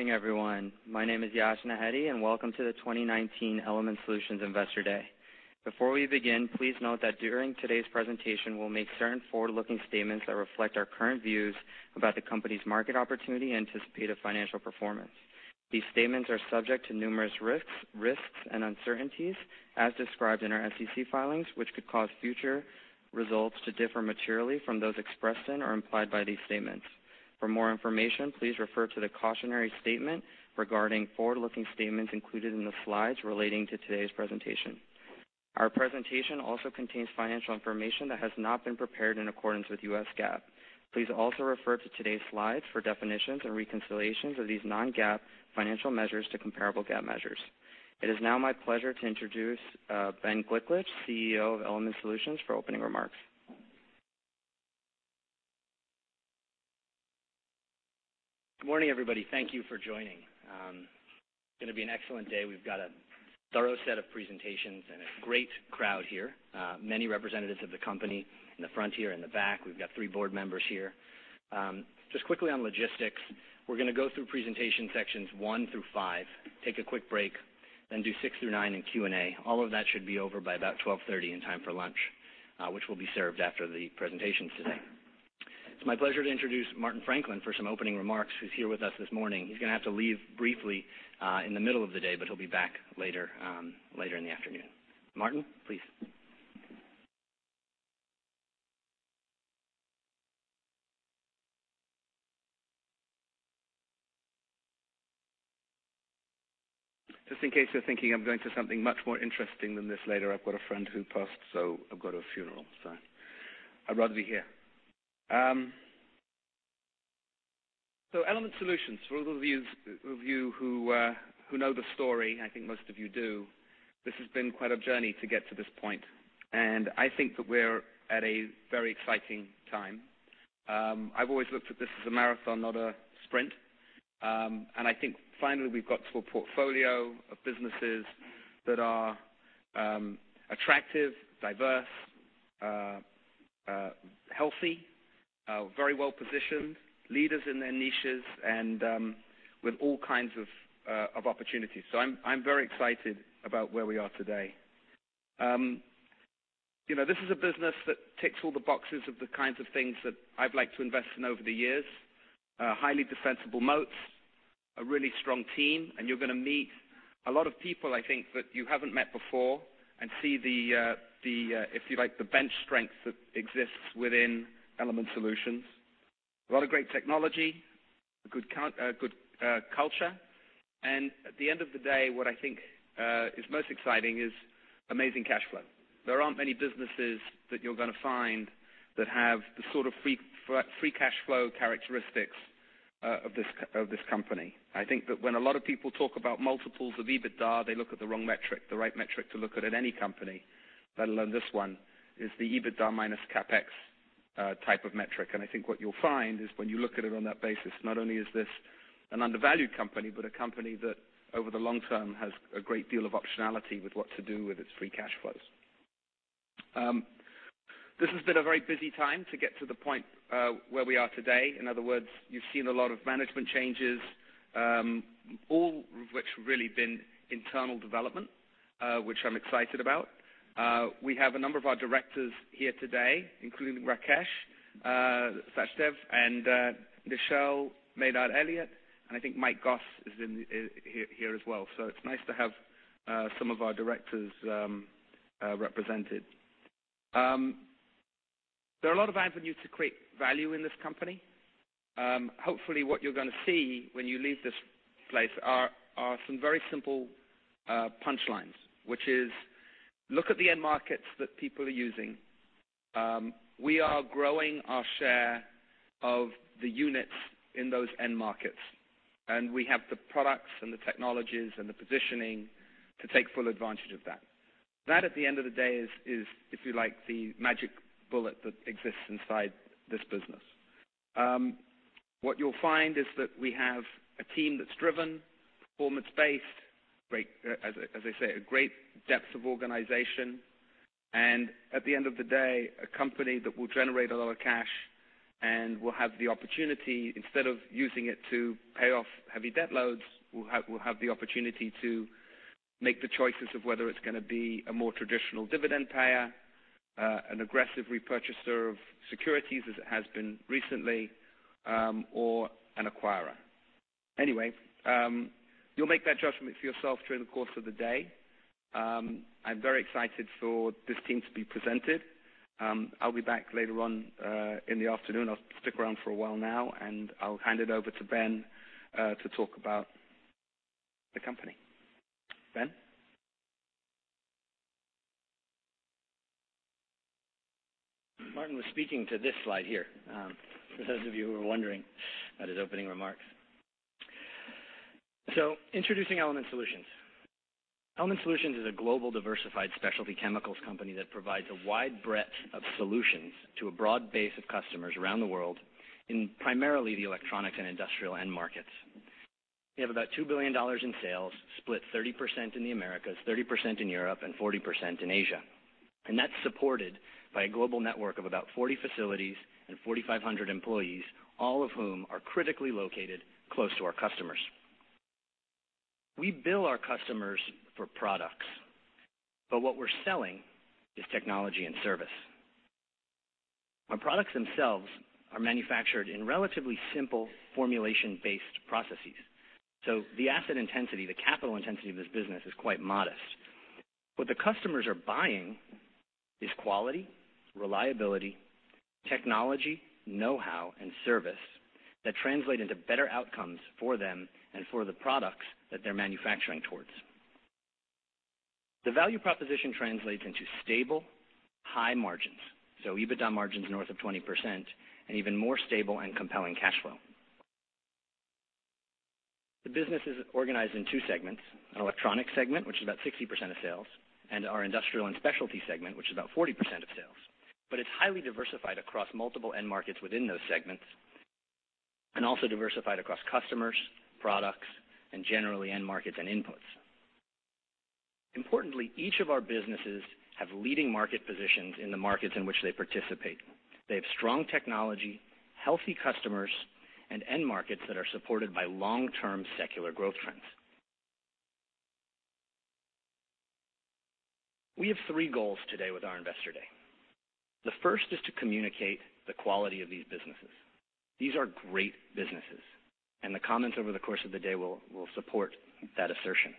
Morning, everyone. My name is Yash Nahidi, and welcome to the 2019 Element Solutions Investor Day. Before we begin, please note that during today's presentation, we will make certain forward-looking statements that reflect our current views about the company's market opportunity and anticipated financial performance. These statements are subject to numerous risks and uncertainties, as described in our SEC filings, which could cause future results to differ materially from those expressed in or implied by these statements. For more information, please refer to the cautionary statement regarding forward-looking statements included in the slides relating to today's presentation. Our presentation also contains financial information that has not been prepared in accordance with U.S. GAAP. Please also refer to today's slides for definitions and reconciliations of these non-GAAP financial measures to comparable GAAP measures. It is now my pleasure to introduce Benjamin Gliklich, CEO of Element Solutions, for opening remarks. Good morning, everybody. Thank you for joining. It's going to be an excellent day. We've got a thorough set of presentations and a great crowd here. Many representatives of the company in the front here, in the back. We've got three board members here. Just quickly on logistics, we are going to go through presentation sections one through five, take a quick break, then do six through nine and Q&A. All of that should be over by about 12:30 P.M. in time for lunch, which will be served after the presentations today. It's my pleasure to introduce Martin Franklin for some opening remarks, who's here with us this morning. He's going to have to leave briefly in the middle of the day, but he will be back later in the afternoon. Martin, please. Just in case you're thinking I'm going to something much more interesting than this later, I've got a friend who passed, so I've got a funeral. I'd rather be here. Element Solutions, for those of you who know the story, I think most of you do, this has been quite a journey to get to this point. I think that we're at a very exciting time. I've always looked at this as a marathon, not a sprint. I think finally we've got to a portfolio of businesses that are attractive, diverse, healthy, very well-positioned, leaders in their niches, and with all kinds of opportunities. I'm very excited about where we are today. This is a business that ticks all the boxes of the kinds of things that I've liked to invest in over the years. Highly defensible moats, a really strong team, you're going to meet a lot of people, I think, that you haven't met before and see the, if you like, the bench strength that exists within Element Solutions. A lot of great technology, a good culture. At the end of the day, what I think is most exciting is amazing cash flow. There aren't many businesses that you're going to find that have the sort of free cash flow characteristics of this company. I think that when a lot of people talk about multiples of EBITDA, they look at the wrong metric. The right metric to look at any company, let alone this one, is the EBITDA minus CapEx type of metric. I think what you'll find is when you look at it on that basis, not only is this an undervalued company, but a company that over the long term has a great deal of optionality with what to do with its free cash flows. This has been a very busy time to get to the point where we are today. In other words, you've seen a lot of management changes, all of which have really been internal development, which I'm excited about. We have a number of our directors here today, including Rakesh Sachdev and Nichelle Maynard-Elliott, and I think Mike Goss is here as well. It's nice to have some of our directors represented. There are a lot of avenues to create value in this company. Hopefully, what you're going to see when you leave this place are some very simple punchlines, which is look at the end markets that people are using. We are growing our share of the units in those end markets, and we have the products and the technologies and the positioning to take full advantage of that. That, at the end of the day, is, if you like, the magic bullet that exists inside this business. What you'll find is that we have a team that's driven, performance-based, as I say, a great depth of organization. At the end of the day, a company that will generate a lot of cash and will have the opportunity, instead of using it to pay off heavy debt loads, will have the opportunity to make the choices of whether it's going to be a more traditional dividend payer, an aggressive repurchaser of securities as it has been recently, or an acquirer. Anyway, you'll make that judgment for yourself during the course of the day. I'm very excited for this team to be presented. I'll be back later on in the afternoon. I'll stick around for a while now, and I'll hand it over to Ben to talk about the company. Ben? Martin was speaking to this slide here, for those of you who were wondering at his opening remarks. Introducing Element Solutions. Element Solutions is a global diversified specialty chemicals company that provides a wide breadth of solutions to a broad base of customers around the world in primarily the electronics and industrial end markets. We have about $2 billion in sales, split 30% in the Americas, 30% in Europe, and 40% in Asia. That's supported by a global network of about 40 facilities and 4,500 employees, all of whom are critically located close to our customers. We bill our customers for products, but what we're selling is technology and service. Our products themselves are manufactured in relatively simple formulation-based processes. The asset intensity, the capital intensity of this business is quite modest. What the customers are buying is quality, reliability, technology, know-how, and service that translate into better outcomes for them and for the products that they're manufacturing towards. The value proposition translates into stable, high margins, so EBITDA margins north of 20% and even more stable and compelling cash flow. The business is organized in two segments, an electronic segment, which is about 60% of sales, and our industrial and specialty segment, which is about 40% of sales. It's highly diversified across multiple end markets within those segments, and also diversified across customers, products, and generally end markets and inputs. Importantly, each of our businesses have leading market positions in the markets in which they participate. They have strong technology, healthy customers, and end markets that are supported by long-term secular growth trends. We have three goals today with our investor day. The first is to communicate the quality of these businesses. These are great businesses, and the comments over the course of the day will support that assertion.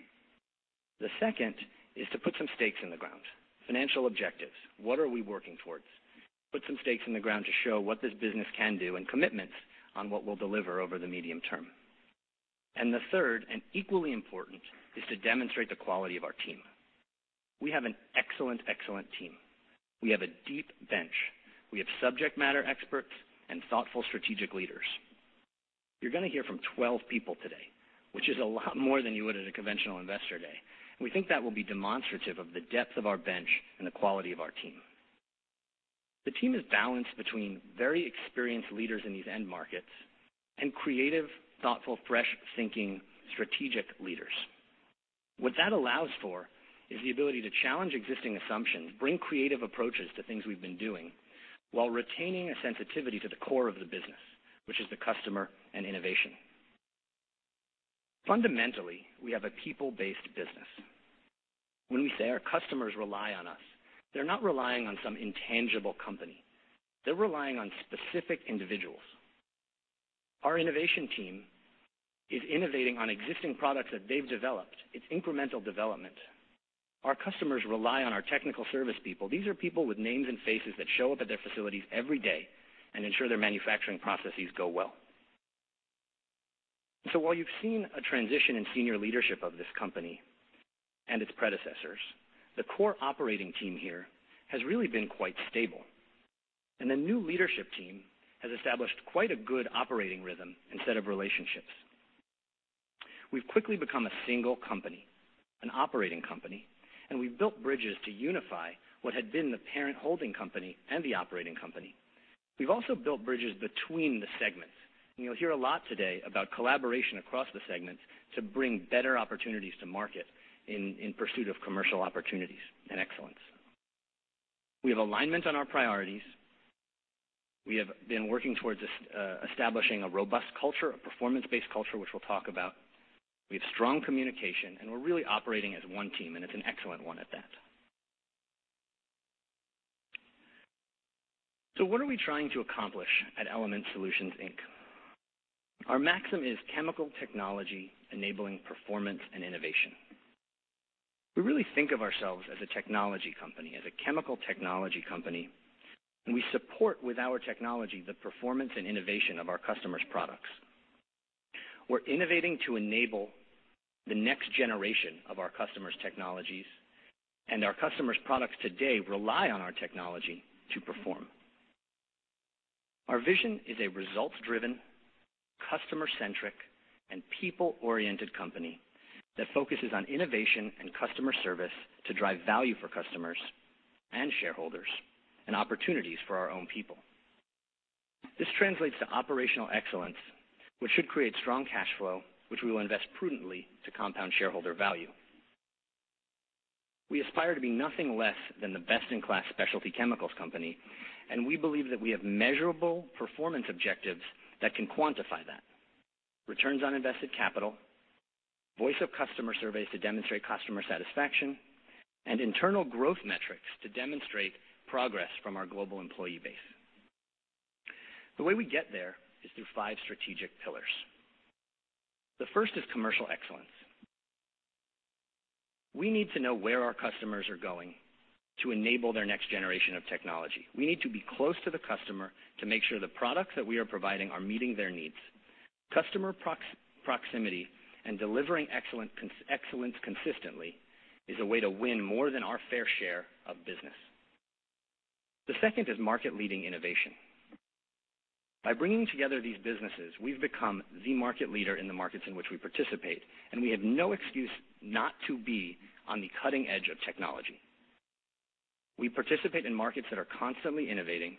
The second is to put some stakes in the ground. Financial objectives. What are we working towards? Put some stakes in the ground to show what this business can do and commitments on what we'll deliver over the medium term. The third, and equally important, is to demonstrate the quality of our team. We have an excellent team. We have a deep bench. We have subject matter experts and thoughtful strategic leaders. You're going to hear from 12 people today, which is a lot more than you would at a conventional investor day, and we think that will be demonstrative of the depth of our bench and the quality of our team. The team is balanced between very experienced leaders in these end markets and creative, thoughtful, fresh-thinking, strategic leaders. What that allows for is the ability to challenge existing assumptions, bring creative approaches to things we've been doing, while retaining a sensitivity to the core of the business, which is the customer and innovation. Fundamentally, we have a people-based business. When we say our customers rely on us, they're not relying on some intangible company. They're relying on specific individuals. Our innovation team is innovating on existing products that they've developed. It's incremental development. Our customers rely on our technical service people. These are people with names and faces that show up at their facilities every day and ensure their manufacturing processes go well. While you've seen a transition in senior leadership of this company and its predecessors, the core operating team here has really been quite stable, and the new leadership team has established quite a good operating rhythm and set of relationships. We've quickly become a single company, an operating company, and we've built bridges to unify what had been the parent holding company and the operating company. We've also built bridges between the segments, and you'll hear a lot today about collaboration across the segments to bring better opportunities to market in pursuit of commercial opportunities and excellence. We have alignment on our priorities. We have been working towards establishing a robust culture, a performance-based culture, which we'll talk about. We have strong communication, and we're really operating as one team, and it's an excellent one at that. What are we trying to accomplish at Element Solutions Inc.? Our maxim is "Chemical technology enabling performance and innovation." We really think of ourselves as a technology company, as a chemical technology company. We support with our technology the performance and innovation of our customers' products. We're innovating to enable the next generation of our customers' technologies. Our customers' products today rely on our technology to perform. Our vision is a results-driven, customer-centric, and people-oriented company that focuses on innovation and customer service to drive value for customers and shareholders and opportunities for our own people. This translates to operational excellence, which should create strong cash flow, which we will invest prudently to compound shareholder value. We aspire to be nothing less than the best-in-class specialty chemicals company. We believe that we have measurable performance objectives that can quantify that. Returns on invested capital, voice-of-customer surveys to demonstrate customer satisfaction, and internal growth metrics to demonstrate progress from our global employee base. The way we get there is through 5 strategic pillars. The first is commercial excellence. We need to know where our customers are going to enable their next generation of technology. We need to be close to the customer to make sure the products that we are providing are meeting their needs. Customer proximity and delivering excellence consistently is a way to win more than our fair share of business. The second is market-leading innovation. By bringing together these businesses, we've become the market leader in the markets in which we participate. We have no excuse not to be on the cutting edge of technology. We participate in markets that are constantly innovating.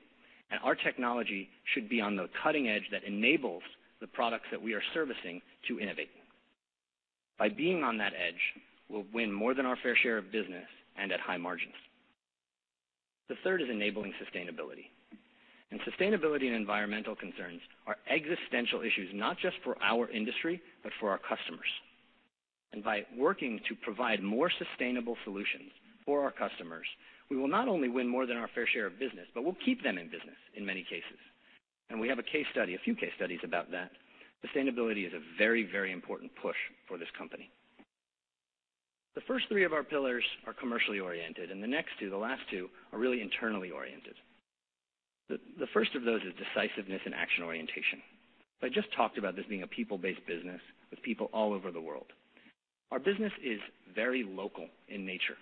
Our technology should be on the cutting edge that enables the products that we are servicing to innovate. By being on that edge, we'll win more than our fair share of business and at high margins. The third is enabling sustainability. Sustainability and environmental concerns are existential issues, not just for our industry, but for our customers. By working to provide more sustainable solutions for our customers, we will not only win more than our fair share of business, but we'll keep them in business in many cases. We have a few case studies about that. Sustainability is a very, very important push for this company. The first three of our pillars are commercially oriented. The next two, the last two, are really internally oriented. The first of those is decisiveness and action orientation. I just talked about this being a people-based business with people all over the world. Our business is very local in nature.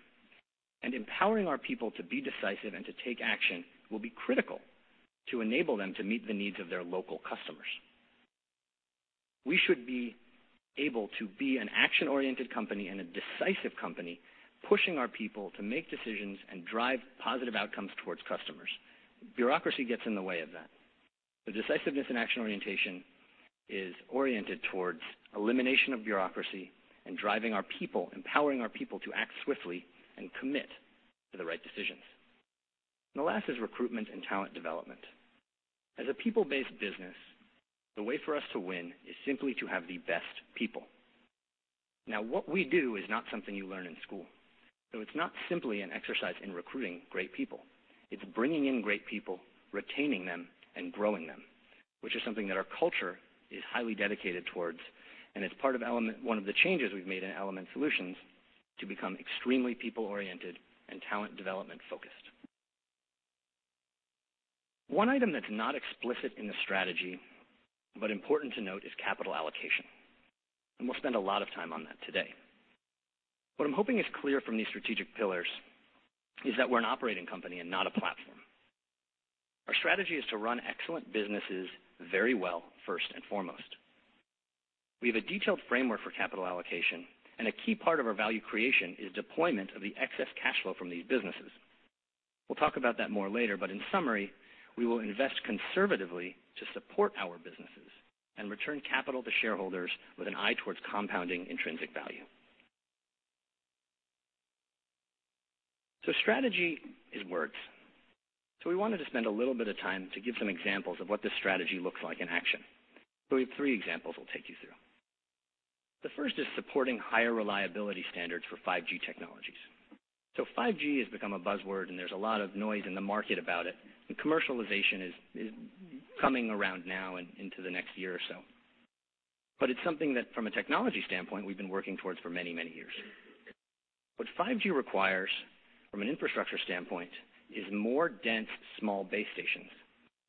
Empowering our people to be decisive and to take action will be critical to enable them to meet the needs of their local customers. We should be able to be an action-oriented company and a decisive company, pushing our people to make decisions and drive positive outcomes towards customers. Bureaucracy gets in the way of that. Decisiveness and action orientation is oriented towards elimination of bureaucracy and driving our people, empowering our people to act swiftly and commit to the right decisions. The last is recruitment and talent development. As a people-based business, the way for us to win is simply to have the best people. What we do is not something you learn in school. It's not simply an exercise in recruiting great people. It's bringing in great people, retaining them, and growing them, which is something that our culture is highly dedicated towards, and it's part of one of the changes we've made in Element Solutions to become extremely people-oriented and talent development focused. One item that's not explicit in the strategy, but important to note, is capital allocation, and we'll spend a lot of time on that today. What I'm hoping is clear from these strategic pillars is that we're an operating company and not a platform. Our strategy is to run excellent businesses very well, first and foremost. We have a detailed framework for capital allocation, and a key part of our value creation is deployment of the excess cash flow from these businesses. We'll talk about that more later, but in summary, we will invest conservatively to support our businesses and return capital to shareholders with an eye towards compounding intrinsic value. Strategy is words. We wanted to spend a little bit of time to give some examples of what this strategy looks like in action. We have three examples we'll take you through. The first is supporting higher reliability standards for 5G technologies. 5G has become a buzzword, and there's a lot of noise in the market about it, and commercialization is coming around now and into the next year or so. But it's something that, from a technology standpoint, we've been working towards for many, many years. What 5G requires from an infrastructure standpoint is more dense, small base stations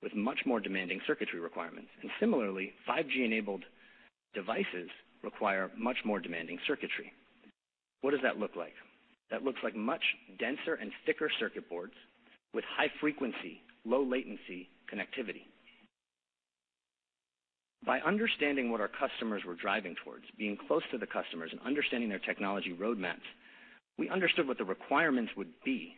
with much more demanding circuitry requirements. Similarly, 5G-enabled devices require much more demanding circuitry. What does that look like? That looks like much denser and thicker circuit boards with high frequency, low latency connectivity. By understanding what our customers were driving towards, being close to the customers, and understanding their technology roadmaps, we understood what the requirements would be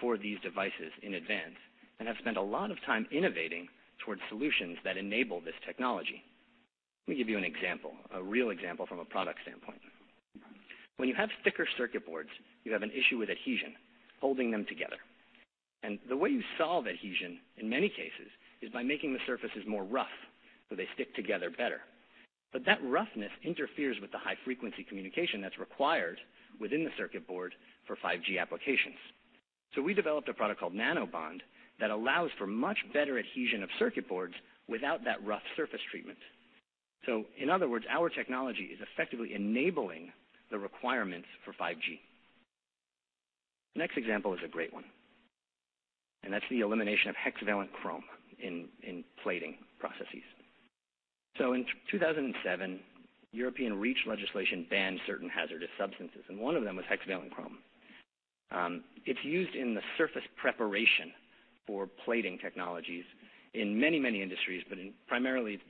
for these devices in advance and have spent a lot of time innovating towards solutions that enable this technology. Let me give you an example, a real example from a product standpoint. When you have thicker circuit boards, you have an issue with adhesion, holding them together. The way you solve adhesion, in many cases, is by making the surfaces more rough so they stick together better. That roughness interferes with the high-frequency communication that's required within the circuit board for 5G applications. We developed a product called NanoBond that allows for much better adhesion of circuit boards without that rough surface treatment. In other words, our technology is effectively enabling the requirements for 5G. The next example is a great one, and that's the elimination of hexavalent chrome in plating processes. In 2007, European REACH legislation banned certain hazardous substances, and one of them was hexavalent chrome. It's used in the surface preparation for plating technologies in many, many industries, but primarily,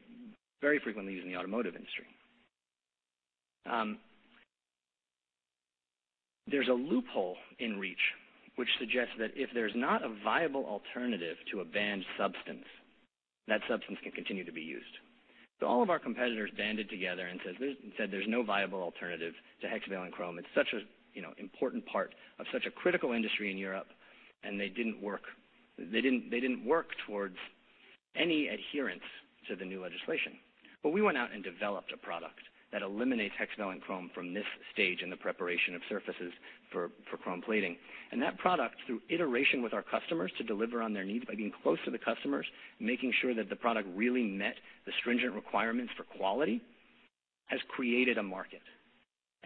very frequently used in the automotive industry. There's a loophole in REACH which suggests that if there's not a viable alternative to a banned substance, that substance can continue to be used. All of our competitors banded together and said, "There's no viable alternative to hexavalent chrome. It's such an important part of such a critical industry in Europe." They didn't work towards any adherence to the new legislation. We went out and developed a product that eliminates hexavalent chrome from this stage in the preparation of surfaces for chrome plating. That product, through iteration with our customers to deliver on their needs by being close to the customers, making sure that the product really met the stringent requirements for quality, has created a market.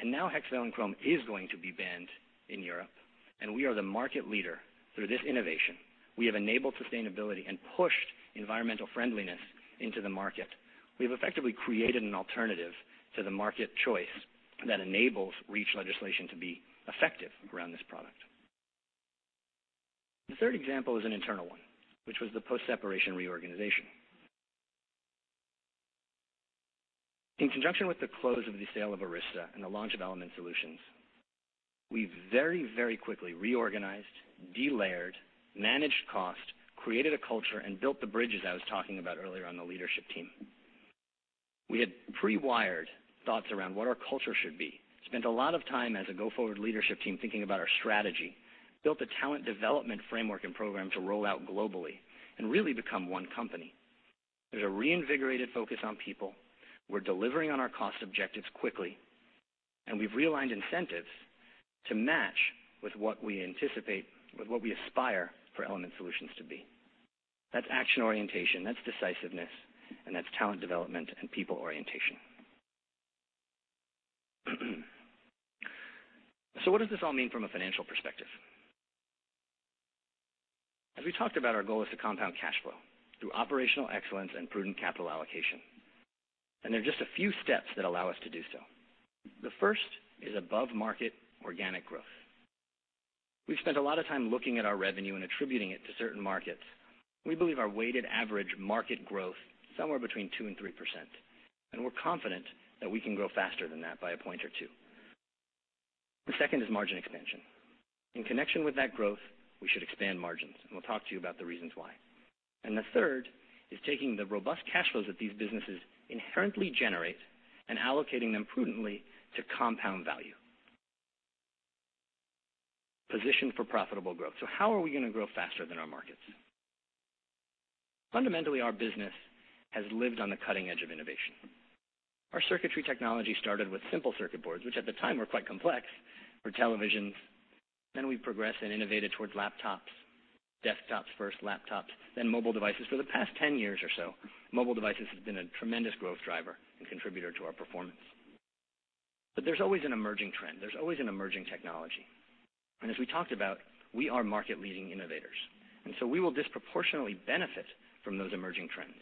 Now hexavalent chrome is going to be banned in Europe, and we are the market leader through this innovation. We have enabled sustainability and pushed environmental friendliness into the market. We've effectively created an alternative to the market choice that enables REACH legislation to be effective around this product. The third example is an internal one, which was the post-separation reorganization. In conjunction with the close of the sale of Arysta and the launch of Element Solutions. We very, very quickly reorganized, de-layered, managed cost, created a culture, and built the bridges I was talking about earlier on the leadership team. We had pre-wired thoughts around what our culture should be, spent a lot of time as a go-forward leadership team thinking about our strategy, built a talent development framework and program to roll out globally and really become one company. There's a reinvigorated focus on people. We're delivering on our cost objectives quickly, and we've realigned incentives to match with what we anticipate, with what we aspire for Element Solutions to be. That's action orientation, that's decisiveness, and that's talent development and people orientation. What does this all mean from a financial perspective? As we talked about, our goal is to compound cash flow through operational excellence and prudent capital allocation. There are just a few steps that allow us to do so. The first is above-market organic growth. We've spent a lot of time looking at our revenue and attributing it to certain markets. We believe our weighted average market growth is somewhere between 2% and 3%, and we're confident that we can grow faster than that by a point or two. The second is margin expansion. In connection with that growth, we should expand margins, and we'll talk to you about the reasons why. The third is taking the robust cash flows that these businesses inherently generate and allocating them prudently to compound value. Positioned for profitable growth. How are we going to grow faster than our markets? Fundamentally, our business has lived on the cutting edge of innovation. Our circuitry technology started with simple circuit boards, which at the time were quite complex, for televisions. We progressed and innovated towards laptops, desktops first, laptops, then mobile devices. For the past 10 years or so, mobile devices have been a tremendous growth driver and contributor to our performance. There's always an emerging trend. There's always an emerging technology. As we talked about, we are market-leading innovators, so we will disproportionately benefit from those emerging trends.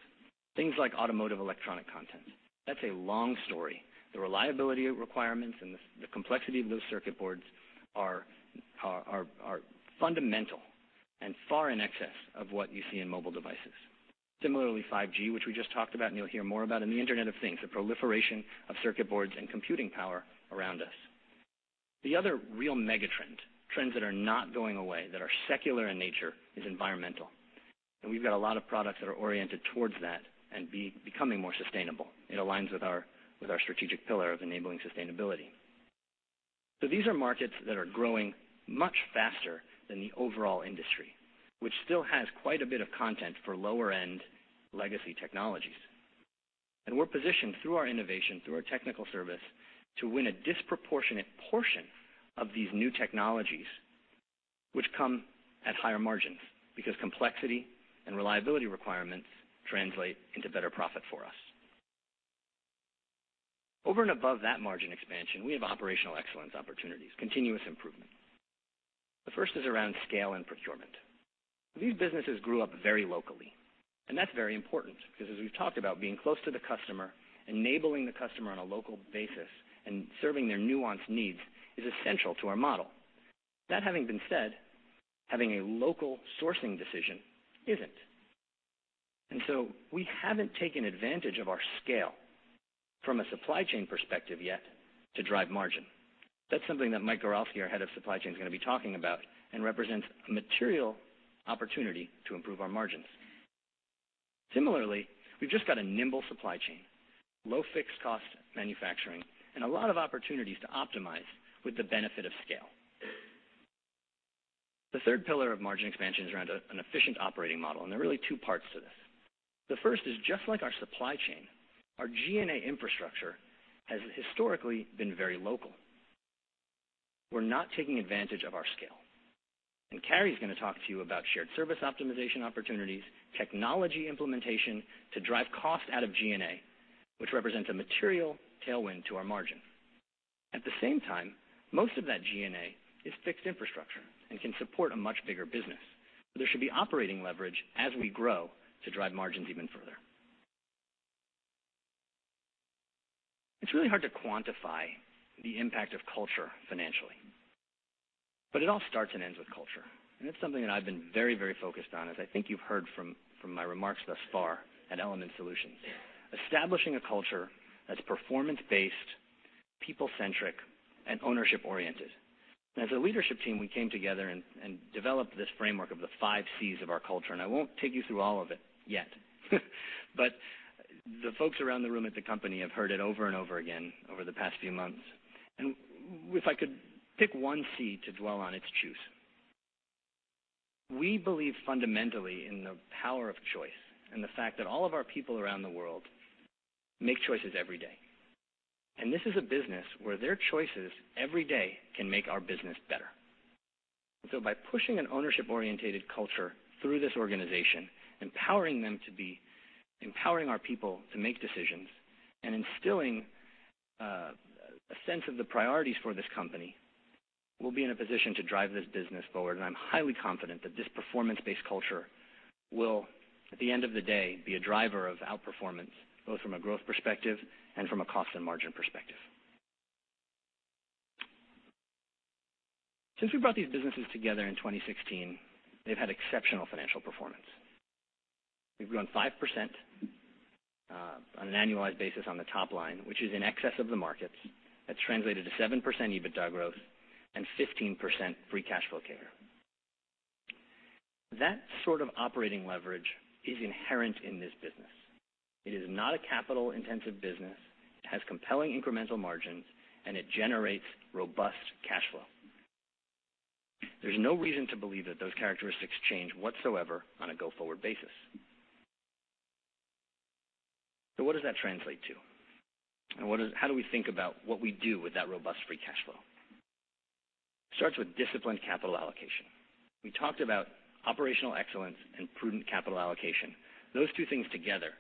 Things like automotive electronic content. That's a long story. The reliability requirements and the complexity of those circuit boards are fundamental and far in excess of what you see in mobile devices. Similarly, 5G, which we just talked about and you'll hear more about, and the Internet of Things, the proliferation of circuit boards and computing power around us. The other real megatrend, trends that are not going away, that are secular in nature, is environmental, and we've got a lot of products that are oriented towards that and becoming more sustainable. It aligns with our strategic pillar of enabling sustainability. These are markets that are growing much faster than the overall industry, which still has quite a bit of content for lower-end legacy technologies. We're positioned through our innovation, through our technical service, to win a disproportionate portion of these new technologies, which come at higher margins because complexity and reliability requirements translate into better profit for us. Over and above that margin expansion, we have operational excellence opportunities, continuous improvement. The first is around scale and procurement. These businesses grew up very locally, and that's very important because as we've talked about, being close to the customer, enabling the customer on a local basis and serving their nuanced needs is essential to our model. That having been said, having a local sourcing decision isn't. We haven't taken advantage of our scale from a supply chain perspective yet to drive margin. That's something that Mike Goralski, our head of supply chain, is going to be talking about and represents a material opportunity to improve our margins. Similarly, we've just got a nimble supply chain, low fixed cost manufacturing, and a lot of opportunities to optimize with the benefit of scale. The third pillar of margin expansion is around an efficient operating model, and there are really two parts to this. The first is just like our supply chain, our G&A infrastructure has historically been very local. We're not taking advantage of our scale, and Carey is going to talk to you about shared service optimization opportunities, technology implementation to drive cost out of G&A, which represents a material tailwind to our margin. At the same time, most of that G&A is fixed infrastructure and can support a much bigger business. There should be operating leverage as we grow to drive margins even further. It's really hard to quantify the impact of culture financially, but it all starts and ends with culture. It's something that I've been very, very focused on, as I think you've heard from my remarks thus far at Element Solutions. Establishing a culture that's performance-based, people-centric, and ownership-oriented. As a leadership team, we came together and developed this framework of the five C's of our culture, and I won't take you through all of it yet. The folks around the room at the company have heard it over and over again over the past few months. If I could pick one C to dwell on, it's choose. We believe fundamentally in the power of choice and the fact that all of our people around the world make choices every day. This is a business where their choices every day can make our business better. By pushing an ownership-orientated culture through this organization, empowering our people to make decisions and instilling a sense of the priorities for this company, we'll be in a position to drive this business forward, and I'm highly confident that this performance-based culture will, at the end of the day, be a driver of outperformance, both from a growth perspective and from a cost and margin perspective. Since we brought these businesses together in 2016, they've had exceptional financial performance. We've grown 5% on an annualized basis on the top line, which is in excess of the markets. That's translated to 7% EBITDA growth and 15% free cash flow carryover. That sort of operating leverage is inherent in this business. It is not a capital-intensive business. It has compelling incremental margins, and it generates robust cash flow. There's no reason to believe that those characteristics change whatsoever on a go-forward basis. What does that translate to? How do we think about what we do with that robust free cash flow? It starts with disciplined capital allocation. We talked about operational excellence and prudent capital allocation. Those two things together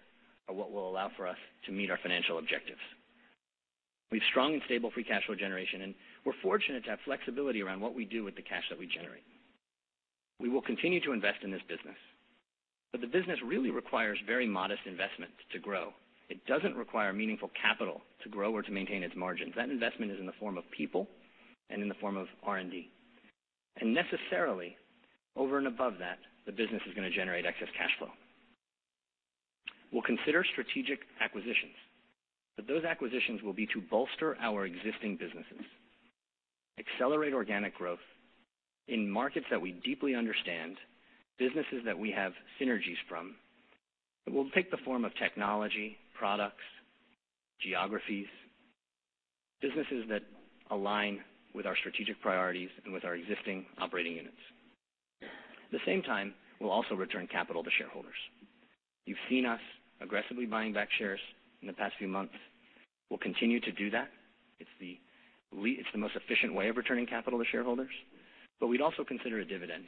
are what will allow for us to meet our financial objectives. We have strong and stable free cash flow generation, and we're fortunate to have flexibility around what we do with the cash that we generate. We will continue to invest in this business, but the business really requires very modest investment to grow. It doesn't require meaningful capital to grow or to maintain its margins. That investment is in the form of people and in the form of R&D. Necessarily, over and above that, the business is going to generate excess cash flow. We'll consider strategic acquisitions, but those acquisitions will be to bolster our existing businesses, accelerate organic growth in markets that we deeply understand, businesses that we have synergies from. It will take the form of technology, products, geographies, businesses that align with our strategic priorities and with our existing operating units. At the same time, we'll also return capital to shareholders. You've seen us aggressively buying back shares in the past few months. We'll continue to do that. It's the most efficient way of returning capital to shareholders, but we'd also consider a dividend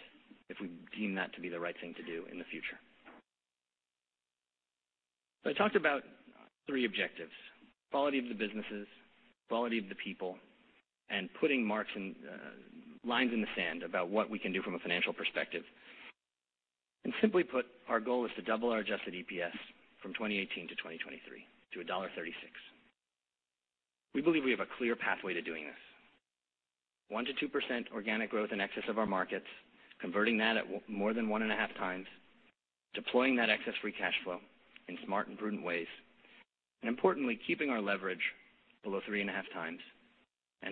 if we deem that to be the right thing to do in the future. I talked about three objectives, quality of the businesses, quality of the people, and putting lines in the sand about what we can do from a financial perspective. Simply put, our goal is to double our adjusted EPS from 2018 to 2023 to $1.36. We believe we have a clear pathway to doing this. 1%-2% organic growth in excess of our markets, converting that at more than one and a half times, deploying that excess free cash flow in smart and prudent ways, and importantly, keeping our leverage below three and a half times.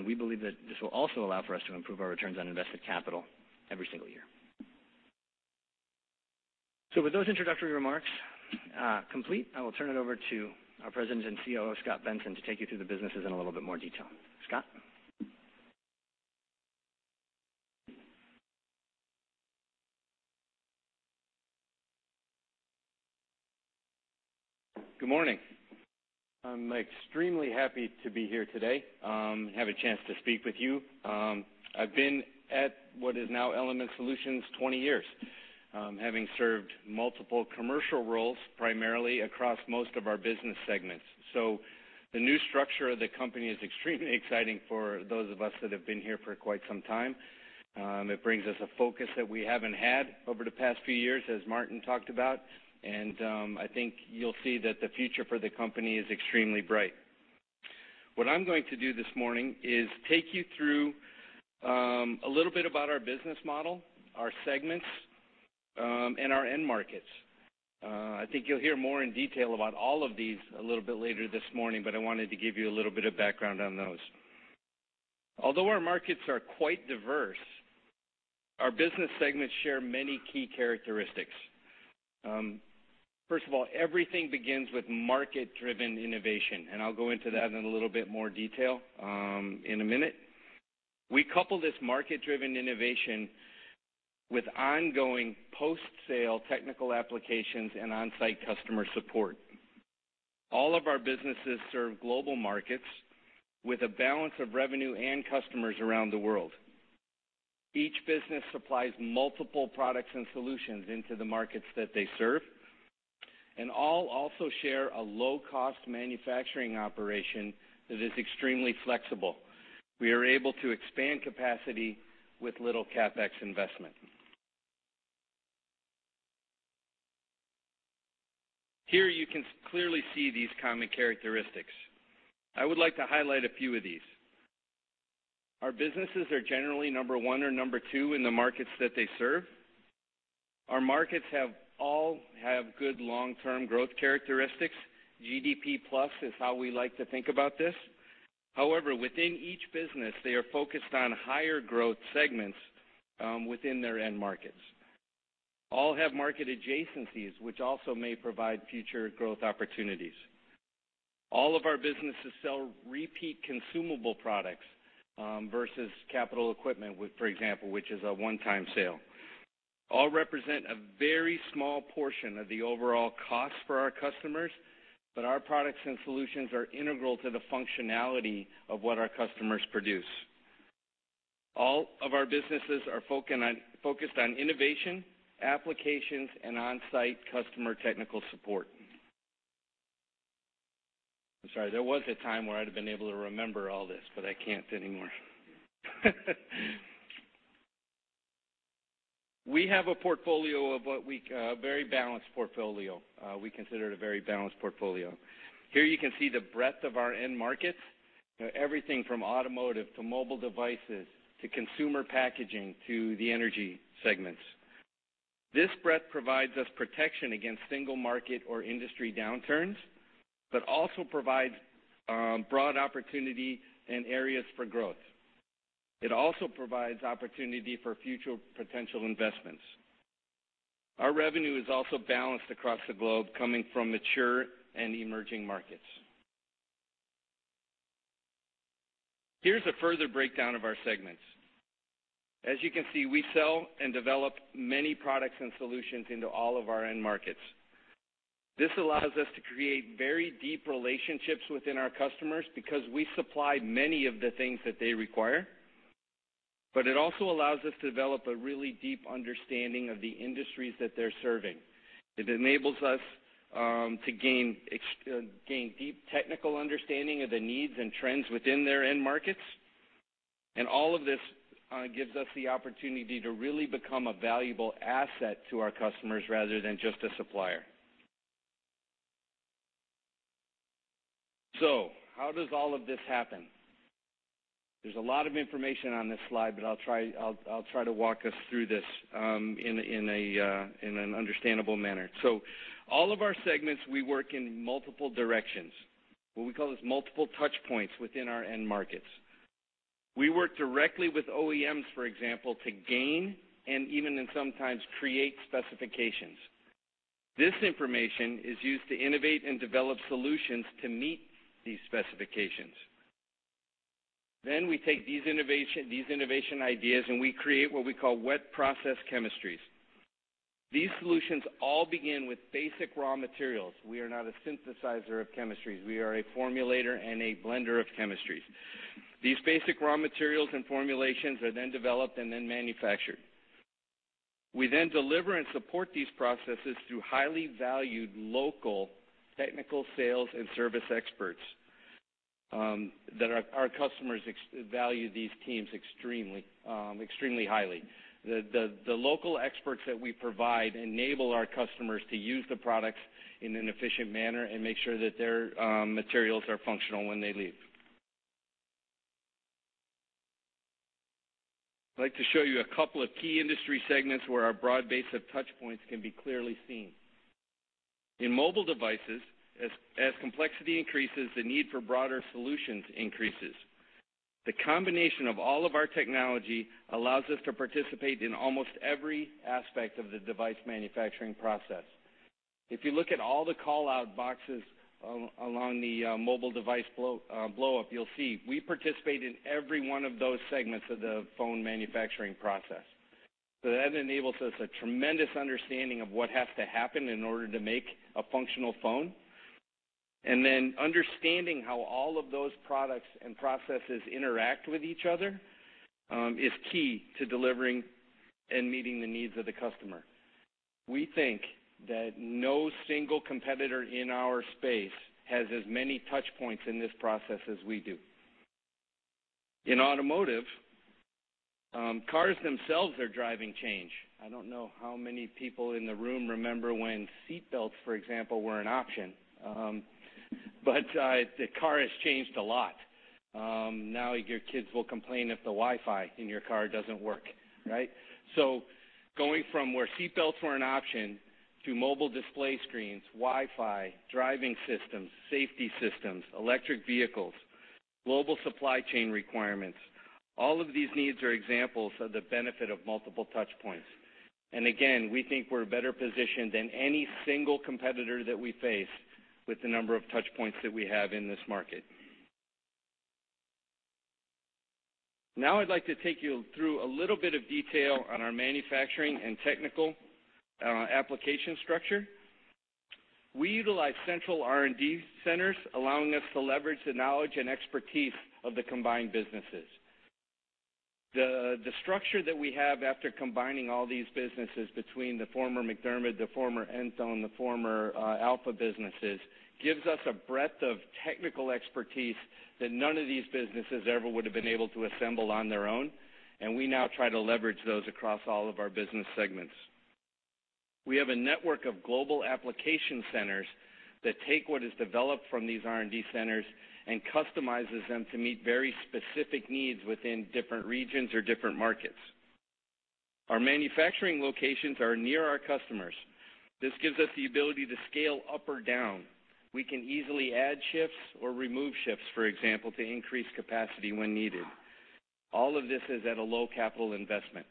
We believe that this will also allow for us to improve our returns on invested capital every single year. With those introductory remarks complete, I will turn it over to our President and COO, Scot Benson, to take you through the businesses in a little bit more detail. Scot? Good morning. I'm extremely happy to be here today, have a chance to speak with you. I've been at what is now Element Solutions 20 years, having served multiple commercial roles, primarily across most of our business segments. The new structure of the company is extremely exciting for those of us that have been here for quite some time. It brings us a focus that we haven't had over the past few years, as Martin talked about, and I think you'll see that the future for the company is extremely bright. What I'm going to do this morning is take you through a little bit about our business model, our segments, and our end markets. I think you'll hear more in detail about all of these a little bit later this morning, I wanted to give you a little bit of background on those. Although our markets are quite diverse, our business segments share many key characteristics. First of all, everything begins with market-driven innovation. I'll go into that in a little bit more detail in a minute. We couple this market-driven innovation with ongoing post-sale technical applications and on-site customer support. All of our businesses serve global markets with a balance of revenue and customers around the world. Each business supplies multiple products and solutions into the markets that they serve. All also share a low-cost manufacturing operation that is extremely flexible. We are able to expand capacity with little CapEx investment. Here you can clearly see these common characteristics. I would like to highlight a few of these. Our businesses are generally number 1 or number 2 in the markets that they serve. Our markets all have good long-term growth characteristics. GDP+ is how we like to think about this. However, within each business, they are focused on higher growth segments within their end markets. All have market adjacencies, which also may provide future growth opportunities. All of our businesses sell repeat consumable products versus capital equipment, for example, which is a one-time sale. All represent a very small portion of the overall cost for our customers, Our products and solutions are integral to the functionality of what our customers produce. All of our businesses are focused on innovation, applications, and on-site customer technical support. I'm sorry. There was a time where I'd have been able to remember all this, I can't anymore. We have a very balanced portfolio. We consider it a very balanced portfolio. Here you can see the breadth of our end markets, everything from automotive to mobile devices, to consumer packaging, to the energy segments. This breadth provides us protection against single market or industry downturns, but also provides broad opportunity and areas for growth. It also provides opportunity for future potential investments. Our revenue is also balanced across the globe, coming from mature and emerging markets. Here's a further breakdown of our segments. As you can see, we sell and develop many products and solutions into all of our end markets. This allows us to create very deep relationships within our customers because we supply many of the things that they require. It also allows us to develop a really deep understanding of the industries that they're serving. It enables us to gain deep technical understanding of the needs and trends within their end markets. All of this gives us the opportunity to really become a valuable asset to our customers rather than just a supplier. How does all of this happen? There's a lot of information on this slide, I'll try to walk us through this in an understandable manner. All of our segments, we work in multiple directions. What we call is multiple touch points within our end markets. We work directly with OEMs, for example, to gain and even sometimes create specifications. This information is used to innovate and develop solutions to meet these specifications. We take these innovation ideas, and we create what we call wet process chemistries. These solutions all begin with basic raw materials. We are not a synthesizer of chemistries. We are a formulator and a blender of chemistries. These basic raw materials and formulations are then developed and then manufactured. We then deliver and support these processes through highly valued local technical sales and service experts. Our customers value these teams extremely highly. The local experts that we provide enable our customers to use the products in an efficient manner and make sure that their materials are functional when they leave. I'd like to show you a couple of key industry segments where our broad base of touch points can be clearly seen. In mobile devices, as complexity increases, the need for broader solutions increases. The combination of all of our technology allows us to participate in almost every aspect of the device manufacturing process. If you look at all the call-out boxes along the mobile device blow-up, you'll see we participate in every one of those segments of the phone manufacturing process. That enables us a tremendous understanding of what has to happen in order to make a functional phone. Understanding how all of those products and processes interact with each other is key to delivering and meeting the needs of the customer. We think that no single competitor in our space has as many touch points in this process as we do. In automotive, cars themselves are driving change. I don't know how many people in the room remember when seat belts, for example, were an option. The car has changed a lot. Now your kids will complain if the Wi-Fi in your car doesn't work, right? Going from where seat belts were an option to mobile display screens, Wi-Fi, driving systems, safety systems, electric vehicles, global supply chain requirements, all of these needs are examples of the benefit of multiple touch points. Again, we think we're better positioned than any single competitor that we face with the number of touch points that we have in this market. Now I'd like to take you through a little bit of detail on our manufacturing and technical application structure. We utilize central R&D centers, allowing us to leverage the knowledge and expertise of the combined businesses. The structure that we have after combining all these businesses between the former MacDermid, the former Enthone, the former Alpha businesses, gives us a breadth of technical expertise that none of these businesses ever would have been able to assemble on their own, and we now try to leverage those across all of our business segments. We have a network of global application centers that take what is developed from these R&D centers and customizes them to meet very specific needs within different regions or different markets. Our manufacturing locations are near our customers. This gives us the ability to scale up or down. We can easily add shifts or remove shifts, for example, to increase capacity when needed. All of this is at a low capital investment.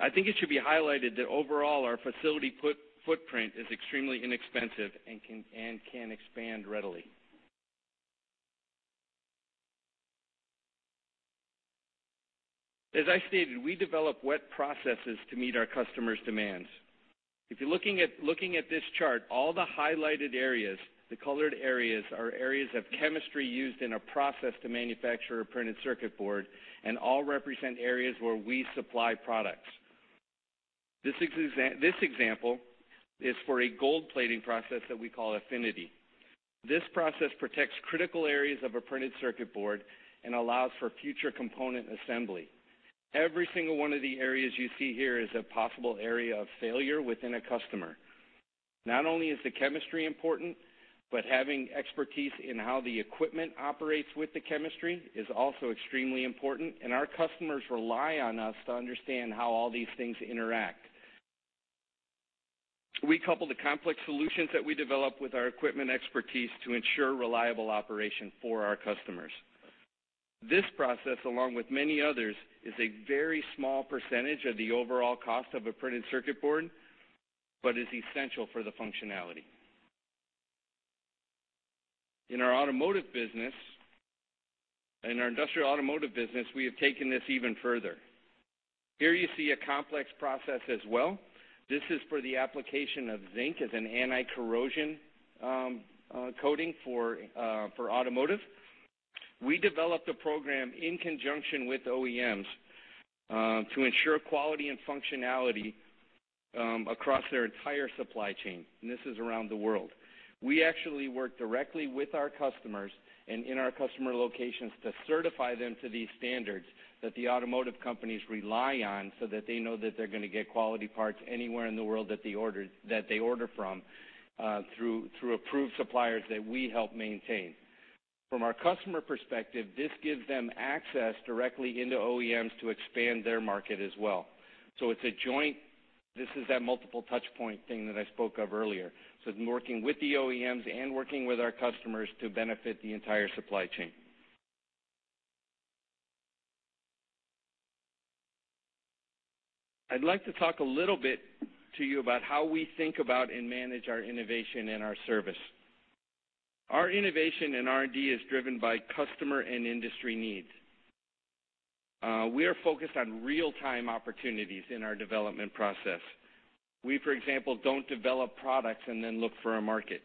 I think it should be highlighted that overall, our facility footprint is extremely inexpensive and can expand readily. As I stated, we develop wet processes to meet our customers' demands. If you're looking at this chart, all the highlighted areas, the colored areas, are areas of chemistry used in a process to manufacture a printed circuit board and all represent areas where we supply products. This example is for a gold plating process that we call Affinity. This process protects critical areas of a printed circuit board and allows for future component assembly. Every single one of the areas you see here is a possible area of failure within a customer. Not only is the chemistry important, but having expertise in how the equipment operates with the chemistry is also extremely important, and our customers rely on us to understand how all these things interact. We couple the complex solutions that we develop with our equipment expertise to ensure reliable operation for our customers. This process, along with many others, is a very small percentage of the overall cost of a printed circuit board, but is essential for the functionality. In our industrial automotive business, we have taken this even further. Here you see a complex process as well. This is for the application of zinc as an anti-corrosion coating for automotive. We developed a program in conjunction with OEMs to ensure quality and functionality across their entire supply chain, and this is around the world. We actually work directly with our customers and in our customer locations to certify them to these standards that the automotive companies rely on, so that they know that they're going to get quality parts anywhere in the world that they order from, through approved suppliers that we help maintain. From our customer perspective, this gives them access directly into OEMs to expand their market as well. It's a joint. This is that multiple touch point thing that I spoke of earlier. Working with the OEMs and working with our customers to benefit the entire supply chain. I'd like to talk a little bit to you about how we think about and manage our innovation and our service. Our innovation and R&D is driven by customer and industry needs. We are focused on real-time opportunities in our development process. We, for example, don't develop products and then look for a market.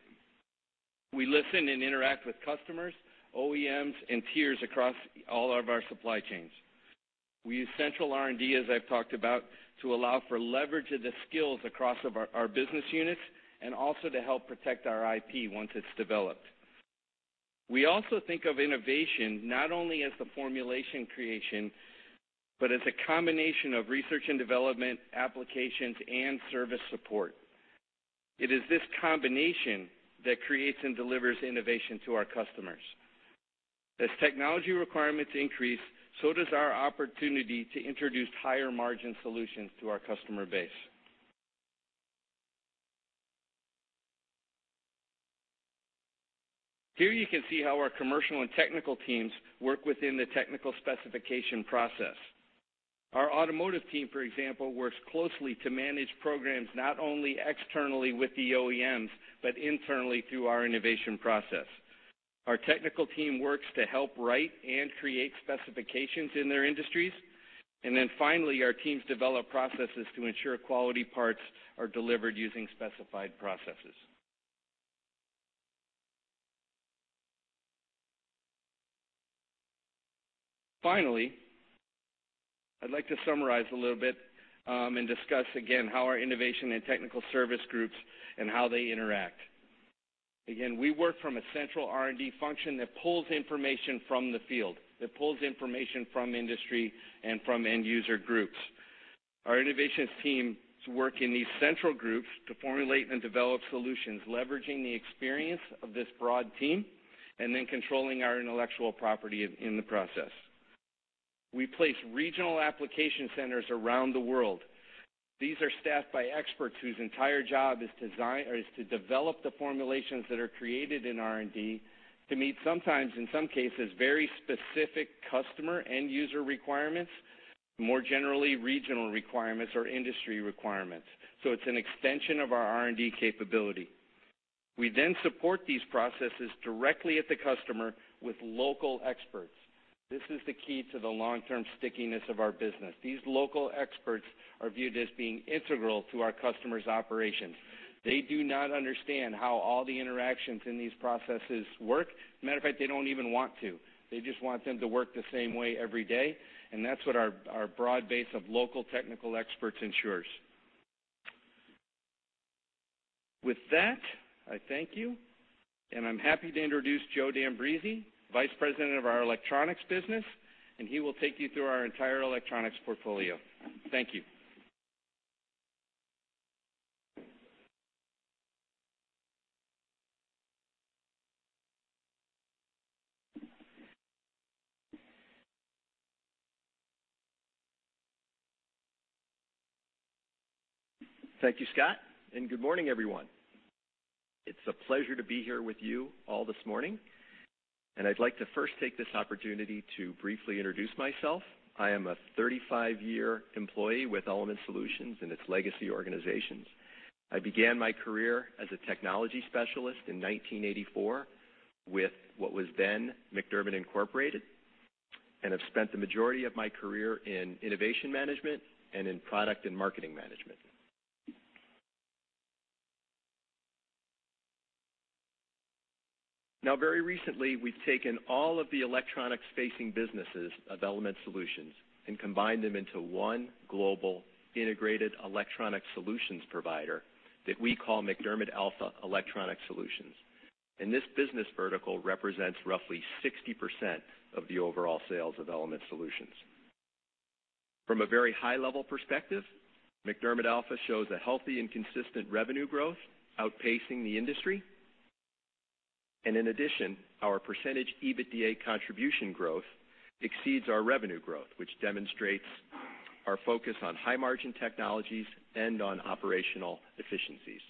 We listen and interact with customers, OEMs, and tiers across all of our supply chains. We use central R&D, as I've talked about, to allow for leverage of the skills across our business units and also to help protect our IP once it's developed. We also think of innovation not only as the formulation creation, but as a combination of research and development, applications, and service support. It is this combination that creates and delivers innovation to our customers. As technology requirements increase, so does our opportunity to introduce higher-margin solutions to our customer base. Here you can see how our commercial and technical teams work within the technical specification process. Our automotive team, for example, works closely to manage programs, not only externally with the OEMs, but internally through our innovation process. Our technical team works to help write and create specifications in their industries. Finally, our teams develop processes to ensure quality parts are delivered using specified processes. Finally, I'd like to summarize a little bit and discuss again how our innovation and technical service groups interact. We work from a central R&D function that pulls information from the field, from industry, and from end user groups. Our innovations teams work in these central groups to formulate and develop solutions, leveraging the experience of this broad team and then controlling our intellectual property in the process. We place regional application centers around the world. These are staffed by experts whose entire job is to develop the formulations that are created in R&D to meet sometimes, in some cases, very specific customer end user requirements, more generally regional requirements or industry requirements. It's an extension of our R&D capability. We then support these processes directly at the customer with local experts. This is the key to the long-term stickiness of our business. These local experts are viewed as being integral to our customers' operations. They do not understand how all the interactions in these processes work. As a matter of fact, they don't even want to. They just want them to work the same way every day, and that's what our broad base of local technical experts ensures. With that, I thank you, and I'm happy to introduce Joe D'Ambrisi, Vice President of our electronics business, and he will take you through our entire electronics portfolio. Thank you. Thank you, Scot, and good morning, everyone. It's a pleasure to be here with you all this morning, and I'd like to first take this opportunity to briefly introduce myself. I am a 35-year employee with Element Solutions and its legacy organizations. I began my career as a technology specialist in 1984 with what was then MacDermid, Incorporated, and have spent the majority of my career in innovation management and in product and marketing management. Very recently, we've taken all of the electronics-facing businesses of Element Solutions and combined them into one global integrated electronic solutions provider that we call MacDermid Alpha Electronics Solutions. This business vertical represents roughly 60% of the overall sales of Element Solutions. From a very high-level perspective, MacDermid Alpha shows a healthy and consistent revenue growth outpacing the industry. In addition, our percentage EBITDA contribution growth exceeds our revenue growth, which demonstrates our focus on high-margin technologies and on operational efficiencies.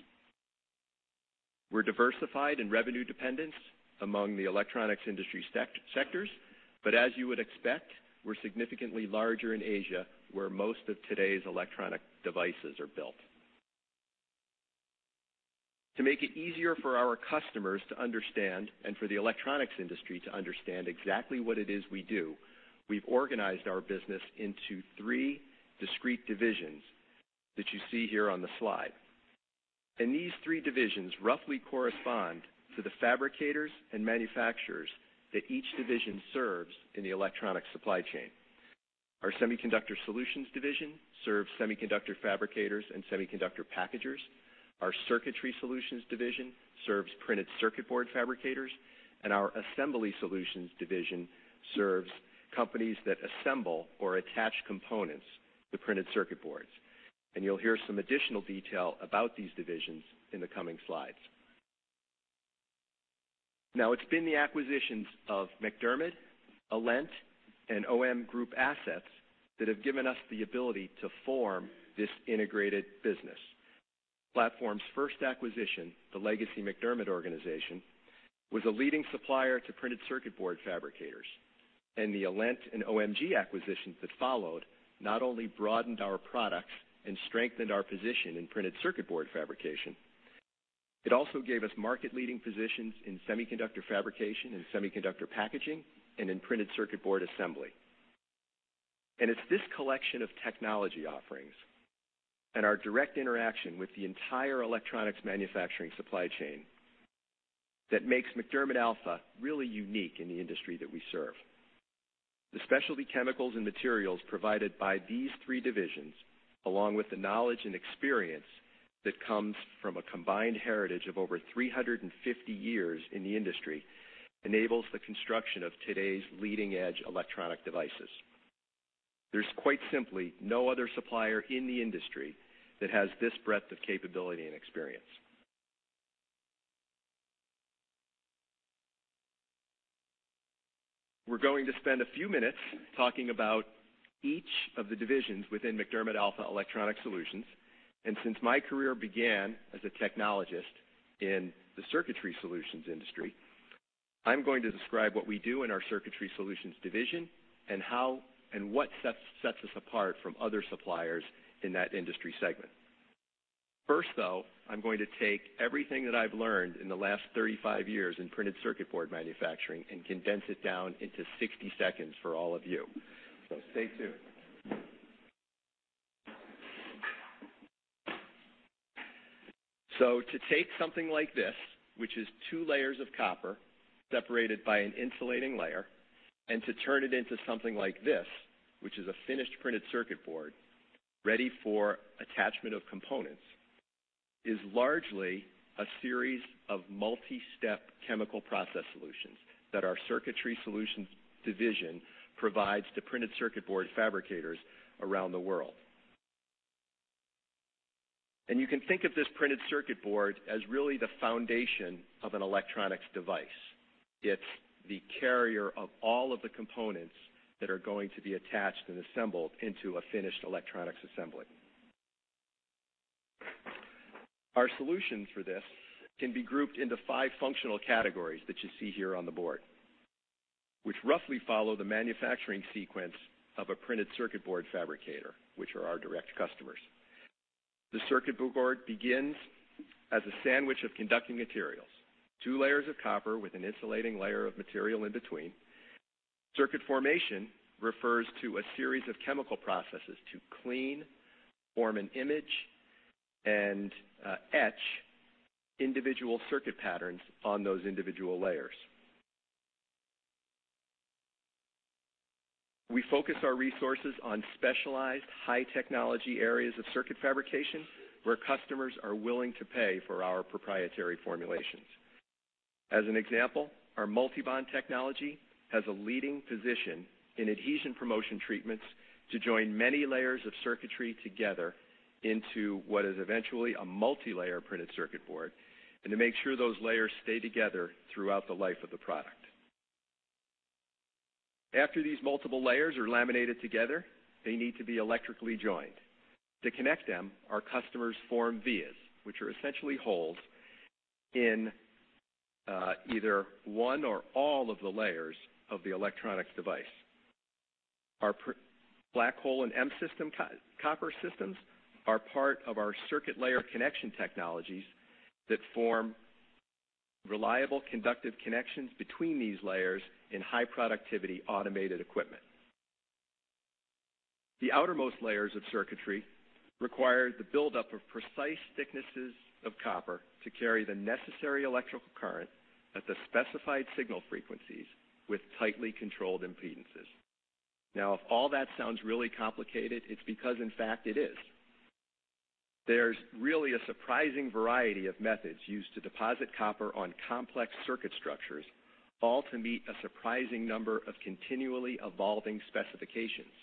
We're diversified in revenue dependence among the electronics industry sectors, but as you would expect, we're significantly larger in Asia, where most of today's electronic devices are built. To make it easier for our customers to understand, and for the electronics industry to understand exactly what it is we do, we've organized our business into three discrete divisions that you see here on the slide. These three divisions roughly correspond to the fabricators and manufacturers that each division serves in the electronic supply chain. Our Semiconductor Solutions division serves semiconductor fabricators and semiconductor packagers. Our Circuitry Solutions division serves printed circuit board fabricators, and our Assembly Solutions division serves companies that assemble or attach components to printed circuit boards. You'll hear some additional detail about these divisions in the coming slides. Now, it's been the acquisitions of MacDermid, Alent, and OM Group assets that have given us the ability to form this integrated business. Platform's first acquisition, the legacy MacDermid organization, was a leading supplier to printed circuit board fabricators, and the Alent and OMG acquisitions that followed not only broadened our products and strengthened our position in printed circuit board fabrication, it also gave us market-leading positions in semiconductor fabrication and semiconductor packaging, and in printed circuit board assembly. It's this collection of technology offerings and our direct interaction with the entire electronics manufacturing supply chain that makes MacDermid Alpha really unique in the industry that we serve. The specialty chemicals and materials provided by these three divisions, along with the knowledge and experience that comes from a combined heritage of over 350 years in the industry, enables the construction of today's leading-edge electronic devices. There's quite simply no other supplier in the industry that has this breadth of capability and experience. We're going to spend a few minutes talking about each of the divisions within MacDermid Alpha Electronics Solutions. Since my career began as a technologist in the Circuitry Solutions industry, I'm going to describe what we do in our Circuitry Solutions division and what sets us apart from other suppliers in that industry segment. First, though, I'm going to take everything that I've learned in the last 35 years in printed circuit board manufacturing and condense it down into 60 seconds for all of you. Stay tuned. To take something like this, which is two layers of copper separated by an insulating layer, and to turn it into something like this, which is a finished printed circuit board ready for attachment of components, is largely a series of multi-step chemical process solutions that our Circuitry Solutions division provides to printed circuit board fabricators around the world. You can think of this printed circuit board as really the foundation of an electronics device. It's the carrier of all of the components that are going to be attached and assembled into a finished electronics assembly. Our solutions for this can be grouped into five functional categories that you see here on the board, which roughly follow the manufacturing sequence of a printed circuit board fabricator, which are our direct customers. The circuit board begins as a sandwich of conducting materials, two layers of copper with an insulating layer of material in between. Circuit formation refers to a series of chemical processes to clean, form an image, and etch individual circuit patterns on those individual layers. We focus our resources on specialized high-technology areas of circuit fabrication where customers are willing to pay for our proprietary formulations. As an example, our MultiBond technology has a leading position in adhesion promotion treatments to join many layers of circuitry together into what is eventually a multi-layer printed circuit board, and to make sure those layers stay together throughout the life of the product. After these multiple layers are laminated together, they need to be electrically joined. To connect them, our customers form vias, which are essentially holes in either one or all of the layers of the electronics device. Our Blackhole and M-System copper systems are part of our circuit layer connection technologies that form reliable conductive connections between these layers in high-productivity automated equipment. The outermost layers of circuitry require the buildup of precise thicknesses of copper to carry the necessary electrical current at the specified signal frequencies with tightly controlled impedances. Now, if all that sounds really complicated, it's because in fact it is. There's really a surprising variety of methods used to deposit copper on complex circuit structures, all to meet a surprising number of continually evolving specifications.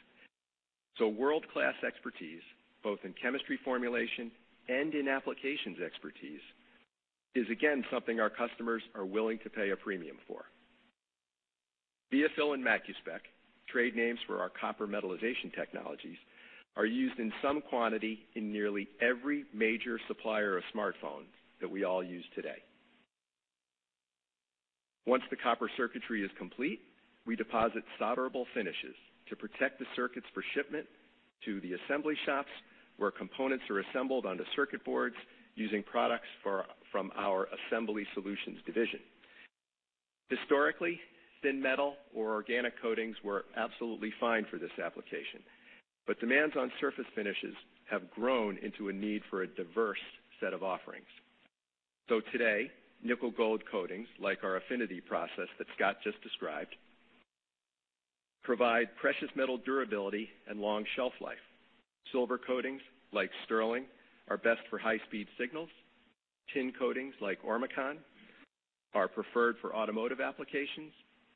World-class expertise, both in chemistry formulation and in applications expertise, is again something our customers are willing to pay a premium for. ViaFill and MacuSpec, trade names for our copper metallization technologies, are used in some quantity in nearly every major supplier of smartphone that we all use today. Once the copper circuitry is complete, we deposit solderable finishes to protect the circuits for shipment to the assembly shops, where components are assembled onto circuit boards using products from our Assembly Solutions division. Historically, thin metal or organic coatings were absolutely fine for this application, but demands on surface finishes have grown into a need for a diverse set of offerings. Today, nickel gold coatings, like our Affinity process that Scot just described, provide precious metal durability and long shelf life. Silver coatings, like Sterling, are best for high-speed signals. Tin coatings, like ORMECON, are preferred for automotive applications,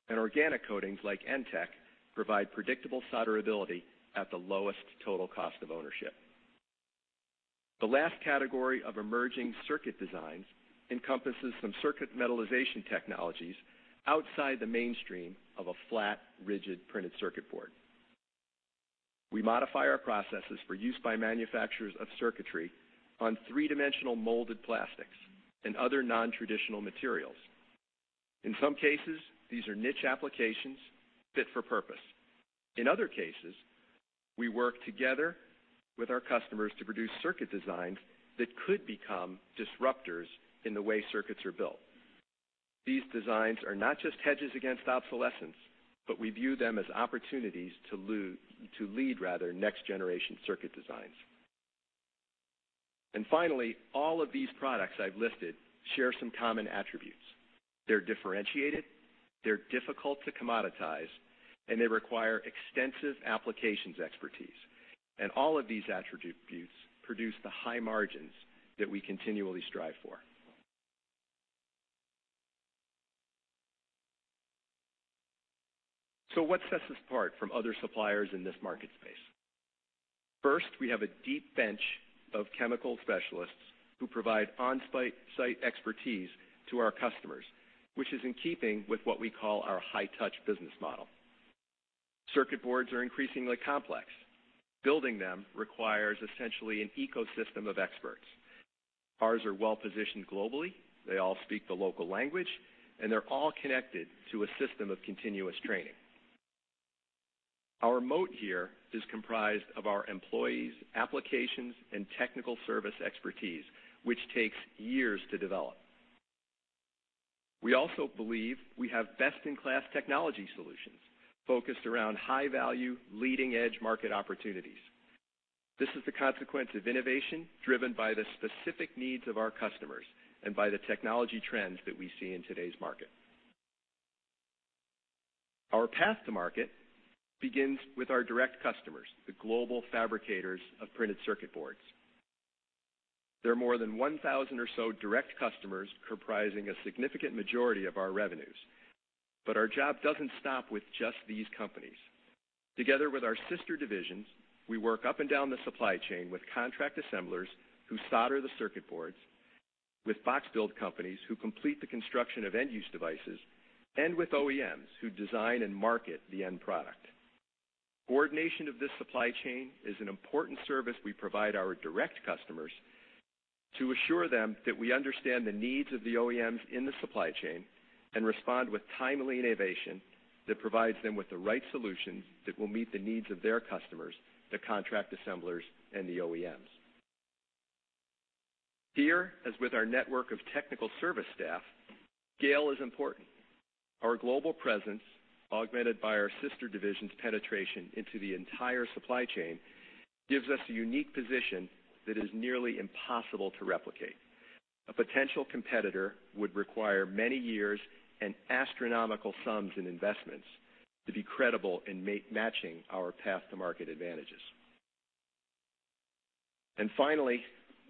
and organic coatings like ENTEK provide predictable solderability at the lowest total cost of ownership. The last category of emerging circuit designs encompasses some circuit metallization technologies outside the mainstream of a flat, rigid printed circuit board. We modify our processes for use by manufacturers of circuitry on three-dimensional molded plastics and other non-traditional materials. In some cases, these are niche applications fit for purpose. In other cases, we work together with our customers to produce circuit designs that could become disruptors in the way circuits are built. These designs are not just hedges against obsolescence, but we view them as opportunities to lead next-generation circuit designs. Finally, all of these products I've listed share some common attributes. They're differentiated, they're difficult to commoditize, and they require extensive applications expertise. All of these attributes produce the high margins that we continually strive for. What sets us apart from other suppliers in this market space? First, we have a deep bench of chemical specialists who provide on-site expertise to our customers, which is in keeping with what we call our high-touch business model. Circuit boards are increasingly complex. Building them requires essentially an ecosystem of experts. Ours are well-positioned globally. They all speak the local language, and they're all connected to a system of continuous training. Our moat here is comprised of our employees' applications and technical service expertise, which takes years to develop. We also believe we have best-in-class technology solutions focused around high-value, leading-edge market opportunities. This is the consequence of innovation driven by the specific needs of our customers and by the technology trends that we see in today's market. Our path to market begins with our direct customers, the global fabricators of printed circuit boards. There are more than 1,000 or so direct customers comprising a significant majority of our revenues. Our job doesn't stop with just these companies. Together with our sister divisions, we work up and down the supply chain with contract assemblers who solder the circuit boards, with box build companies who complete the construction of end-use devices, and with OEMs who design and market the end product. Coordination of this supply chain is an important service we provide our direct customers to assure them that we understand the needs of the OEMs in the supply chain and respond with timely innovation that provides them with the right solutions that will meet the needs of their customers, the contract assemblers, and the OEMs. Here, as with our network of technical service staff, scale is important. Our global presence, augmented by our sister division's penetration into the entire supply chain, gives us a unique position that is nearly impossible to replicate. A potential competitor would require many years and astronomical sums in investments to be credible in matching our path to market advantages. Finally,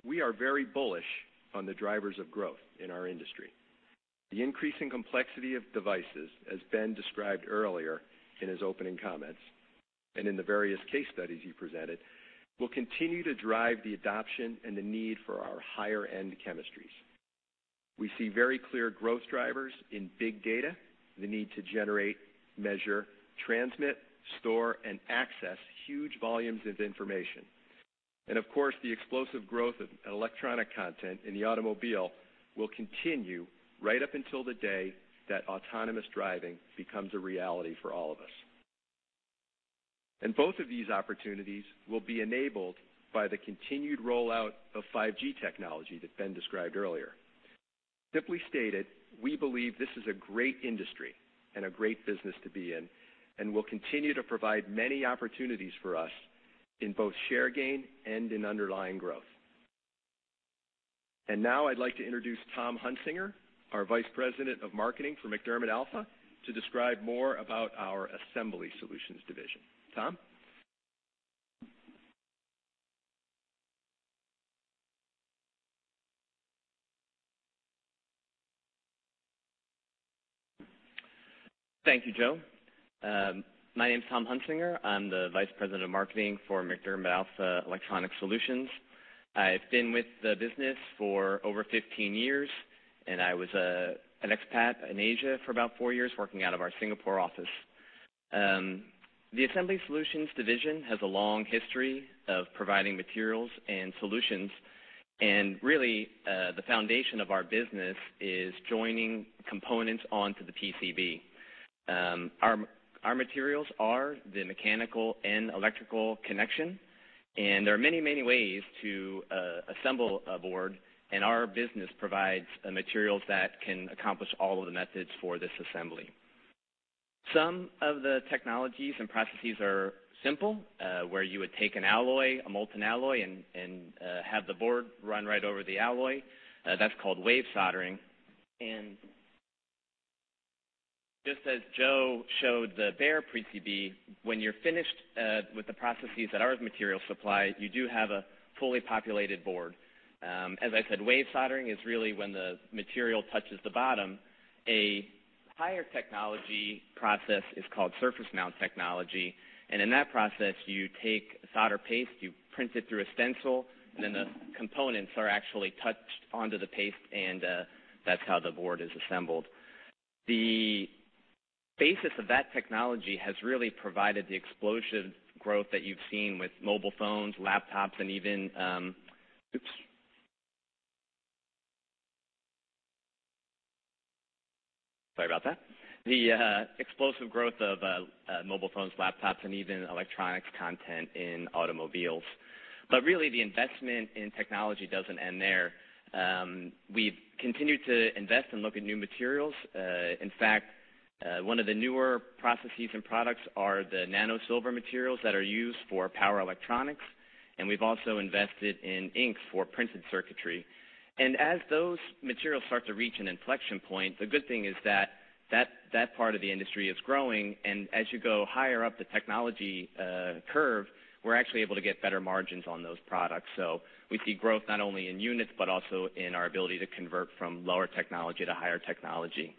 we are very bullish on the drivers of growth in our industry. The increasing complexity of devices, as Ben described earlier in his opening comments and in the various case studies he presented, will continue to drive the adoption and the need for our higher-end chemistries. We see very clear growth drivers in big data, the need to generate, measure, transmit, store, and access huge volumes of information. Of course, the explosive growth of electronic content in the automobile will continue right up until the day that autonomous driving becomes a reality for all of us. Both of these opportunities will be enabled by the continued rollout of 5G technology that Ben described earlier. Simply stated, we believe this is a great industry and a great business to be in and will continue to provide many opportunities for us in both share gain and in underlying growth. Now I'd like to introduce Tom Hunsinger, our Vice President of Marketing for MacDermid Alpha, to describe more about our Assembly Solutions division. Tom? Thank you, Joe. My name's Tom Hunsinger. I'm the Vice President of Marketing for MacDermid Alpha Electronics Solutions. I've been with the business for over 15 years, and I was an expat in Asia for about four years, working out of our Singapore office. The Assembly Solutions division has a long history of providing materials and solutions, and really, the foundation of our business is joining components onto the PCB. Our materials are the mechanical and electrical connection, and there are many, many ways to assemble a board, and our business provides materials that can accomplish all of the methods for this assembly. Some of the technologies and processes are simple, where you would take an alloy, a molten alloy, and have the board run right over the alloy. That's called wave soldering. Just as Joe showed the bare PCB, when you're finished with the processes that our material supply, you do have a fully populated board. As I said, wave soldering is really when the material touches the bottom. A higher technology process is called Surface Mount Technology, and in that process, you take solder paste, you print it through a stencil, and then the components are actually touched onto the paste, and that's how the board is assembled. The basis of that technology has really provided the explosion growth that you've seen with mobile phones, laptops, and even Oops. Sorry about that. The explosive growth of mobile phones, laptops, and even electronics content in automobiles. Really, the investment in technology doesn't end there. We've continued to invest and look at new materials. In fact, one of the newer processes and products are the nano silver materials that are used for power electronics, and we've also invested in ink for printed circuitry. As those materials start to reach an inflection point, the good thing is that that part of the industry is growing, and as you go higher up the technology curve, we're actually able to get better margins on those products. We see growth not only in units, but also in our ability to convert from lower technology to higher technology.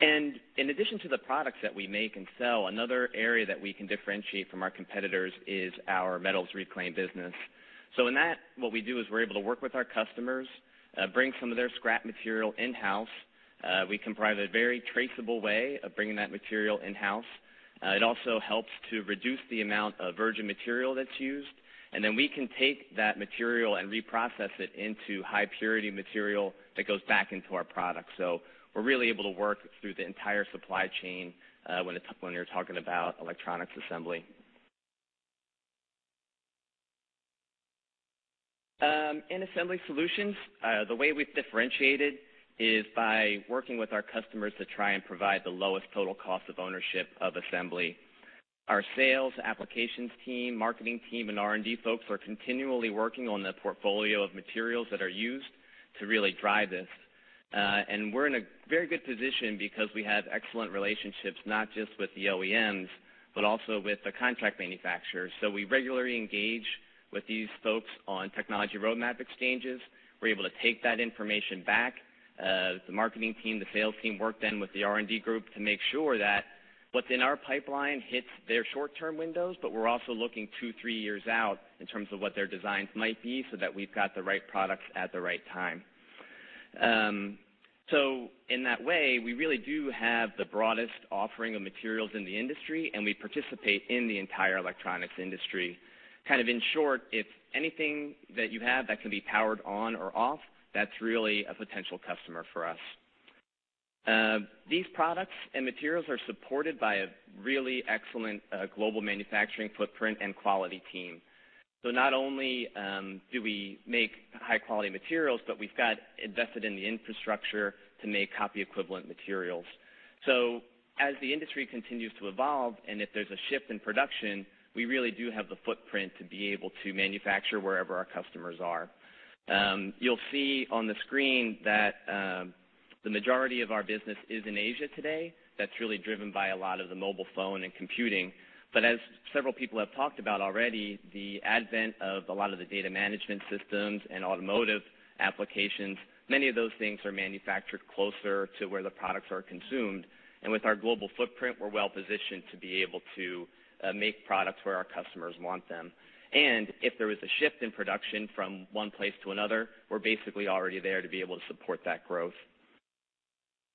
In addition to the products that we make and sell, another area that we can differentiate from our competitors is our metals reclaim business. In that, what we do is we're able to work with our customers, bring some of their scrap material in-house. We can provide a very traceable way of bringing that material in-house. It also helps to reduce the amount of virgin material that's used, and then we can take that material and reprocess it into high purity material that goes back into our product. We're really able to work through the entire supply chain when you're talking about electronics assembly. In Assembly Solutions, the way we've differentiated is by working with our customers to try and provide the lowest total cost of ownership of assembly. Our sales applications team, marketing team, and R&D folks are continually working on the portfolio of materials that are used to really drive this. We're in a very good position because we have excellent relationships, not just with the OEMs, but also with the contract manufacturers. We regularly engage with these folks on technology roadmap exchanges. We're able to take that information back. The marketing team, the sales team work then with the R&D group to make sure that what's in our pipeline hits their short-term windows, but we're also looking two, three years out in terms of what their designs might be so that we've got the right products at the right time. In that way, we really do have the broadest offering of materials in the industry, and we participate in the entire electronics industry. Kind of in short, if anything that you have that can be powered on or off, that's really a potential customer for us. These products and materials are supported by a really excellent global manufacturing footprint and quality team. Not only do we make high-quality materials, but we've got invested in the infrastructure to make copy equivalent materials. As the industry continues to Evolve, and if there's a shift in production, we really do have the footprint to be able to manufacture wherever our customers are. You'll see on the screen that the majority of our business is in Asia today. That's really driven by a lot of the mobile phone and computing. As several people have talked about already, the advent of a lot of the data management systems and automotive applications, many of those things are manufactured closer to where the products are consumed. With our global footprint, we're well-positioned to be able to make products where our customers want them. If there is a shift in production from one place to another, we're basically already there to be able to support that growth.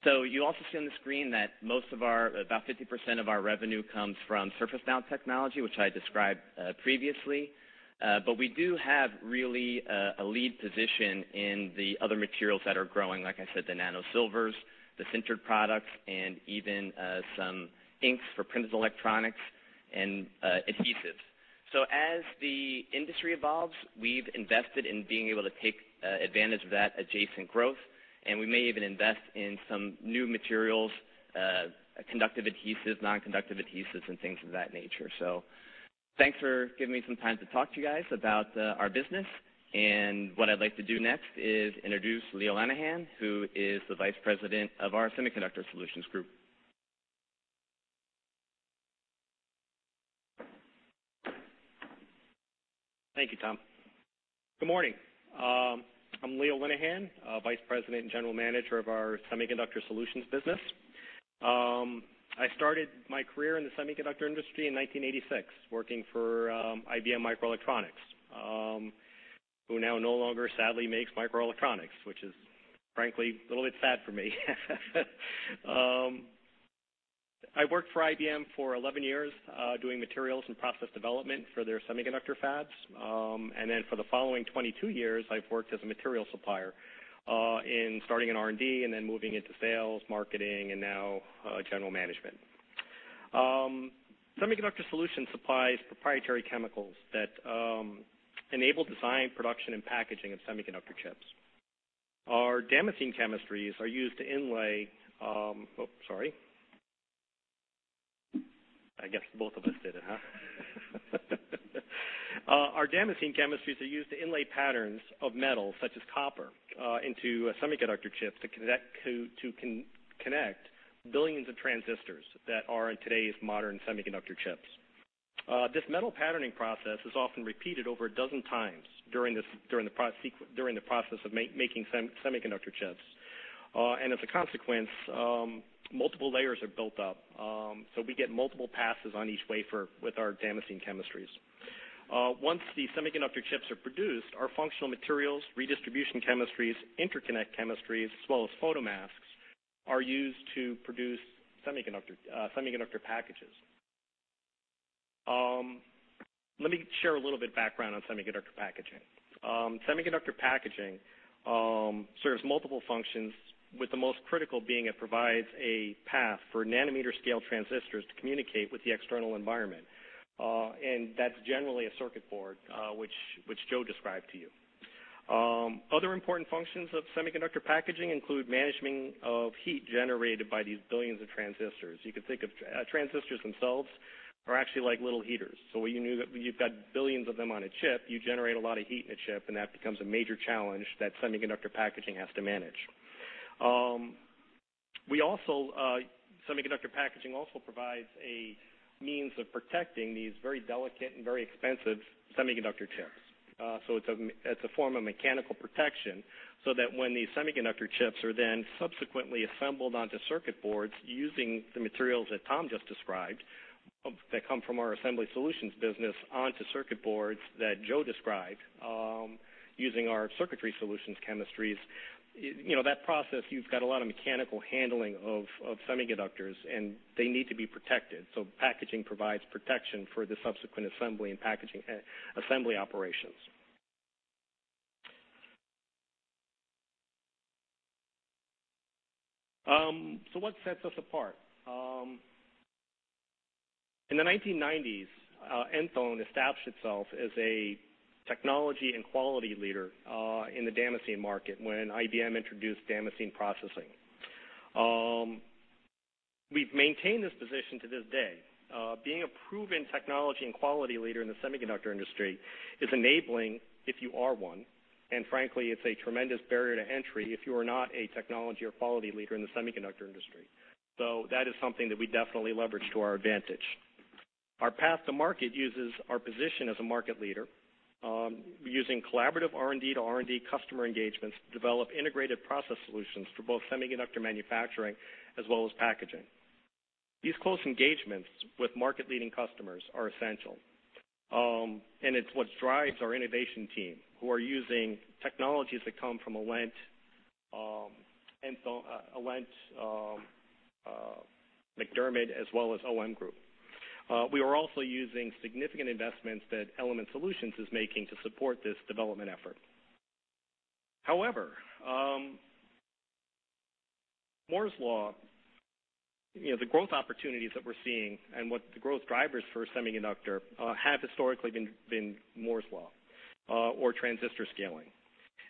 You also see on the screen that about 50% of our revenue comes from Surface Mount Technology, which I described previously. We do have really a lead position in the other materials that are growing, like I said, the nano silvers, the sintered products, and even some inks for printed electronics and adhesives. As the industry evolves, we've invested in being able to take advantage of that adjacent growth, and we may even invest in some new materials, conductive adhesives, non-conductive adhesives, and things of that nature. Thanks for giving me some time to talk to you guys about our business. What I'd like to do next is introduce Leo Linehan, who is the Vice President of our Semiconductor Solutions Group. Thank you, Tom. Good morning. I'm Leo Linehan, Vice President and General Manager of our Semiconductor Solutions business. I started my career in the semiconductor industry in 1986, working for IBM Microelectronics, who now no longer sadly makes microelectronics, which is frankly a little bit sad for me. I worked for IBM for 11 years, doing materials and process development for their semiconductor fabs. For the following 22 years, I've worked as a material supplier, starting in R&D and then moving into sales, marketing, and now general management. Semiconductor Solutions supplies proprietary chemicals that enable design, production, and packaging of semiconductor chips. Our damascene chemistries are used to inlay Oh, sorry. I guess both of us did it, huh? Our damascene chemistries are used to inlay patterns of metal, such as copper, into semiconductor chips to connect billions of transistors that are in today's modern semiconductor chips. This metal patterning process is often repeated over a dozen times during the process of making semiconductor chips. As a consequence, multiple layers are built up, so we get multiple passes on each wafer with our damascene chemistries. Once the semiconductor chips are produced, our functional materials, redistribution chemistries, interconnect chemistries, as well as photomasks, are used to produce semiconductor packages. Let me share a little bit background on semiconductor packaging. Semiconductor packaging serves multiple functions, with the most critical being it provides a path for nanometer-scale transistors to communicate with the external environment. That's generally a circuit board, which Joe described to you. Other important functions of semiconductor packaging include management of heat generated by these billions of transistors. You could think of transistors themselves are actually like little heaters. When you've got billions of them on a chip, you generate a lot of heat in a chip, that becomes a major challenge that semiconductor packaging has to manage. Semiconductor packaging also provides a means of protecting these very delicate and very expensive semiconductor chips. It's a form of mechanical protection, so that when these semiconductor chips are then subsequently assembled onto circuit boards using the materials that Tom just described, that come from our Assembly Solutions business, onto circuit boards that Joe described, using our Circuitry Solutions chemistries. That process, you've got a lot of mechanical handling of semiconductors, they need to be protected. Packaging provides protection for the subsequent assembly operations. What sets us apart? In the 1990s, Enthone established itself as a technology and quality leader in the damascene market when IBM introduced damascene processing. We've maintained this position to this day. Being a proven technology and quality leader in the semiconductor industry is enabling, if you are one, frankly, it's a tremendous barrier to entry if you are not a technology or quality leader in the semiconductor industry. That is something that we definitely leverage to our advantage. Our path to market uses our position as a market leader, using collaborative R&D-to-R&D customer engagements to develop integrated process solutions for both semiconductor manufacturing as well as packaging. These close engagements with market-leading customers are essential, it's what drives our innovation team, who are using technologies that come from Alent, MacDermid, as well as OM Group. We are also using significant investments that Element Solutions is making to support this development effort. However, Moore's Law, the growth opportunities that we're seeing and what the growth drivers for semiconductor have historically been Moore's Law, or transistor scaling.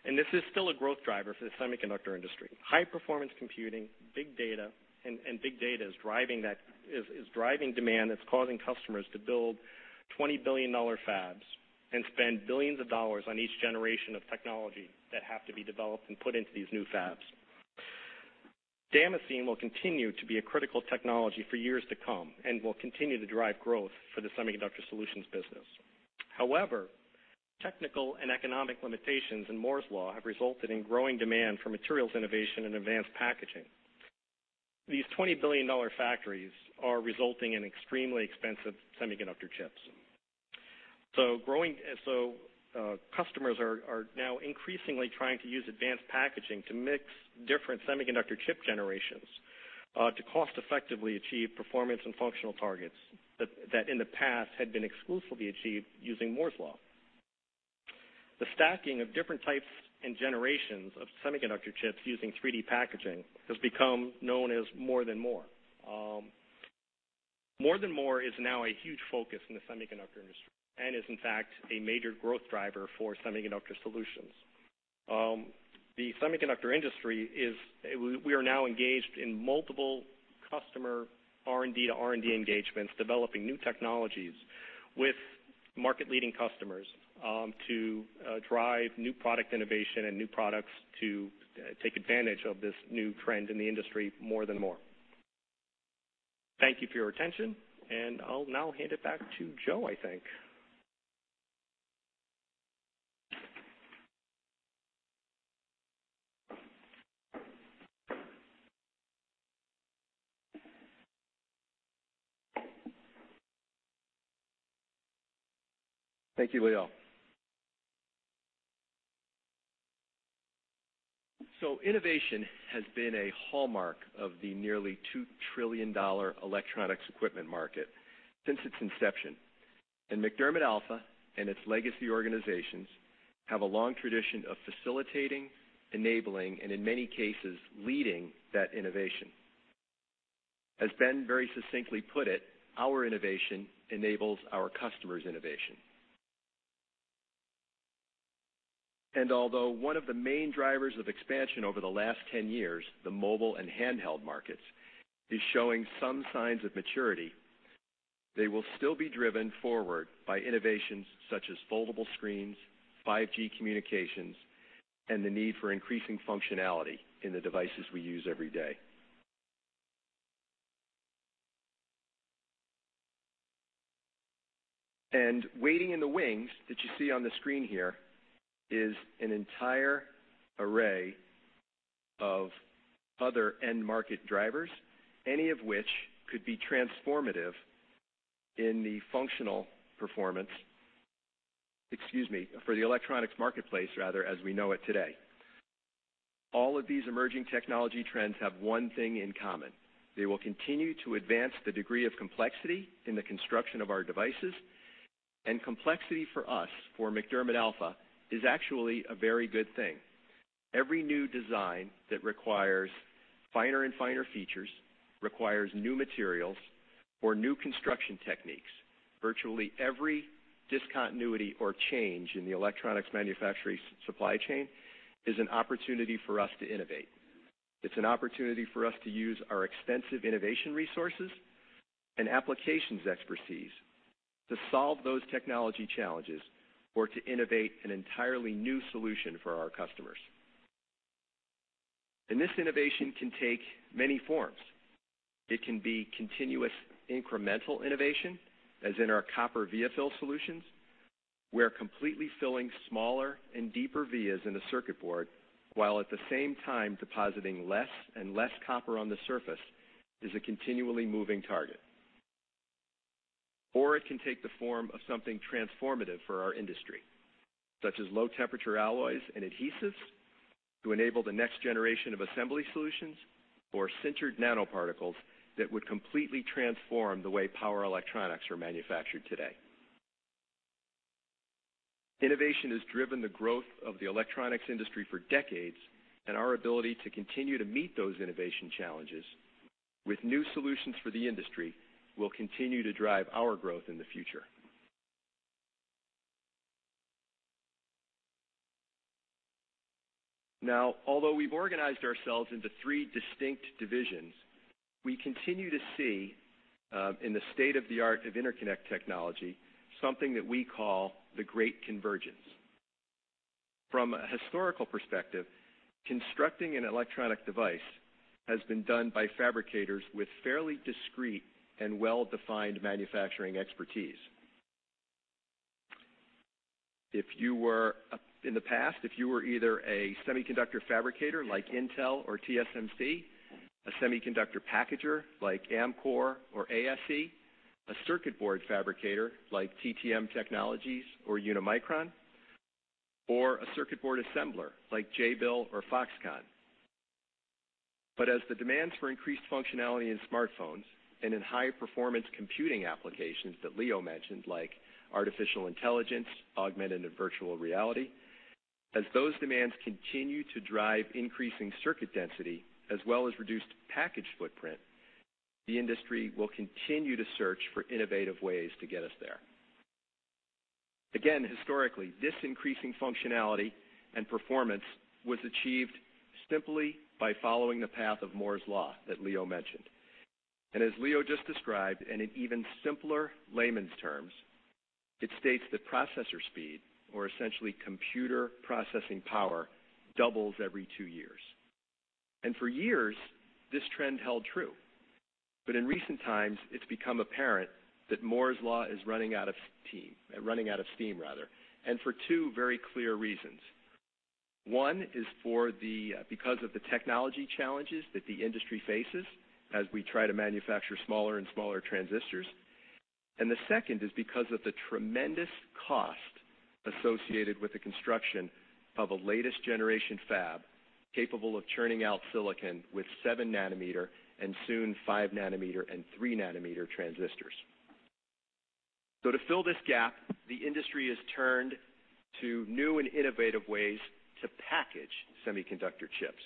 This is still a growth driver for the semiconductor industry. High performance computing, big data, big data is driving demand that's causing customers to build $20 billion fabs and spend billions of dollars on each generation of technology that have to be developed and put into these new fabs. damascene will continue to be a critical technology for years to come and will continue to drive growth for the Semiconductor Solutions business. However, technical and economic limitations in Moore's Law have resulted in growing demand for materials innovation and advanced packaging. These $20 billion factories are resulting in extremely expensive semiconductor chips. Customers are now increasingly trying to use advanced packaging to mix different semiconductor chip generations to cost effectively achieve performance and functional targets, that in the past had been exclusively achieved using Moore's Law. The stacking of different types and generations of semiconductor chips using 3D packaging has become known as More than Moore. More than Moore is now a huge focus in the semiconductor industry and is, in fact, a major growth driver for Semiconductor Solutions. The semiconductor industry, we are now engaged in multiple customer R&D to R&D engagements, developing new technologies with market-leading customers to drive new product innovation and new products to take advantage of this new trend in the industry More than Moore. Thank you for your attention, and I'll now hand it back to Joe, I think. Thank you, Leo. Innovation has been a hallmark of the nearly $2 trillion electronics equipment market since its inception. MacDermid Alpha and its legacy organizations have a long tradition of facilitating, enabling, and in many cases, leading that innovation. As Ben very succinctly put it, our innovation enables our customers' innovation. Although one of the main drivers of expansion over the last 10 years, the mobile and handheld markets, is showing some signs of maturity, they will still be driven forward by innovations such as foldable screens, 5G communications, and the need for increasing functionality in the devices we use every day. Waiting in the wings, that you see on the screen here, is an entire array of other end market drivers, any of which could be transformative in the functional performance, excuse me, for the electronics marketplace, rather, as we know it today. All of these emerging technology trends have one thing in common. They will continue to advance the degree of complexity in the construction of our devices, and complexity for us, for MacDermid Alpha, is actually a very good thing. Every new design that requires finer and finer features, requires new materials or new construction techniques. Virtually every discontinuity or change in the electronics manufacturing supply chain is an opportunity for us to innovate. It's an opportunity for us to use our extensive innovation resources and applications expertise to solve those technology challenges or to innovate an entirely new solution for our customers. This innovation can take many forms. It can be continuous incremental innovation, as in our copper via fill solutions, where completely filling smaller and deeper vias in a circuit board, while at the same time depositing less and less copper on the surface, is a continually moving target. It can take the form of something transformative for our industry, such as low-temperature alloys and adhesives to enable the next generation of Assembly Solutions or sintered nanoparticles that would completely transform the way power electronics are manufactured today. Innovation has driven the growth of the electronics industry for decades, our ability to continue to meet those innovation challenges with new solutions for the industry will continue to drive our growth in the future. Although we've organized ourselves into three distinct divisions, we continue to see, in the state of the art of interconnect technology, something that we call the great convergence. From a historical perspective, constructing an electronic device has been done by fabricators with fairly discreet and well-defined manufacturing expertise. In the past, if you were either a semiconductor fabricator like Intel or TSMC, a semiconductor packager like Amkor or ASE, a circuit board fabricator like TTM Technologies or Unimicron, or a circuit board assembler like Jabil or Foxconn. As the demands for increased functionality in smartphones and in high-performance computing applications that Leo mentioned, like artificial intelligence, augmented and virtual reality, as those demands continue to drive increasing circuit density as well as reduced package footprint, the industry will continue to search for innovative ways to get us there. Again, historically, this increasing functionality and performance was achieved simply by following the path of Moore's Law that Leo mentioned. As Leo just described, in even simpler layman's terms, it states that processor speed, or essentially computer processing power, doubles every two years. For years, this trend held true. In recent times, it's become apparent that Moore's Law is running out of steam, for two very clear reasons. One is because of the technology challenges that the industry faces as we try to manufacture smaller and smaller transistors. The second is because of the tremendous cost associated with the construction of a latest generation fab capable of churning out silicon with seven nanometer and soon five nanometer and three nanometer transistors. To fill this gap, the industry has turned to new and innovative ways to package semiconductor chips.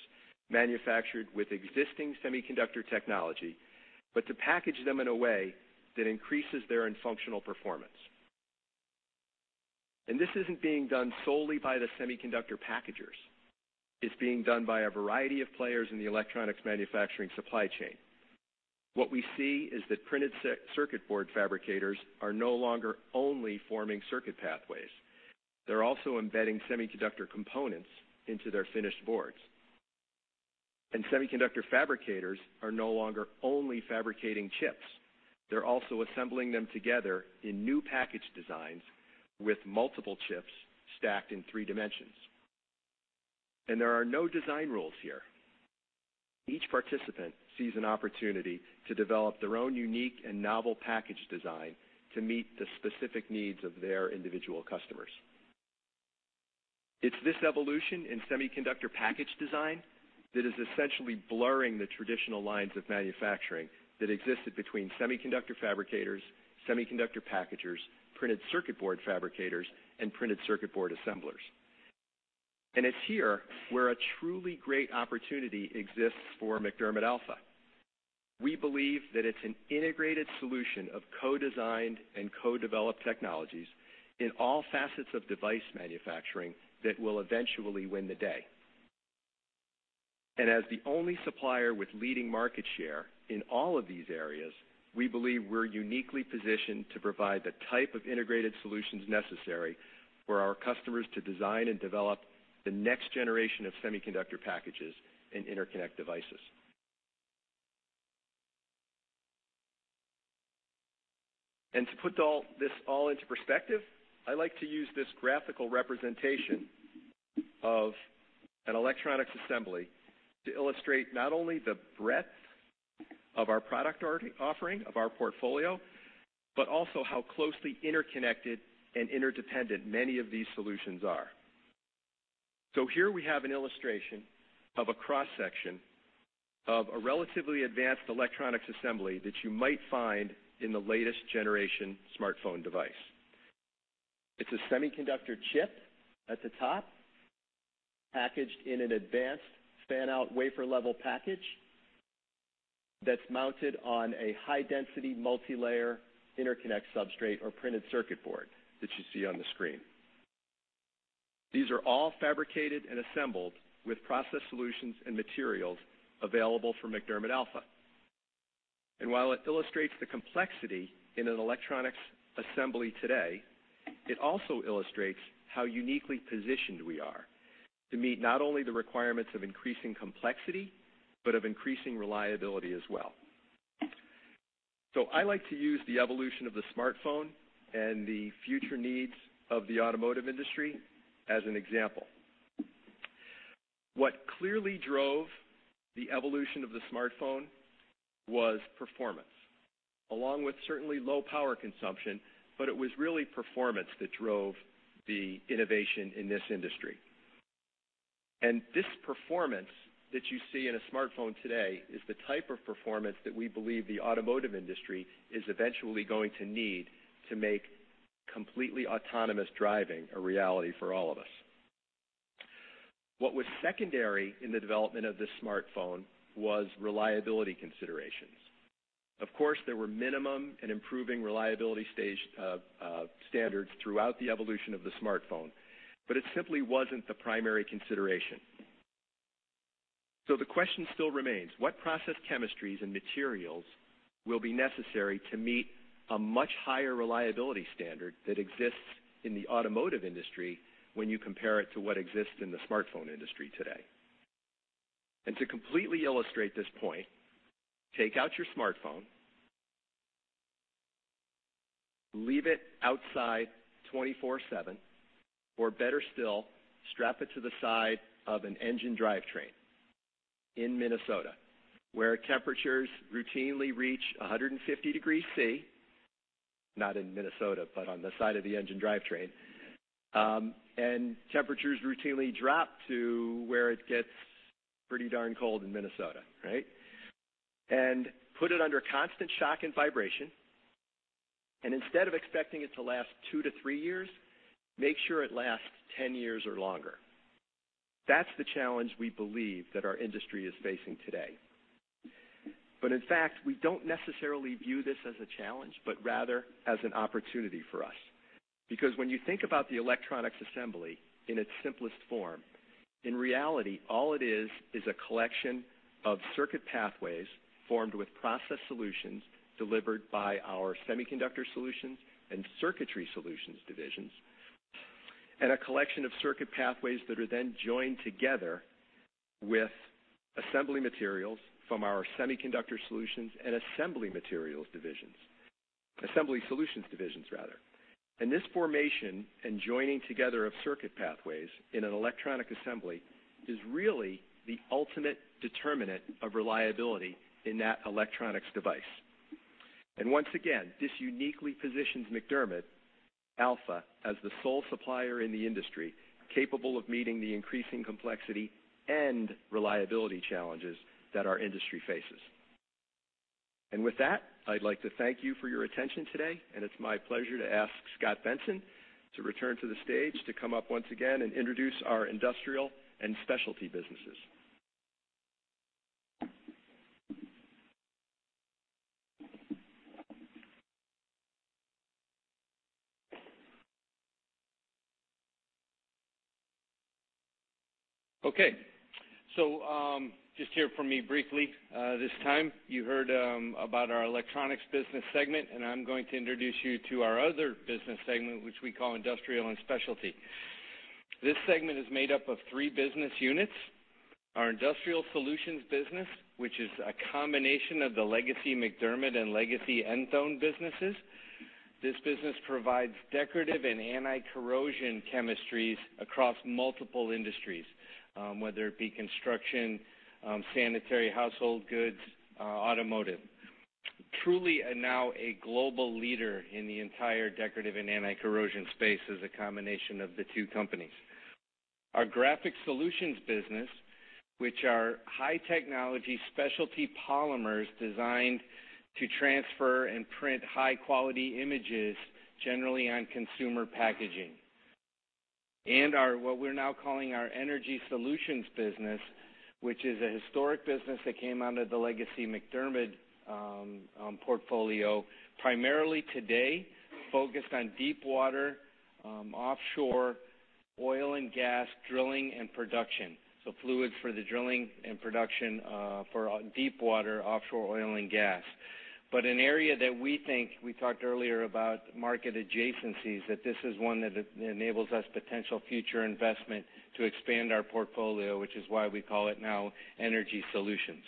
Manufactured with existing semiconductor technology, but to package them in a way that increases their functional performance. This isn't being done solely by the semiconductor packagers. It's being done by a variety of players in the electronics manufacturing supply chain. What we see is that printed circuit board fabricators are no longer only forming circuit pathways. They're also embedding semiconductor components into their finished boards. Semiconductor fabricators are no longer only fabricating chips. They're also assembling them together in new package designs with multiple chips stacked in three dimensions. There are no design rules here. Each participant sees an opportunity to develop their own unique and novel package design to meet the specific needs of their individual customers. It's this evolution in semiconductor package design that is essentially blurring the traditional lines of manufacturing that existed between semiconductor fabricators, semiconductor packagers, printed circuit board fabricators, and printed circuit board assemblers. It's here where a truly great opportunity exists for MacDermid Alpha. We believe that it's an integrated solution of co-designed and co-developed technologies in all facets of device manufacturing that will eventually win the day. As the only supplier with leading market share in all of these areas, we believe we're uniquely positioned to provide the type of integrated solutions necessary for our customers to design and develop the next generation of semiconductor packages and interconnect devices. To put this all into perspective, I like to use this graphical representation of an electronics assembly to illustrate not only the breadth of our product offering, of our portfolio, but also how closely interconnected and interdependent many of these solutions are. Here we have an illustration of a cross-section of a relatively advanced electronics assembly that you might find in the latest generation smartphone device. It's a semiconductor chip at the top, packaged in an advanced fan-out wafer-level package that's mounted on a high-density multilayer interconnect substrate or printed circuit board that you see on the screen. These are all fabricated and assembled with process solutions and materials available from MacDermid Alpha. While it illustrates the complexity in an electronics assembly today, it also illustrates how uniquely positioned we are to meet not only the requirements of increasing complexity, but of increasing reliability as well. I like to use the evolution of the smartphone and the future needs of the automotive industry as an example. What clearly drove the evolution of the smartphone was performance, along with certainly low power consumption, it was really performance that drove the innovation in this industry. This performance that you see in a smartphone today is the type of performance that we believe the automotive industry is eventually going to need to make completely autonomous driving a reality for all of us. What was secondary in the development of the smartphone was reliability considerations. Of course, there were minimum and improving reliability standards throughout the evolution of the smartphone, it simply wasn't the primary consideration. The question still remains, what process chemistries and materials will be necessary to meet a much higher reliability standard that exists in the automotive industry when you compare it to what exists in the smartphone industry today? To completely illustrate this point, take out your smartphone, leave it outside 24/7, or better still, strap it to the side of an engine drivetrain in Minnesota, where temperatures routinely reach 150 degrees Celsius, not in Minnesota, but on the side of the engine drivetrain. Temperatures routinely drop to where it gets pretty darn cold in Minnesota, right? Put it under constant shock and vibration, and instead of expecting it to last two to three years, make sure it lasts 10 years or longer. That's the challenge we believe that our industry is facing today. In fact, we don't necessarily view this as a challenge, rather as an opportunity for us. When you think about the electronics assembly in its simplest form, in reality, all it is a collection of circuit pathways formed with process solutions delivered by our Semiconductor Solutions and Circuitry Solutions divisions, and a collection of circuit pathways that are then joined together with assembly materials from our Semiconductor Solutions and assembly materials divisions. Assembly Solutions divisions, rather. This formation and joining together of circuit pathways in an electronic assembly is really the ultimate determinant of reliability in that electronics device. Once again, this uniquely positions MacDermid Alpha as the sole supplier in the industry capable of meeting the increasing complexity and reliability challenges that our industry faces. With that, I'd like to thank you for your attention today, and it's my pleasure to ask Scot Benson to return to the stage to come up once again and introduce our industrial and specialty businesses. Just hear from me briefly this time. You heard about our Electronics Solutions business segment, and I'm going to introduce you to our other business segment, which we call Industrial & Specialty. This segment is made up of three business units. Our Industrial Solutions business, which is a combination of the legacy MacDermid and legacy Enthone businesses. This business provides decorative and anti-corrosion chemistries across multiple industries, whether it be construction, sanitary household goods, automotive. Truly now a global leader in the entire decorative and anti-corrosion space as a combination of the two companies. Our Graphics Solutions business, which are high-technology specialty polymers designed to transfer and print high-quality images, generally on consumer packaging. What we're now calling our Energy Solutions business, which is a historic business that came out of the legacy MacDermid portfolio, primarily today focused on deepwater offshore oil and gas drilling and production. Fluids for the drilling and production for deepwater offshore oil and gas. An area that we think, we talked earlier about market adjacencies, that this is one that enables us potential future investment to expand our portfolio, which is why we call it now Energy Solutions.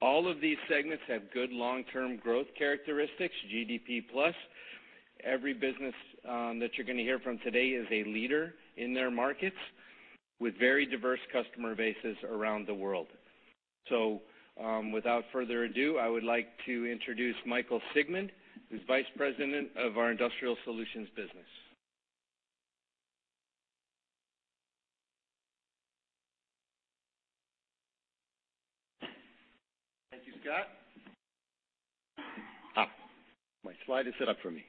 All of these segments have good long-term growth characteristics, GDP plus. Every business that you're going to hear from today is a leader in their markets with very diverse customer bases around the world. Without further ado, I would like to introduce Michael Siegmund, who's Vice President of our Industrial Solutions business. Thank you, Scot. My slide is set up for me.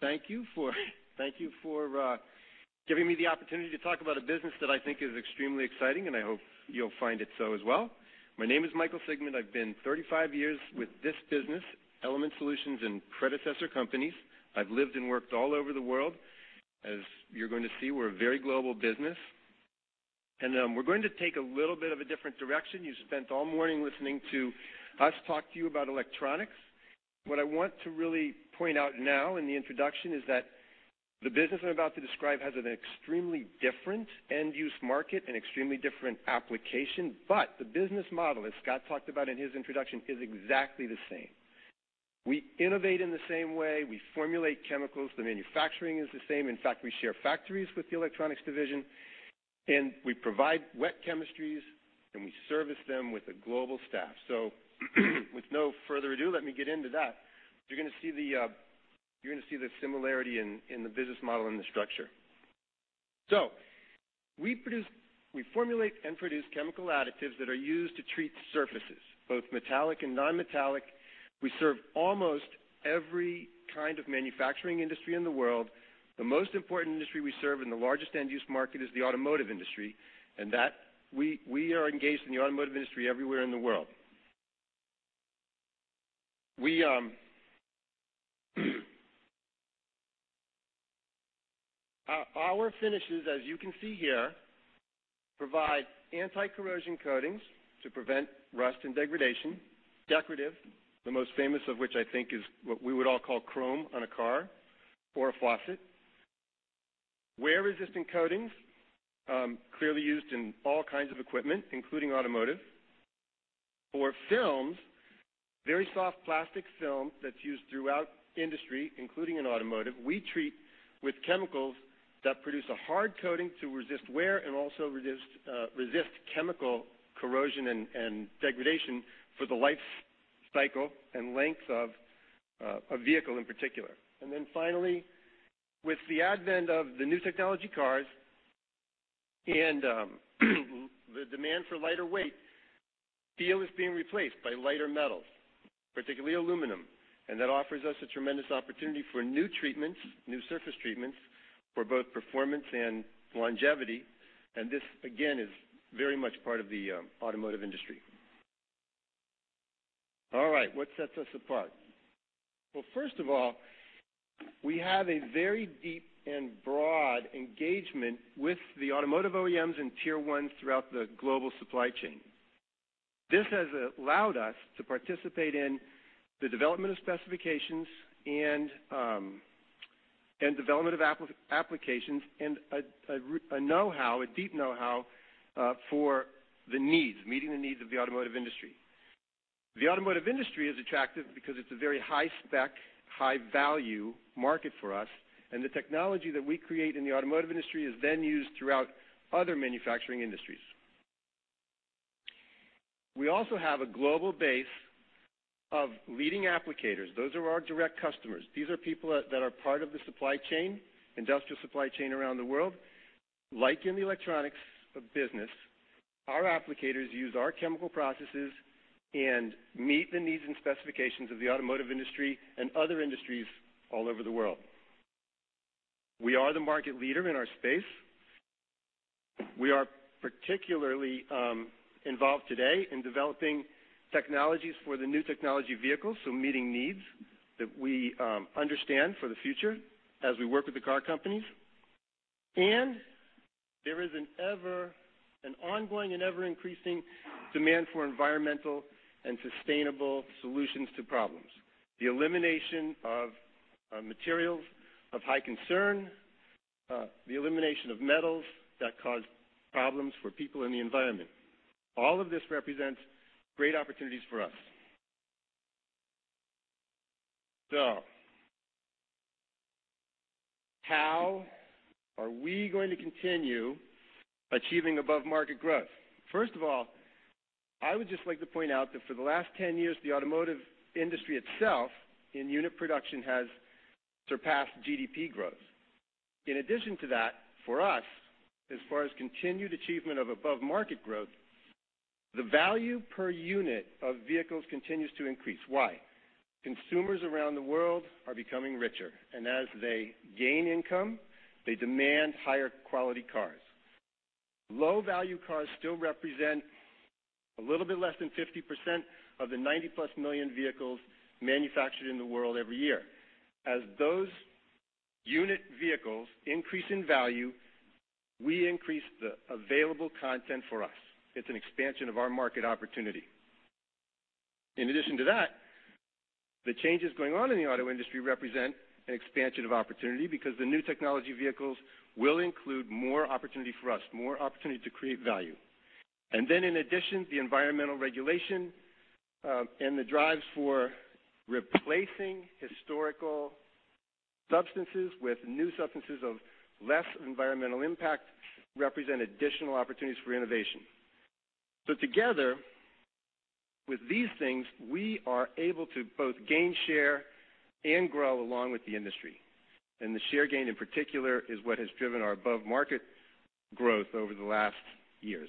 Thank you for giving me the opportunity to talk about a business that I think is extremely exciting, and I hope you'll find it so as well. My name is Michael Siegmund. I've been 35 years with this business, Element Solutions and predecessor companies. I've lived and worked all over the world. As you're going to see, we're a very global business. We're going to take a little bit of a different direction. You spent all morning listening to us talk to you about Electronics. What I want to really point out now in the introduction is that the business I'm about to describe has an extremely different end-use market, an extremely different application, but the business model, as Scot talked about in his introduction, is exactly the same. We innovate in the same way. We formulate chemicals. The manufacturing is the same. In fact, we share factories with the Electronics Solutions division. We provide wet chemistries, and we service them with a global staff. With no further ado, let me get into that. You're going to see the similarity in the business model and the structure. We formulate and produce chemical additives that are used to treat surfaces, both metallic and non-metallic. We serve almost every kind of manufacturing industry in the world. The most important industry we serve and the largest end-use market is the automotive industry. That, we are engaged in the automotive industry everywhere in the world. Our finishes, as you can see here, provide anti-corrosion coatings to prevent rust and degradation. Decorative, the most famous of which, I think, is what we would all call chrome on a car or a faucet. Wear-resistant coatings, clearly used in all kinds of equipment, including automotive. For films, very soft plastic film that's used throughout industry, including in automotive. We treat with chemicals that produce a hard coating to resist wear and also resist chemical corrosion and degradation for the life cycle and length of a vehicle in particular. Finally, with the advent of the new technology cars and the demand for lighter weight, steel is being replaced by lighter metals, particularly aluminum, and that offers us a tremendous opportunity for new treatments, new surface treatments, for both performance and longevity. This, again, is very much part of the automotive industry. All right. What sets us apart? First of all, we have a very deep and broad engagement with the automotive OEMs and Tier 1s throughout the global supply chain. This has allowed us to participate in the development of specifications and development of applications and a deep know-how for meeting the needs of the automotive industry. The automotive industry is attractive because it's a very high-spec, high-value market for us, and the technology that we create in the automotive industry is then used throughout other manufacturing industries. We also have a global base of leading applicators. Those are our direct customers. These are people that are part of the supply chain, industrial supply chain around the world. Like in the electronics business, our applicators use our chemical processes and meet the needs and specifications of the automotive industry and other industries all over the world. We are the market leader in our space. We are particularly involved today in developing technologies for the new technology vehicles, so meeting needs that we understand for the future as we work with the car companies. There is an ongoing and ever-increasing demand for environmental and sustainable solutions to problems. The elimination of materials of high concern, the elimination of metals that cause problems for people in the environment. All of this represents great opportunities for us. How are we going to continue achieving above-market growth? First of all, I would just like to point out that for the last 10 years, the automotive industry itself, in unit production, has surpassed GDP growth. In addition to that, for us, as far as continued achievement of above-market growth, the value per unit of vehicles continues to increase. Why? Consumers around the world are becoming richer, and as they gain income, they demand higher quality cars. Low-value cars still represent a little bit less than 50% of the 90-plus million vehicles manufactured in the world every year. As those unit vehicles increase in value, we increase the available content for us. It's an expansion of our market opportunity. In addition to that, the changes going on in the auto industry represent an expansion of opportunity because the new technology vehicles will include more opportunity for us, more opportunity to create value. In addition, the environmental regulation and the drives for replacing historical substances with new substances of less environmental impact represent additional opportunities for innovation. Together with these things, we are able to both gain share and grow along with the industry. The share gain in particular is what has driven our above-market growth over the last years.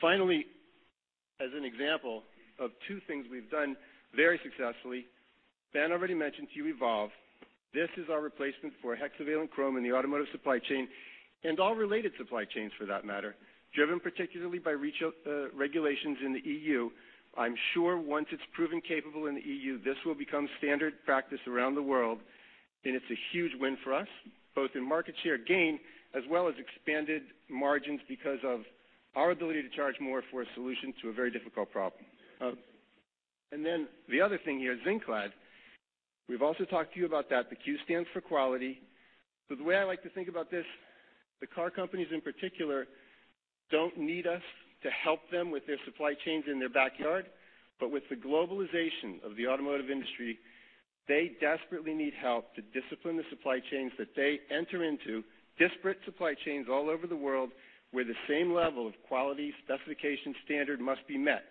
Finally, as an example of two things we've done very successfully, Ben already mentioned to you evolve. This is our replacement for hexavalent chromium in the automotive supply chain, and all related supply chains for that matter, driven particularly by regulations in the EU. I'm sure once it's proven capable in the EU, this will become standard practice around the world, and it's a huge win for us, both in market share gain as well as expanded margins because of our ability to charge more for a solution to a very difficult problem. The other thing here, ZinKlad. We've also talked to you about that. The Q stands for quality. The way I like to think about this, the car companies in particular don't need us to help them with their supply chains in their backyard. With the globalization of the automotive industry, they desperately need help to discipline the supply chains that they enter into, disparate supply chains all over the world, where the same level of quality specification standard must be met.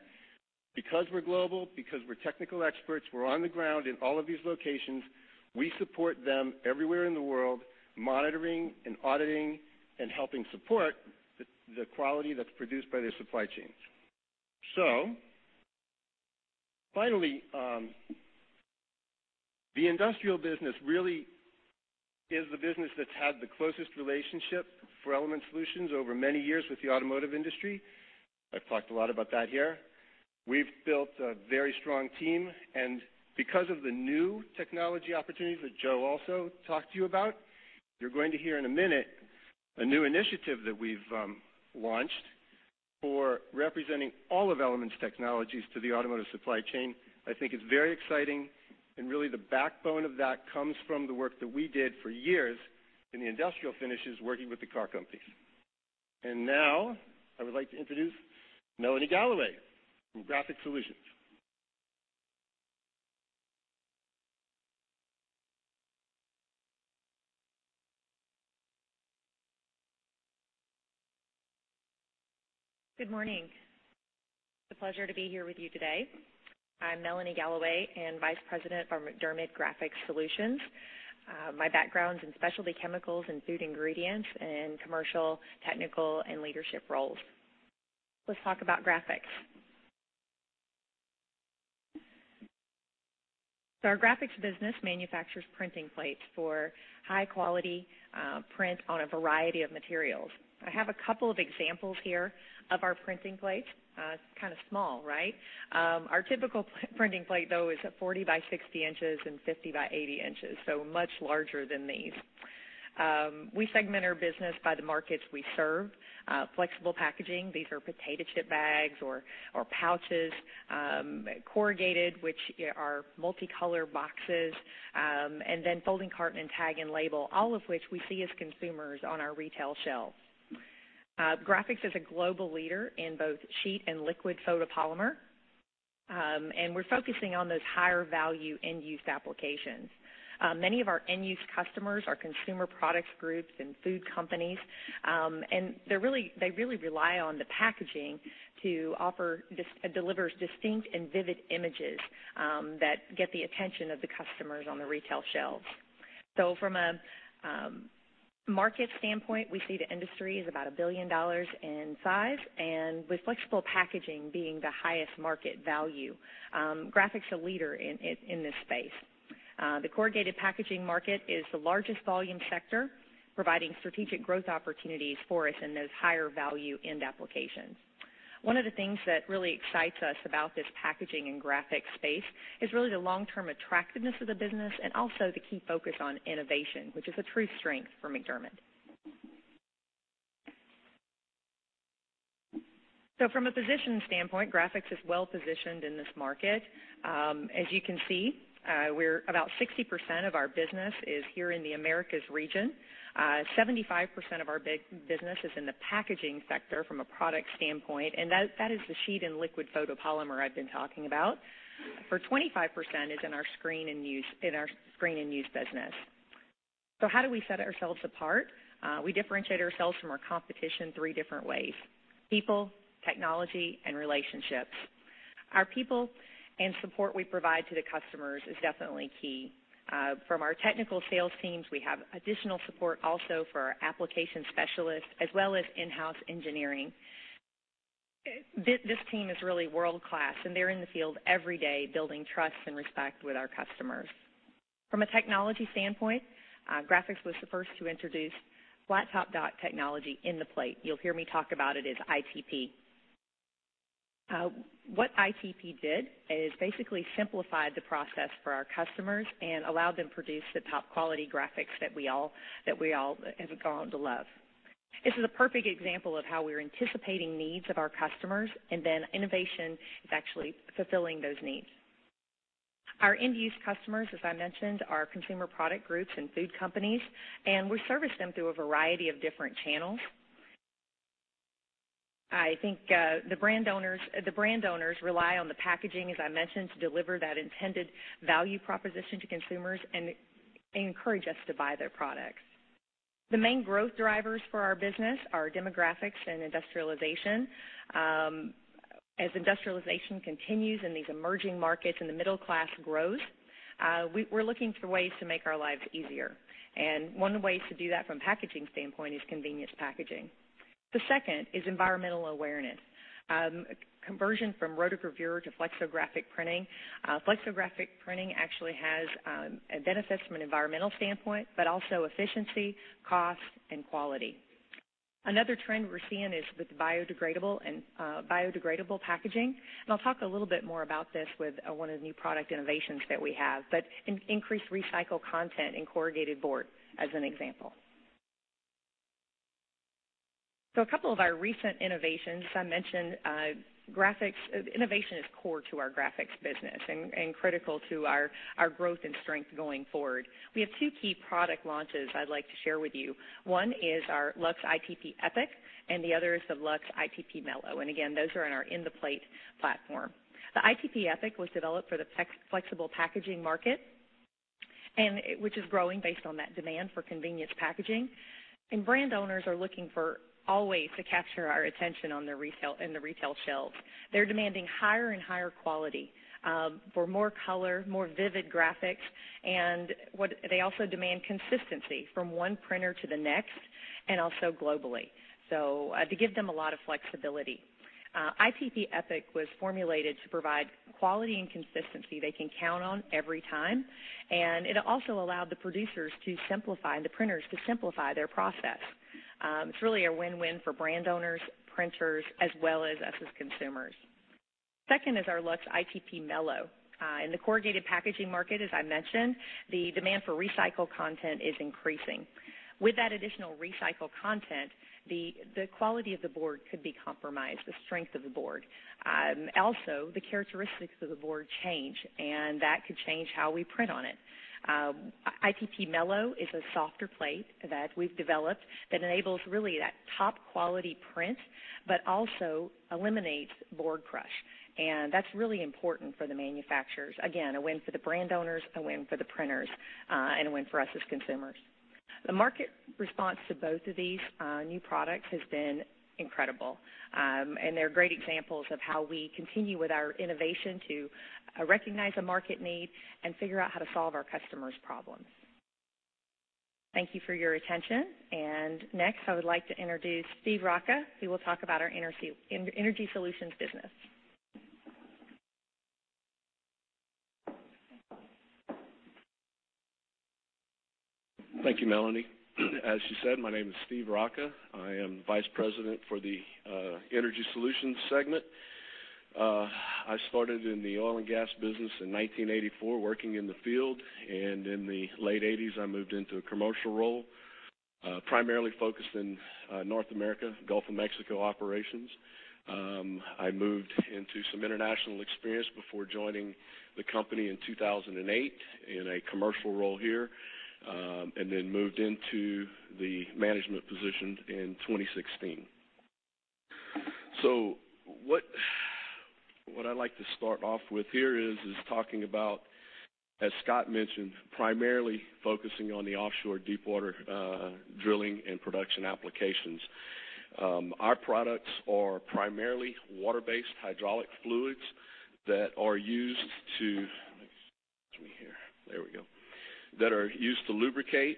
Because we're global, because we're technical experts, we're on the ground in all of these locations. We support them everywhere in the world, monitoring and auditing and helping support the quality that's produced by their supply chains. Finally, the industrial business really is the business that's had the closest relationship for Element Solutions over many years with the automotive industry. I've talked a lot about that here. We've built a very strong team, and because of the new technology opportunities that Joe also talked to you about, you're going to hear in a minute a new initiative that we've launched for representing all of Element's technologies to the automotive supply chain. I think it's very exciting, and really the backbone of that comes from the work that we did for years in the industrial finishes working with the car companies. Now I would like to introduce Melanie Galloway from Graphics Solutions. Good morning. It's a pleasure to be here with you today. I'm Melanie Galloway and Vice President for MacDermid Graphics Solutions. My background's in specialty chemicals and food ingredients and commercial, technical, and leadership roles. Let's talk about graphics. Our graphics business manufactures printing plates for high-quality print on a variety of materials. I have a couple of examples here of our printing plates. It's kind of small, right? Our typical printing plate, though, is 40 by 60 inches and 50 by 80 inches, so much larger than these. We segment our business by the markets we serve. Flexible packaging, these are potato chip bags or pouches. Corrugated, which are multicolor boxes, and then folding carton and tag and label, all of which we see as consumers on our retail shelves. Graphics is a global leader in both sheet and liquid photopolymer. We're focusing on those higher value end-use applications. Many of our end-use customers are consumer products groups and food companies. They really rely on the packaging to offer. It delivers distinct and vivid images that get the attention of the customers on the retail shelves. From a market standpoint, we see the industry is about $1 billion in size, with flexible packaging being the highest market value. Graphics is a leader in this space. The corrugated packaging market is the largest volume sector, providing strategic growth opportunities for us in those higher value end applications. One of the things that really excites us about this packaging and graphics space is really the long-term attractiveness of the business and also the key focus on innovation, which is a true strength for MacDermid. From a position standpoint, Graphics is well-positioned in this market. As you can see, about 60% of our business is here in the Americas region. 75% of our business is in the packaging sector from a product standpoint, and that is the sheet and liquid photopolymer I've been talking about. 25% is in our screen and use business. How do we set ourselves apart? We differentiate ourselves from our competition three different ways: people, technology, and relationships. Our people and support we provide to the customers is definitely key. From our technical sales teams, we have additional support also for our application specialists, as well as in-house engineering. This team is really world-class. They're in the field every day building trust and respect with our customers. From a technology standpoint, Graphics was the first to introduce flat-top dot technology in the plate. You'll hear me talk about it as ITP. What ITP did is basically simplified the process for our customers and allowed them to produce the top-quality graphics that we all have gone to love. This is a perfect example of how we're anticipating needs of our customers. Innovation is actually fulfilling those needs. Our end-use customers, as I mentioned, are consumer product groups and food companies. We service them through a variety of different channels. I think the brand owners rely on the packaging, as I mentioned, to deliver that intended value proposition to consumers and encourage us to buy their products. The main growth drivers for our business are demographics and industrialization. As industrialization continues in these emerging markets and the middle class grows, we're looking for ways to make our lives easier. One of the ways to do that from a packaging standpoint is convenience packaging. The second is environmental awareness. Conversion from rotogravure to flexographic printing. Flexographic printing actually has benefits from an environmental standpoint, also efficiency, cost, and quality. Another trend we're seeing is with biodegradable packaging. I'll talk a little bit more about this with one of the new product innovations that we have. Increased recycled content in corrugated board as an example. A couple of our recent innovations. As I mentioned, innovation is core to our Graphics business and critical to our growth and strength going forward. We have two key product launches I'd like to share with you. One is our LUX ITP Epic, and the other is the LUX ITP MELO. Again, those are in our In the Plate platform. The ITP Epic was developed for the flexible packaging market, which is growing based on that demand for convenience packaging. Brand owners are looking for all ways to capture our attention in the retail shelves. They're demanding higher and higher quality for more color, more vivid graphics, and they also demand consistency from one printer to the next, and also globally. To give them a lot of flexibility, LUX ITP Epic was formulated to provide quality and consistency they can count on every time. It also allowed the producers to simplify, the printers to simplify their process. It's really a win-win for brand owners, printers, as well as us as consumers. Second is our LUX ITP MELO. In the corrugated packaging market, as I mentioned, the demand for recycled content is increasing. With that additional recycled content, the quality of the board could be compromised, the strength of the board. The characteristics of the board change, and that could change how we print on it. ITP MELO is a softer plate that we've developed that enables really that top-quality print, but also eliminates board crush, and that's really important for the manufacturers. Again, a win for the brand owners, a win for the printers, and a win for us as consumers. The market response to both of these new products has been incredible, and they're great examples of how we continue with our innovation to recognize a market need and figure out how to solve our customers' problems. Thank you for your attention. Next, I would like to introduce Steve Rocca, who will talk about our Energy Solutions business. Thank you, Melanie. As she said, my name is Steve Rocca. I am Vice President for the Energy Solutions segment. I started in the oil and gas business in 1984, working in the field, and in the late 1980s, I moved into a commercial role, primarily focused in North America, Gulf of Mexico operations. I moved into some international experience before joining the company in 2008 in a commercial role here, and then moved into the management position in 2016. What I'd like to start off with here is talking about, as Scot mentioned, primarily focusing on the offshore deepwater drilling and production applications. Our products are primarily water-based hydraulic fluids that are used to lubricate,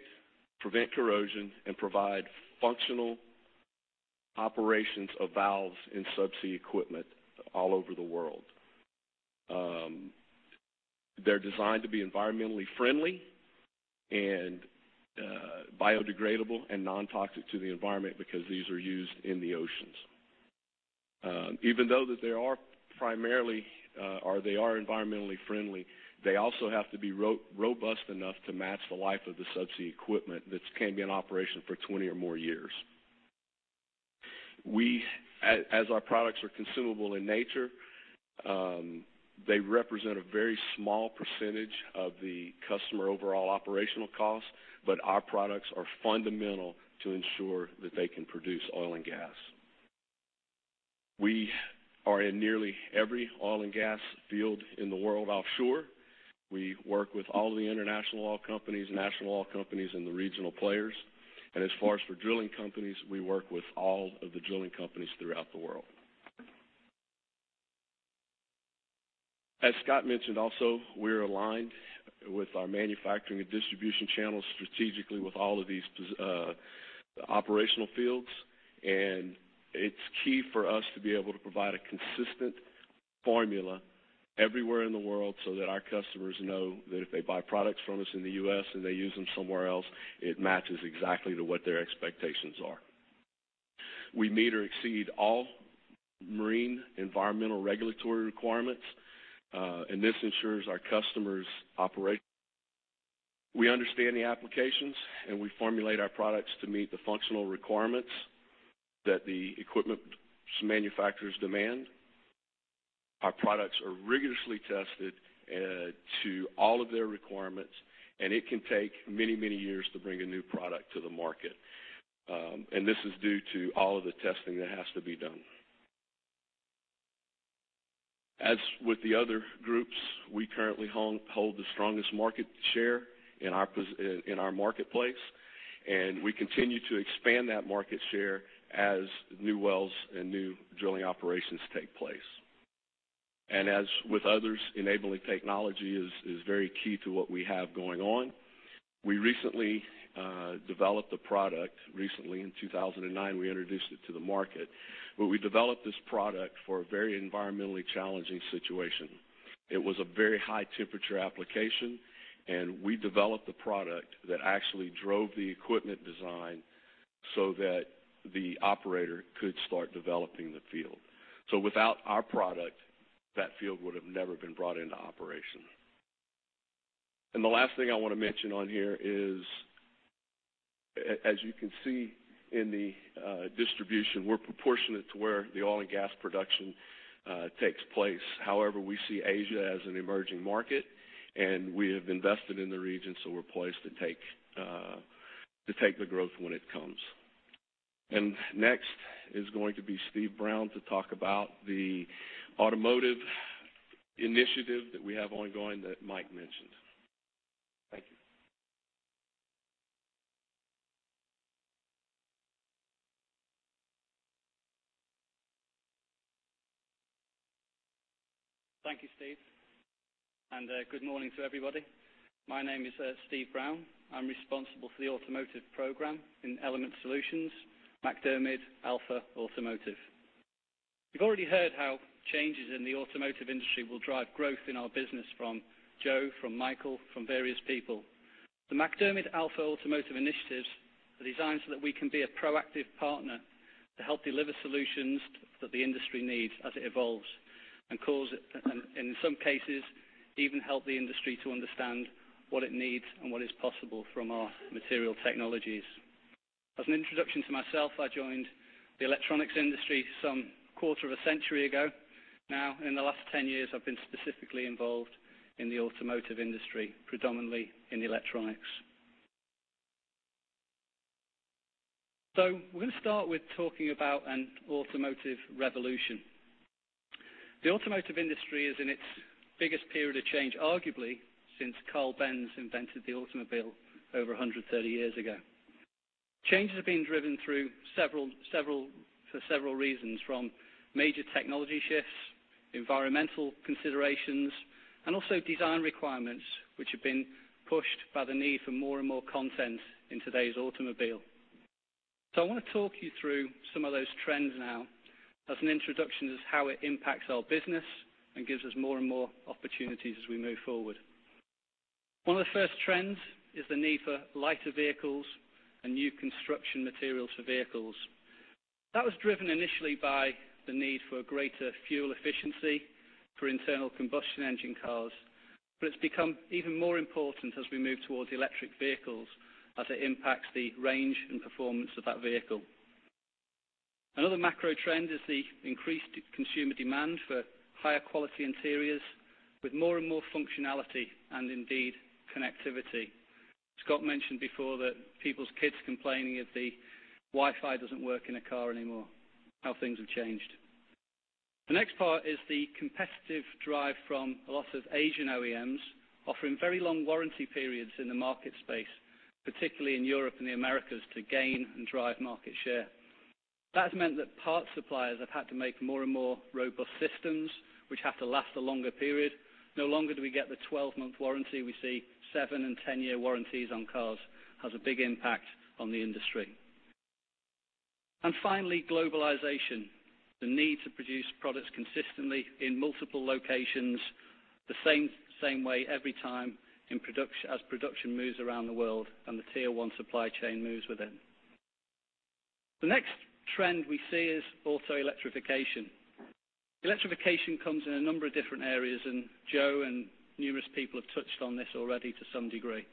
prevent corrosion, and provide functional operations of valves in subsea equipment all over the world. They're designed to be environmentally friendly and biodegradable and non-toxic to the environment because these are used in the oceans. Even though they are environmentally friendly, they also have to be robust enough to match the life of the subsea equipment that can be in operation for 20 or more years. As our products are consumable in nature, they represent a very small percentage of the customer overall operational cost, but our products are fundamental to ensure that they can produce oil and gas. We are in nearly every oil and gas field in the world offshore. We work with all the international oil companies, national oil companies, and the regional players, and as far as for drilling companies, we work with all of the drilling companies throughout the world. As Scot mentioned also, we're aligned with our manufacturing and distribution channels strategically with all of these operational fields. It's key for us to be able to provide a consistent formula everywhere in the world, so that our customers know that if they buy products from us in the U.S. and they use them somewhere else, it matches exactly to what their expectations are. We meet or exceed all marine environmental regulatory requirements. This ensures our customers operate. We understand the applications. We formulate our products to meet the functional requirements that the equipment's manufacturers demand. Our products are rigorously tested to all of their requirements. It can take many years to bring a new product to the market. This is due to all of the testing that has to be done. As with the other groups, we currently hold the strongest market share in our marketplace. We continue to expand that market share as new wells and new drilling operations take place. As with others, enabling technology is very key to what we have going on. We recently developed a product. Recently, in 2009, we introduced it to the market. We developed this product for a very environmentally challenging situation. It was a very high-temperature application. We developed a product that actually drove the equipment design so that the operator could start developing the field. Without our product, that field would have never been brought into operation. The last thing I want to mention on here is, as you can see in the distribution, we're proportionate to where the oil and gas production takes place. However, we see Asia as an emerging market. We have invested in the region, so we're poised to take the growth when it comes. Next is going to be Steve Brown to talk about the automotive initiative that we have ongoing that Mike mentioned. Thank you. Thank you, Steve. Good morning to everybody. My name is Steve Brown. I'm responsible for the automotive program in Element Solutions, MacDermid Alpha Automotive. You've already heard how changes in the automotive industry will drive growth in our business from Joe, from Michael, from various people. The MacDermid Alpha Automotive initiatives are designed so that we can be a proactive partner to help deliver solutions that the industry needs as it evolves. In some cases, even help the industry to understand what it needs and what is possible from our material technologies. As an introduction to myself, I joined the electronics industry some quarter of a century ago now. In the last 10 years, I've been specifically involved in the automotive industry, predominantly in electronics. We're going to start with talking about an automotive revolution. The automotive industry is in its biggest period of change, arguably, since Karl Benz invented the automobile over 130 years ago. Changes have been driven through several reasons, from major technology shifts, environmental considerations, and also design requirements, which have been pushed by the need for more and more content in today's automobile. I want to talk you through some of those trends now as an introduction as how it impacts our business and gives us more and more opportunities as we move forward. One of the first trends is the need for lighter vehicles and new construction materials for vehicles. That was driven initially by the need for greater fuel efficiency for internal combustion engine cars, but it's become even more important as we move towards electric vehicles, as it impacts the range and performance of that vehicle. Another macro trend is the increased consumer demand for higher quality interiors with more and more functionality and indeed connectivity. Scot mentioned before that people's kids complaining if the Wi-Fi doesn't work in a car anymore, how things have changed. The next part is the competitive drive from a lot of Asian OEMs offering very long warranty periods in the market space, particularly in Europe and the Americas, to gain and drive market share. That's meant that parts suppliers have had to make more and more robust systems, which have to last a longer period. No longer do we get the 12-month warranty. We see seven and 10-year warranties on cars. Has a big impact on the industry. Finally, globalization, the need to produce products consistently in multiple locations, the same way every time as production moves around the world and the Tier 1 supply chain moves with it. The next trend we see is auto electrification. Electrification comes in a number of different areas, and Joe and numerous people have touched on this already to some degree.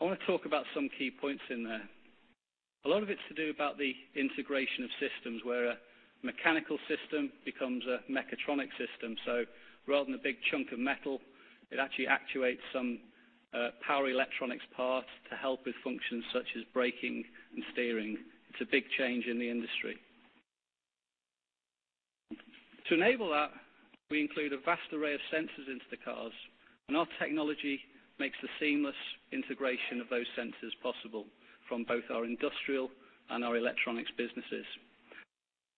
I want to talk about some key points in there. A lot of it's to do about the integration of systems, where a mechanical system becomes a mechatronic system. Rather than a big chunk of metal, it actually actuates some power electronics parts to help with functions such as braking and steering. It's a big change in the industry. To enable that, we include a vast array of sensors into the cars, and our technology makes the seamless integration of those sensors possible from both our industrial and our electronics businesses.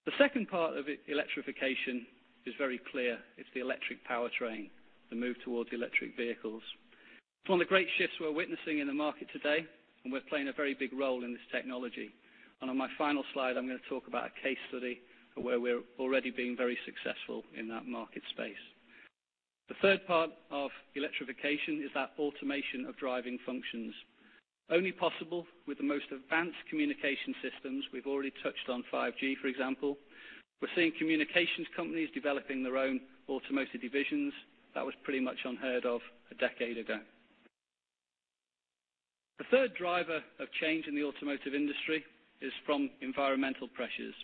The second part of electrification is very clear. It's the electric powertrain, the move towards electric vehicles. It's one of the great shifts we're witnessing in the market today, and we're playing a very big role in this technology. On my final slide, I'm going to talk about a case study where we're already being very successful in that market space. The third part of electrification is that automation of driving functions, only possible with the most advanced communication systems. We've already touched on 5G, for example. We're seeing communications companies developing their own automotive divisions. That was pretty much unheard of a decade ago. The third driver of change in the automotive industry is from environmental pressures.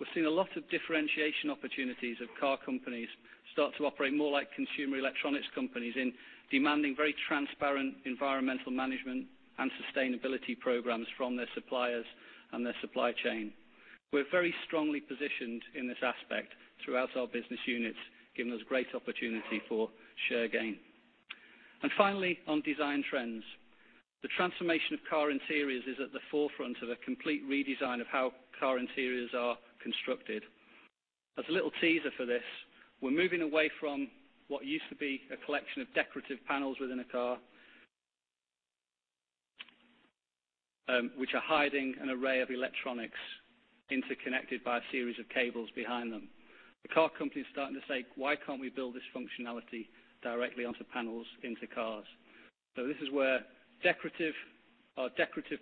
We're seeing a lot of differentiation opportunities of car companies start to operate more like consumer electronics companies in demanding very transparent environmental management and sustainability programs from their suppliers and their supply chain. We're very strongly positioned in this aspect throughout our business units, giving us great opportunity for share gain. Finally, on design trends. The transformation of car interiors is at the forefront of a complete redesign of how car interiors are constructed. As a little teaser for this, we're moving away from what used to be a collection of decorative panels within a car, which are hiding an array of electronics interconnected by a series of cables behind them. The car company's starting to say, "Why can't we build this functionality directly onto panels into cars?" This is where decorative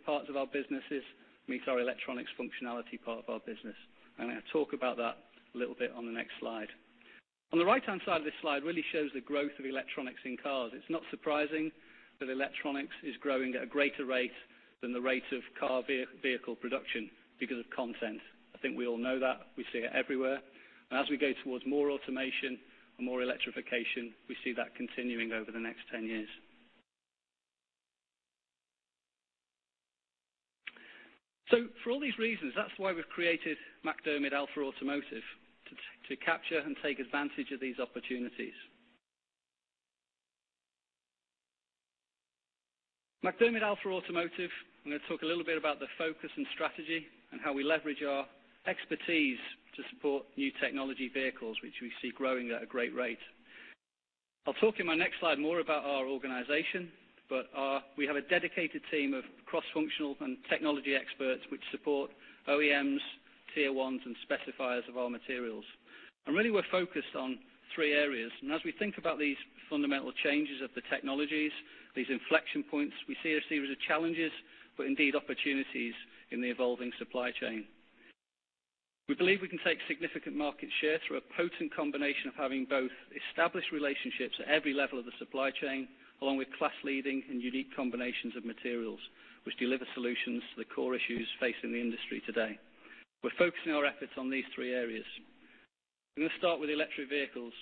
parts of our businesses meet our electronics functionality part of our business. I'm going to talk about that a little bit on the next slide. On the right-hand side of this slide really shows the growth of electronics in cars. It's not surprising that electronics is growing at a greater rate than the rate of car vehicle production because of content. I think we all know that. We see it everywhere. As we go towards more automation and more electrification, we see that continuing over the next 10 years. For all these reasons, that's why we've created MacDermid Alpha Automotive, to capture and take advantage of these opportunities. MacDermid Alpha Automotive, I'm going to talk a little bit about the focus and strategy and how we leverage our expertise to support new technology vehicles, which we see growing at a great rate. I'll talk in my next slide more about our organization, but we have a dedicated team of cross-functional and technology experts which support OEMs, Tier 1s, and specifiers of our materials. Really, we're focused on three areas. As we think about these fundamental changes of the technologies, these inflection points, we see a series of challenges, but indeed opportunities in the evolving supply chain. We believe we can take significant market share through a potent combination of having both established relationships at every level of the supply chain, along with class-leading and unique combinations of materials, which deliver solutions to the core issues facing the industry today. We're focusing our efforts on these three areas. I'm going to start with electric vehicles.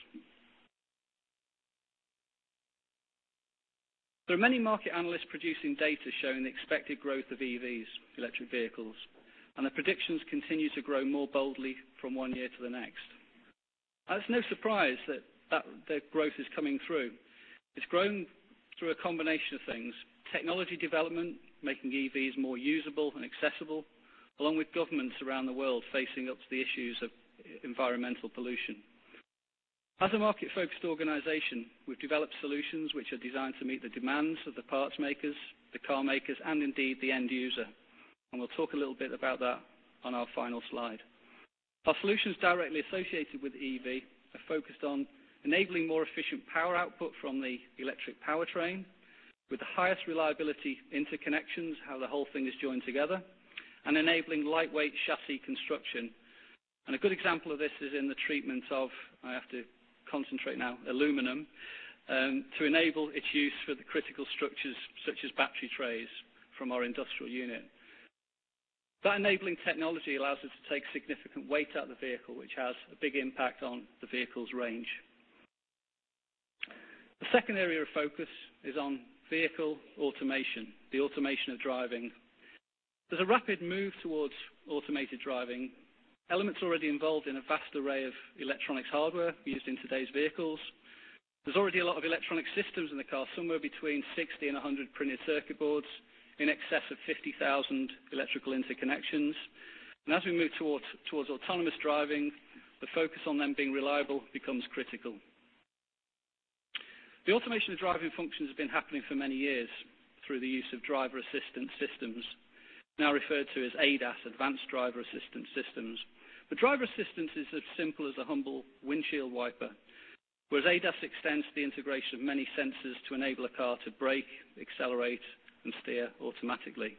There are many market analysts producing data showing the expected growth of EVs, electric vehicles, and the predictions continue to grow more boldly from one year to the next. It's no surprise that the growth is coming through. It's grown through a combination of things, technology development, making EVs more usable and accessible, along with governments around the world facing up to the issues of environmental pollution. As a market-focused organization, we've developed solutions which are designed to meet the demands of the parts makers, the car makers, and indeed, the end user. We'll talk a little bit about that on our final slide. Our solutions directly associated with EV are focused on enabling more efficient power output from the electric powertrain with the highest reliability interconnections, how the whole thing is joined together, and enabling lightweight chassis construction. A good example of this is in the treatment of, I have to concentrate now, aluminum to enable its use for the critical structures such as battery trays from our industrial unit. That enabling technology allows us to take significant weight out of the vehicle, which has a big impact on the vehicle's range. The second area of focus is on vehicle automation, the automation of driving. There's a rapid move towards automated driving. Element's already involved in a vast array of electronics hardware used in today's vehicles. There's already a lot of electronic systems in the car, somewhere between 60 and 100 printed circuit boards, in excess of 50,000 electrical interconnections. As we move towards autonomous driving, the focus on them being reliable becomes critical. The automation of driving functions has been happening for many years through the use of driver assistance systems, now referred to as ADAS, Advanced Driver Assistance Systems. Driver assistance is as simple as a humble windshield wiper. Whereas ADAS extends the integration of many sensors to enable a car to brake, accelerate, and steer automatically.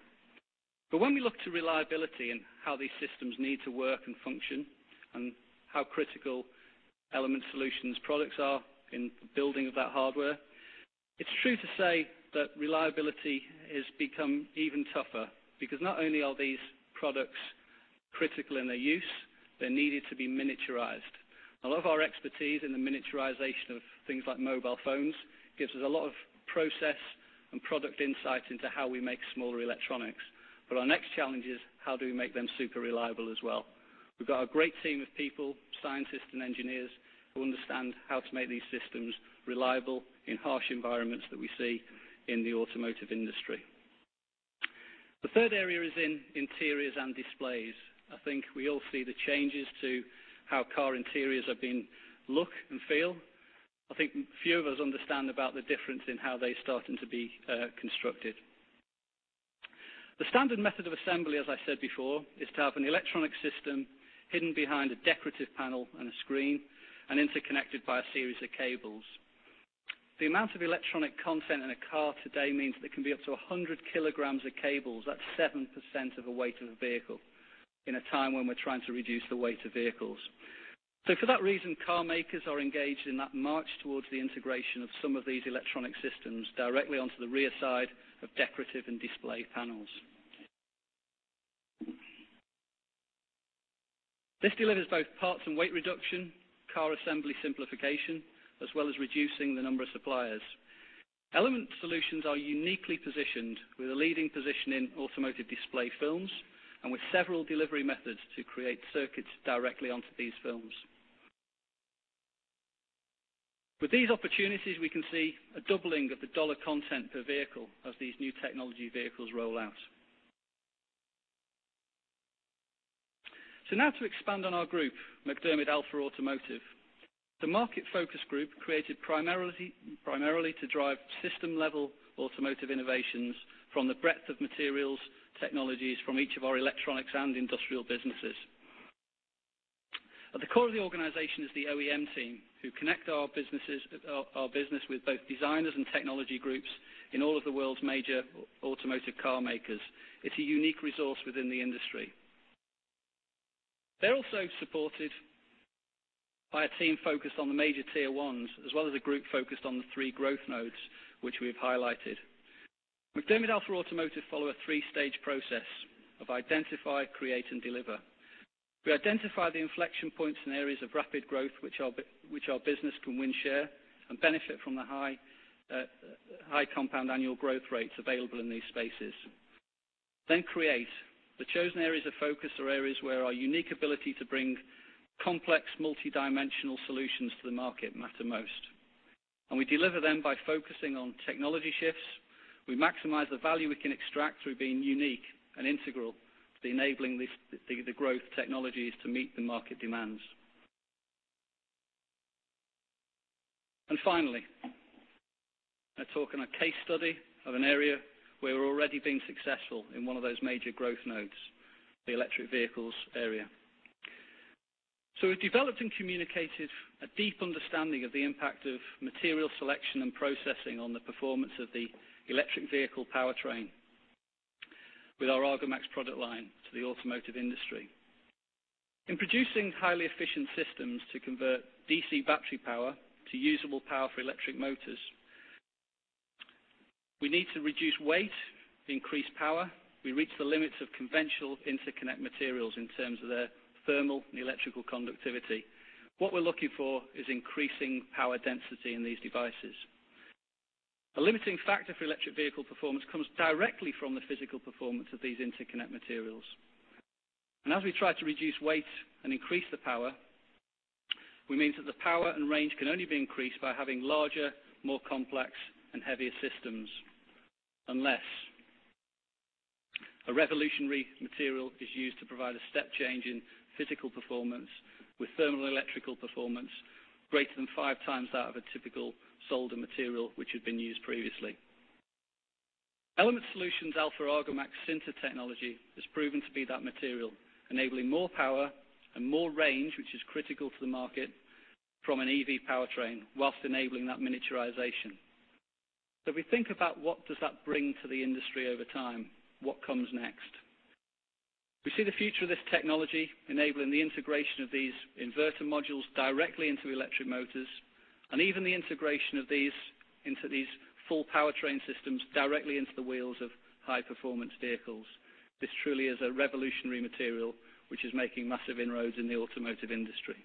When we look to reliability and how these systems need to work and function, and how critical Element Solutions products are in the building of that hardware, it's true to say that reliability has become even tougher, because not only are these products critical in their use, they're needed to be miniaturized. A lot of our expertise in the miniaturization of things like mobile phones gives us a lot of process and product insight into how we make smaller electronics. Our next challenge is how do we make them super reliable as well. We've got a great team of people, scientists and engineers, who understand how to make these systems reliable in harsh environments that we see in the automotive industry. The third area is in interiors and displays. I think we all see the changes to how car interiors have been look and feel. I think few of us understand about the difference in how they're starting to be constructed. The standard method of assembly, as I said before, is to have an electronic system hidden behind a decorative panel and a screen and interconnected by a series of cables. The amount of electronic content in a car today means there can be up to 100 kilograms of cables. That's 7% of the weight of the vehicle in a time when we're trying to reduce the weight of vehicles. For that reason, car makers are engaged in that march towards the integration of some of these electronic systems directly onto the rear side of decorative and display panels. This delivers both parts and weight reduction, car assembly simplification, as well as reducing the number of suppliers. Element Solutions are uniquely positioned with a leading position in automotive display films and with several delivery methods to create circuits directly onto these films. With these opportunities, we can see a doubling of the dollar content per vehicle as these new technology vehicles roll out. Now to expand on our group, MacDermid Alpha Automotive. It's a market-focused group created primarily to drive system-level automotive innovations from the breadth of materials, technologies from each of our electronics and industrial businesses. At the core of the organization is the OEM team, who connect our business with both designers and technology groups in all of the world's major automotive car makers. It's a unique resource within the industry. They're also supported by a team focused on the major tier 1s, as well as a group focused on the three growth nodes, which we've highlighted. MacDermid Alpha Automotive follow a 3-stage process of identify, create, and deliver. We identify the inflection points and areas of rapid growth which our business can win, share, and benefit from the high compound annual growth rates available in these spaces. Create. The chosen areas of focus are areas where our unique ability to bring complex, multidimensional solutions to the market matter most. We deliver them by focusing on technology shifts. We maximize the value we can extract through being unique and integral to enabling the growth technologies to meet the market demands. Finally, a talk on a case study of an area where we're already being successful in one of those major growth nodes, the electric vehicles area. We've developed and communicated a deep understanding of the impact of material selection and processing on the performance of the electric vehicle powertrain with our Argomax product line to the automotive industry. In producing highly efficient systems to convert DC battery power to usable power for electric motors, we need to reduce weight, increase power. We reach the limits of conventional interconnect materials in terms of their thermal and electrical conductivity. What we're looking for is increasing power density in these devices. A limiting factor for electric vehicle performance comes directly from the physical performance of these interconnect materials. As we try to reduce weight and increase the power, we mean that the power and range can only be increased by having larger, more complex, and heavier systems. Unless a revolutionary material is used to provide a step change in physical performance with thermal electrical performance greater than five times that of a typical solder material, which had been used previously. Element Solutions' ALPHA Argomax Sinter technology has proven to be that material, enabling more power and more range, which is critical to the market, from an EV powertrain, whilst enabling that miniaturization. If we think about what does that bring to the industry over time, what comes next? We see the future of this technology enabling the integration of these inverter modules directly into electric motors and even the integration of these into these full powertrain systems directly into the wheels of high-performance vehicles. This truly is a revolutionary material which is making massive inroads in the automotive industry.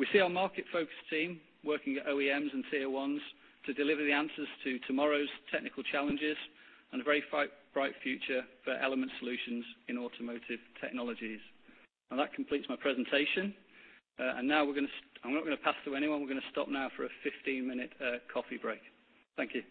We see our market-focused team working at OEMs and Tier 1s to deliver the answers to tomorrow's technical challenges and a very bright future for Element Solutions in automotive technologies. That completes my presentation. Now I'm not going to pass to anyone. We're going to stop now for a 15-minute coffee break. Thank you.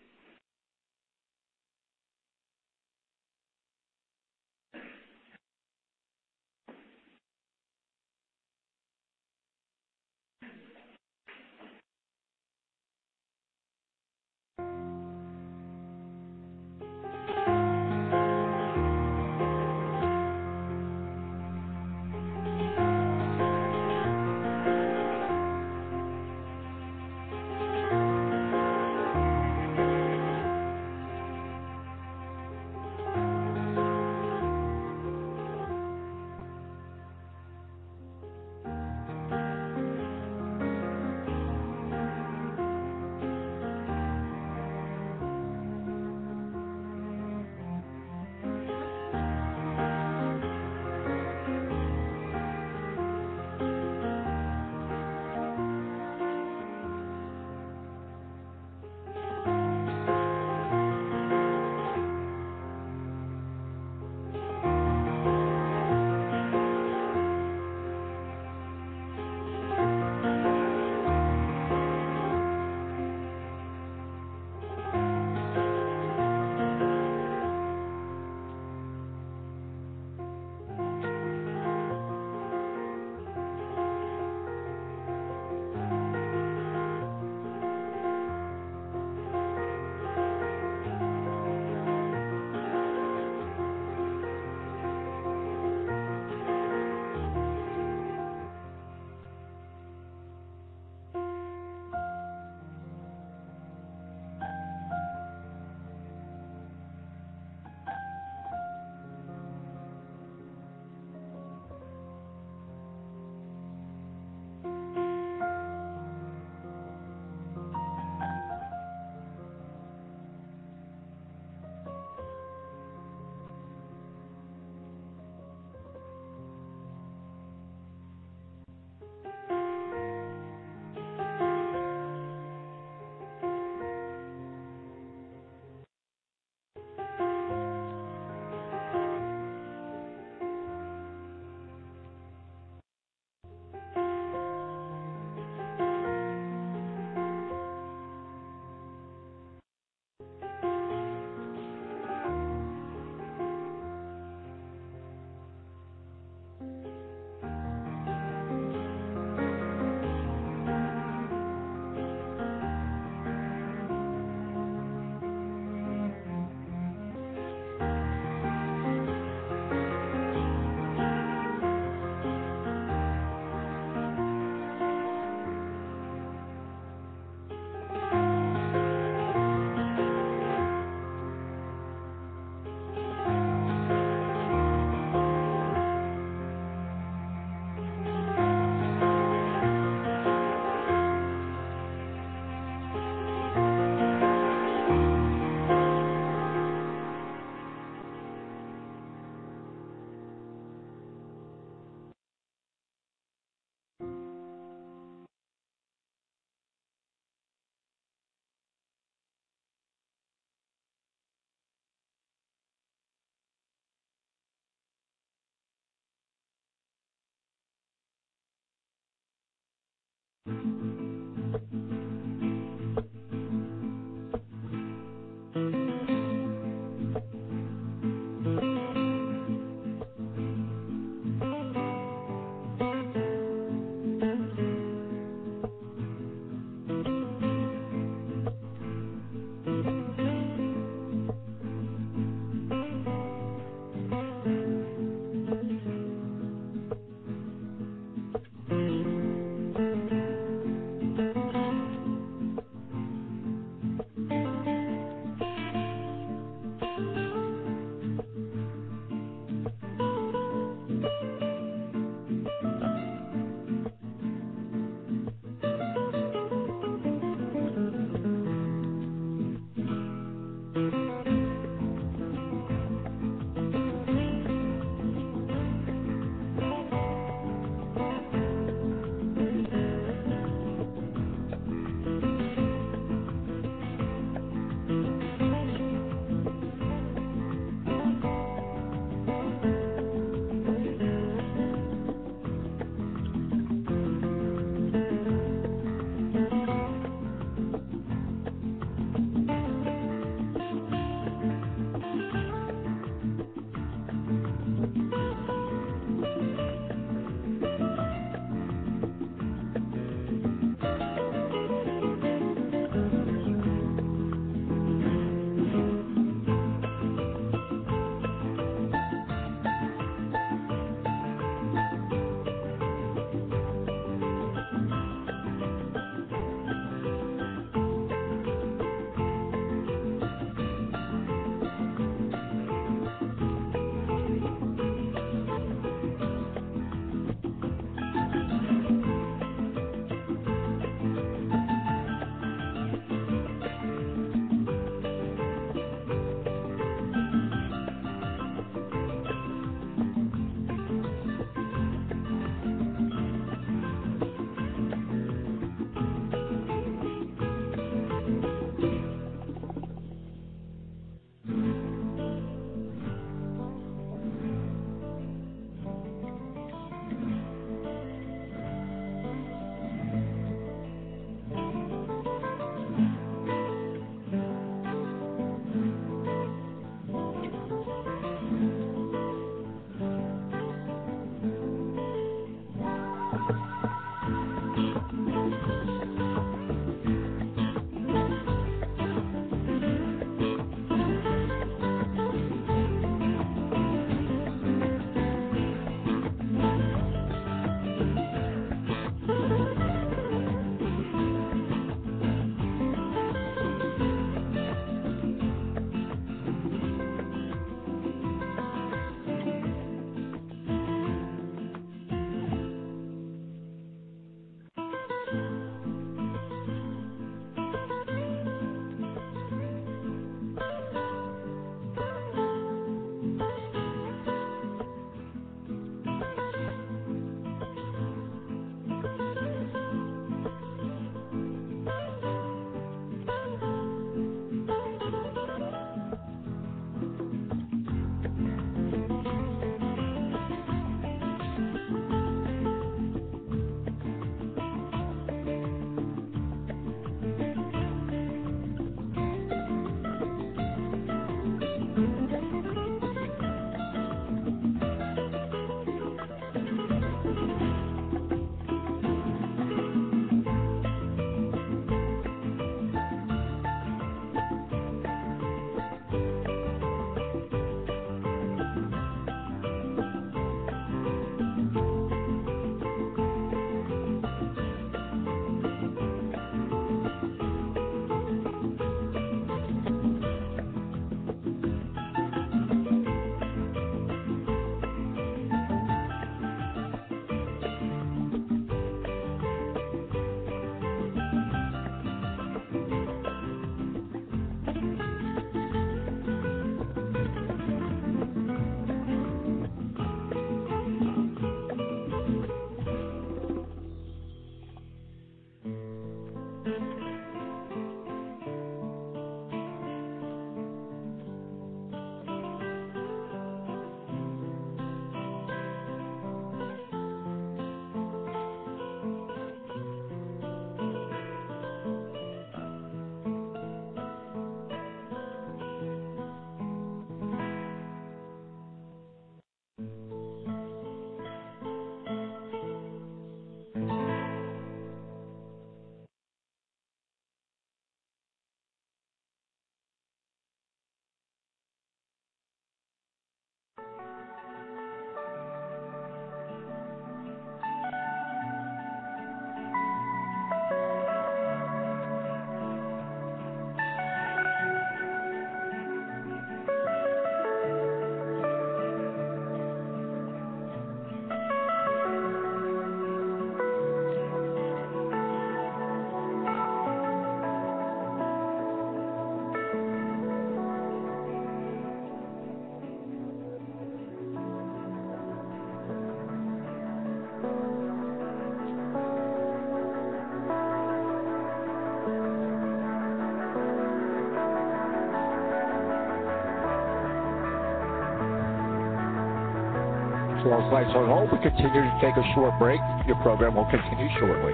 To all flights on hold, we continue to take a short break. Your program will continue shortly.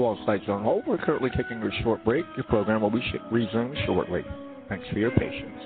To all site zone hold. We're currently taking a short break. Your program will resume shortly. Thanks for your patience.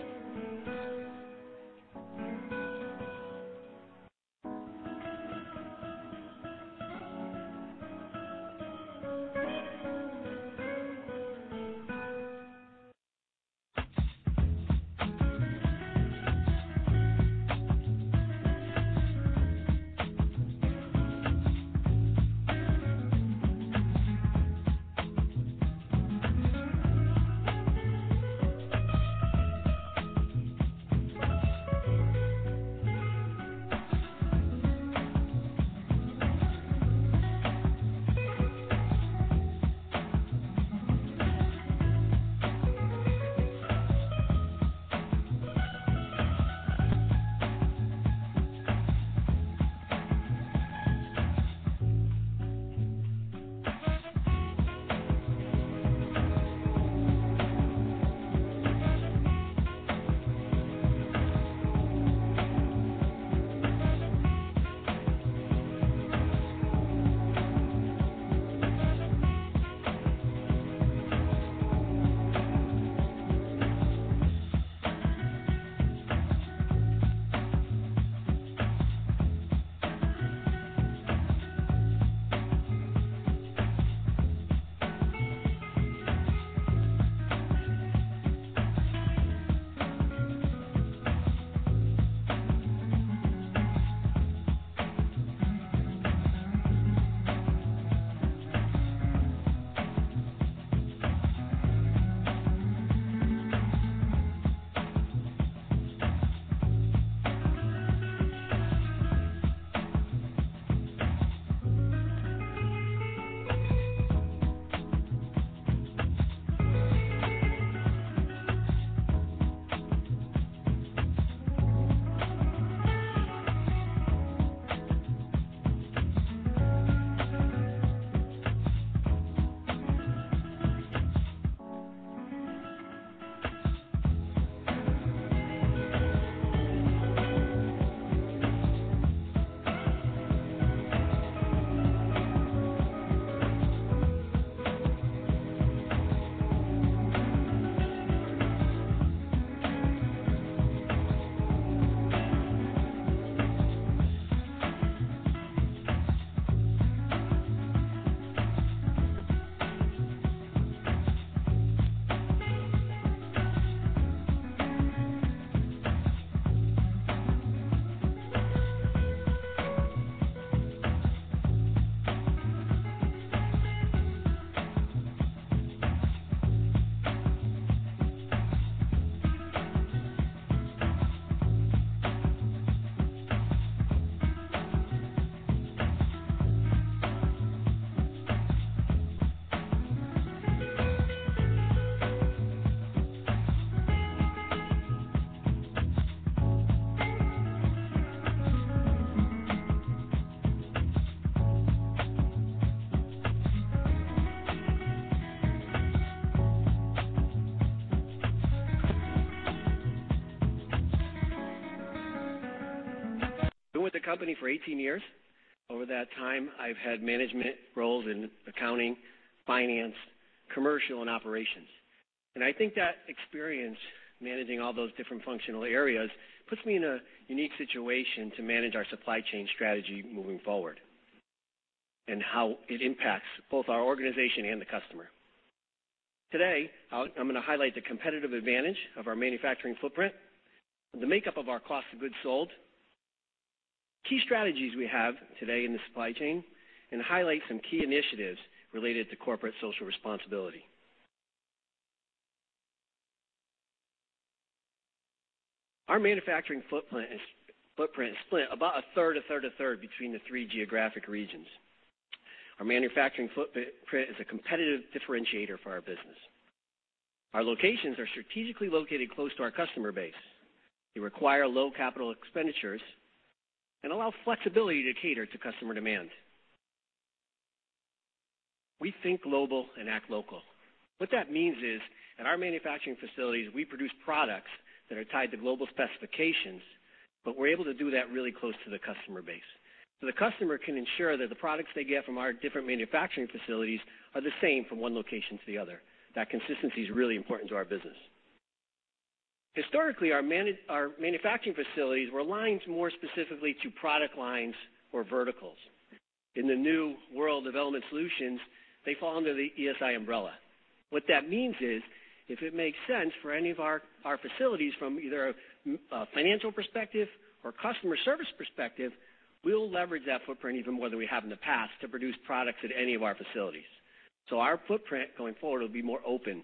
I've been with the company for 18 years. Over that time, I've had management roles in accounting, finance, commercial, and operations. I think that experience managing all those different functional areas puts me in a unique situation to manage our supply chain strategy moving forward, and how it impacts both our organization and the customer. Today, I'm going to highlight the competitive advantage of our manufacturing footprint, the makeup of our cost of goods sold, key strategies we have today in the supply chain, and highlight some key initiatives related to corporate social responsibility. Our manufacturing footprint is split about a third, a third, a third between the three geographic regions. Our manufacturing footprint is a competitive differentiator for our business. Our locations are strategically located close to our customer base. They require low capital expenditures and allow flexibility to cater to customer demand. We think global and act local. What that means is, at our manufacturing facilities, we produce products that are tied to global specifications, but we're able to do that really close to the customer base. The customer can ensure that the products they get from our different manufacturing facilities are the same from one location to the other. That consistency is really important to our business. Historically, our manufacturing facilities were aligned more specifically to product lines or verticals. In the new world Element Solutions, they fall under the ESI umbrella. What that means is, if it makes sense for any of our facilities from either a financial perspective or customer service perspective, we'll leverage that footprint even more than we have in the past to produce products at any of our facilities. Our footprint going forward will be more open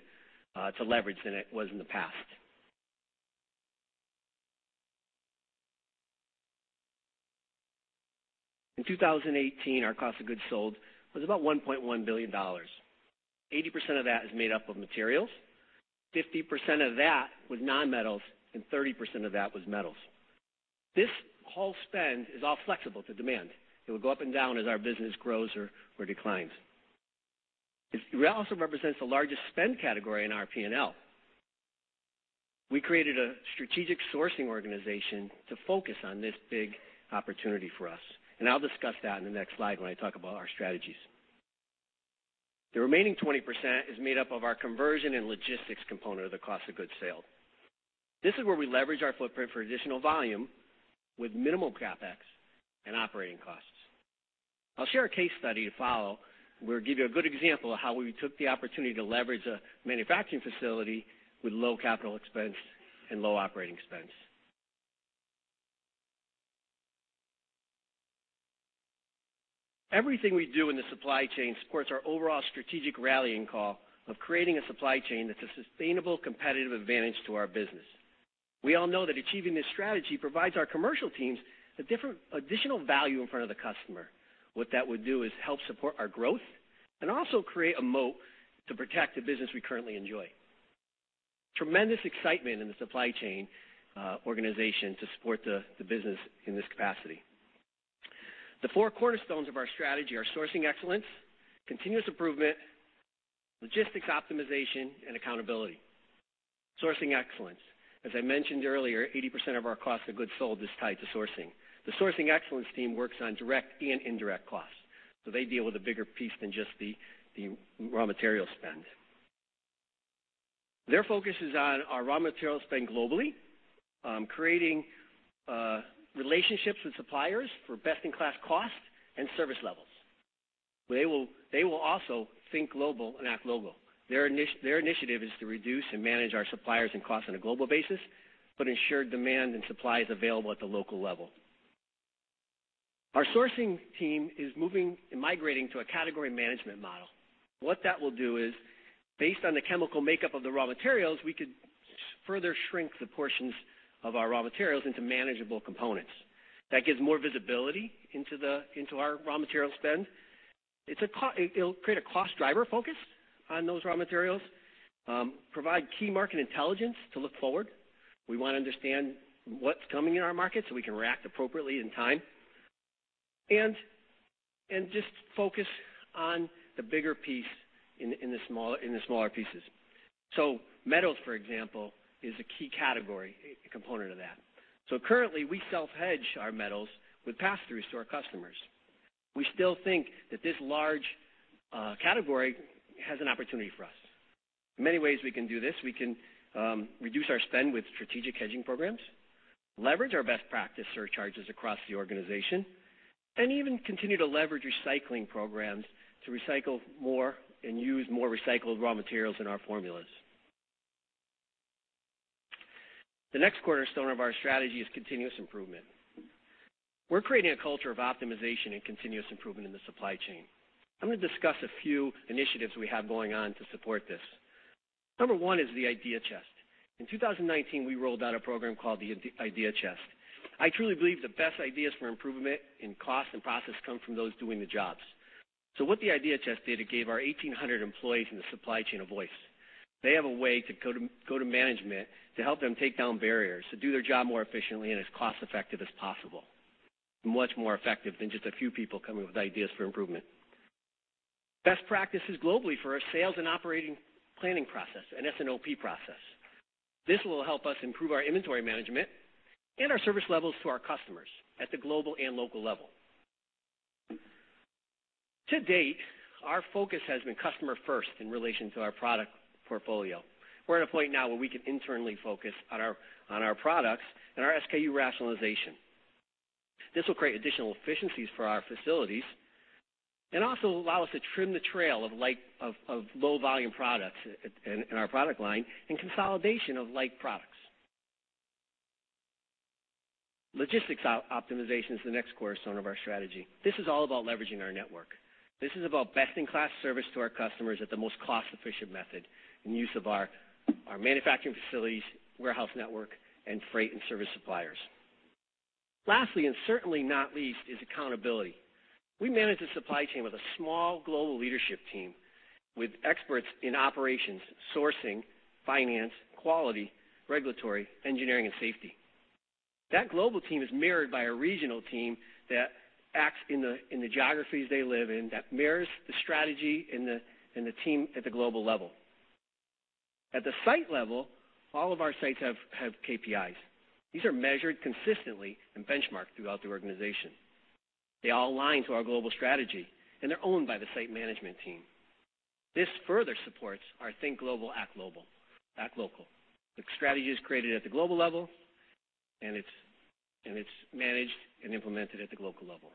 to leverage than it was in the past. In 2018, our cost of goods sold was about $1.1 billion. 80% of that is made up of materials, 50% of that was non-metals, and 30% of that was metals. This whole spend is all flexible to demand. It will go up and down as our business grows or declines. It also represents the largest spend category in our P&L. We created a strategic sourcing organization to focus on this big opportunity for us, and I'll discuss that in the next slide when I talk about our strategies. The remaining 20% is made up of our conversion and logistics component of the cost of goods sold. This is where we leverage our footprint for additional volume with minimal CapEx and operating costs. I'll share a case study to follow, where I'll give you a good example of how we took the opportunity to leverage a manufacturing facility with low capital expense and low operating expense. Everything we do in the supply chain supports our overall strategic rallying call of creating a supply chain that's a sustainable competitive advantage to our business. We all know that achieving this strategy provides our commercial teams additional value in front of the customer. What that would do is help support our growth and also create a moat to protect the business we currently enjoy. Tremendous excitement in the supply chain organization to support the business in this capacity. The four cornerstones of our strategy are sourcing excellence, continuous improvement, logistics optimization, and accountability. Sourcing excellence. As I mentioned earlier, 80% of our cost of goods sold is tied to sourcing. The sourcing excellence team works on direct and indirect costs, so they deal with a bigger piece than just the raw material spend. Their focus is on our raw material spend globally, creating relationships with suppliers for best-in-class cost and service levels, where they will also think global and act local. Their initiative is to reduce and manage our suppliers and costs on a global basis, but ensure demand and supply is available at the local level. Our sourcing team is moving and migrating to a category management model. What that will do is, based on the chemical makeup of the raw materials, we could further shrink the portions of our raw materials into manageable components. That gives more visibility into our raw material spend. It'll create a cost driver focus on those raw materials, provide key market intelligence to look forward. We want to understand what's coming in our market so we can react appropriately in time. Just focus on the bigger piece in the smaller pieces. Metals, for example, is a key category, a component of that. Currently, we self-hedge our metals with passthroughs to our customers. We still think that this large category has an opportunity for us. There are many ways we can do this. We can reduce our spend with strategic hedging programs, leverage our best practice surcharges across the organization, and even continue to leverage recycling programs to recycle more and use more recycled raw materials in our formulas. The next cornerstone of our strategy is continuous improvement. We're creating a culture of optimization and continuous improvement in the supply chain. I'm going to discuss a few initiatives we have going on to support this. Number one is the Idea Chest. In 2019, we rolled out a program called the Idea Chest. I truly believe the best ideas for improvement in cost and process come from those doing the jobs. What the Idea Chest did, it gave our 1,800 employees in the supply chain a voice. They have a way to go to management to help them take down barriers, to do their job more efficiently and as cost-effective as possible, and much more effective than just a few people coming with ideas for improvement. Best practices globally for our sales and operating planning process, an S&OP process. This will help us improve our inventory management and our service levels to our customers at the global and local level. To date, our focus has been customer first in relation to our product portfolio. We're at a point now where we can internally focus on our products and our SKU rationalization. This will create additional efficiencies for our facilities and also allow us to trim the trail of low-volume products in our product line and consolidation of like products. Logistics optimization is the next cornerstone of our strategy. This is all about leveraging our network. This is about best-in-class service to our customers at the most cost-efficient method in use of our manufacturing facilities, warehouse network, and freight and service suppliers. Lastly, and certainly not least, is accountability. We manage the supply chain with a small global leadership team with experts in operations, sourcing, finance, quality, regulatory, engineering, and safety. That global team is mirrored by a regional team that acts in the geographies they live in that mirrors the strategy and the team at the global level. At the site level, all of our sites have KPIs. These are measured consistently and benchmarked throughout the organization. They all align to our global strategy, and they're owned by the site management team. This further supports our think global, act local. The strategy is created at the global level, and it's managed and implemented at the local level.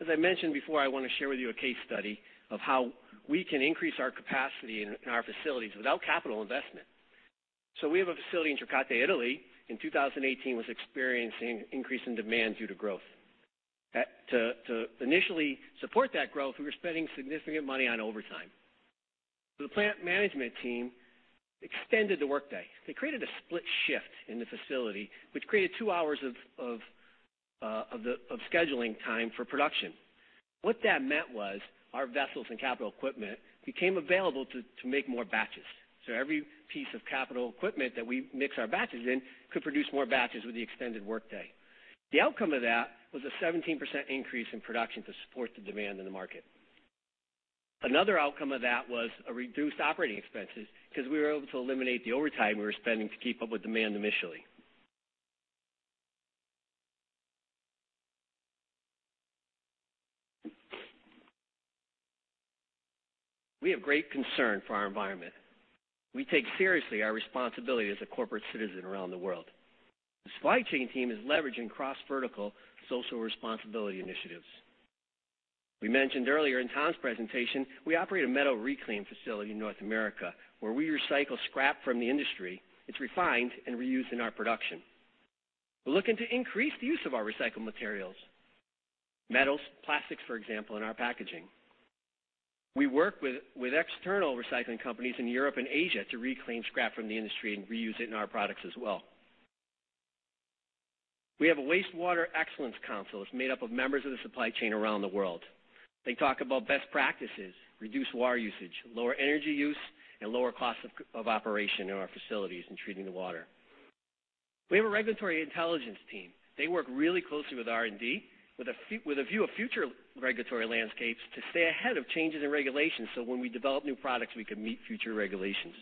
As I mentioned before, I want to share with you a case study of how we can increase our capacity in our facilities without capital investment. We have a facility in Trecate, Italy. In 2018, was experiencing increase in demand due to growth. To initially support that growth, we were spending significant money on overtime. The plant management team extended the workday. They created a split shift in the facility, which created two hours of scheduling time for production. What that meant was our vessels and capital equipment became available to make more batches. Every piece of capital equipment that we mix our batches in could produce more batches with the extended workday. The outcome of that was a 17% increase in production to support the demand in the market. Another outcome of that was a reduced operating expenses because we were able to eliminate the overtime we were spending to keep up with demand initially. We have great concern for our environment. We take seriously our responsibility as a corporate citizen around the world. The supply chain team is leveraging cross-vertical social responsibility initiatives. We mentioned earlier in Tom's presentation, we operate a metal reclaim facility in North America, where we recycle scrap from the industry. It's refined and reused in our production. We're looking to increase the use of our recycled materials, metals, plastics, for example, in our packaging. We work with external recycling companies in Europe and Asia to reclaim scrap from the industry and reuse it in our products as well. We have a Wastewater Excellence Council that's made up of members of the supply chain around the world. They talk about best practices, reduce water usage, lower energy use, and lower cost of operation in our facilities in treating the water. We have a regulatory intelligence team. They work really closely with R&D, with a view of future regulatory landscapes to stay ahead of changes in regulations, so when we develop new products, we can meet future regulations.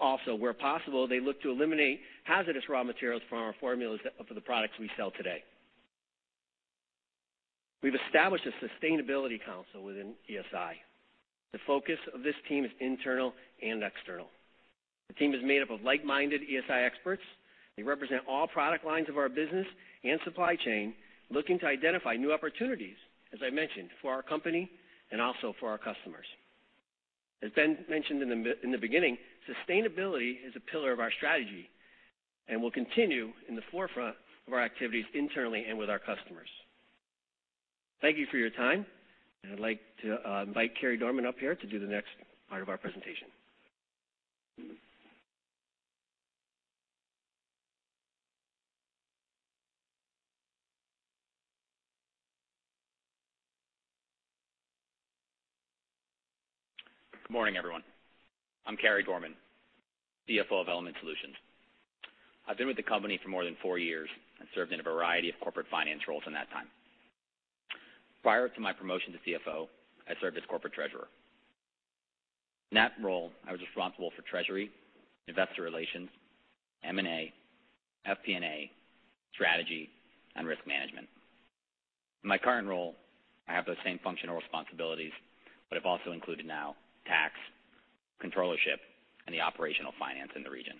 Also, where possible, they look to eliminate hazardous raw materials from our formulas for the products we sell today. We've established a sustainability council within ESI. The focus of this team is internal and external. The team is made up of like-minded ESI experts. They represent all product lines of our business and supply chain, looking to identify new opportunities, as I mentioned, for our company and also for our customers. As Ben mentioned in the beginning, sustainability is a pillar of our strategy and will continue in the forefront of our activities internally and with our customers. Thank you for your time, and I'd like to invite Carey Dorman up here to do the next part of our presentation. Good morning, everyone. I'm Carey Dorman, CFO of Element Solutions. I've been with the company for more than four years and served in a variety of corporate finance roles in that time. Prior to my promotion to CFO, I served as corporate treasurer. In that role, I was responsible for treasury, investor relations, M&A, FP&A, strategy, and risk management. In my current role, I have those same functional responsibilities, but I've also included now tax, controllership, and the operational finance in the region.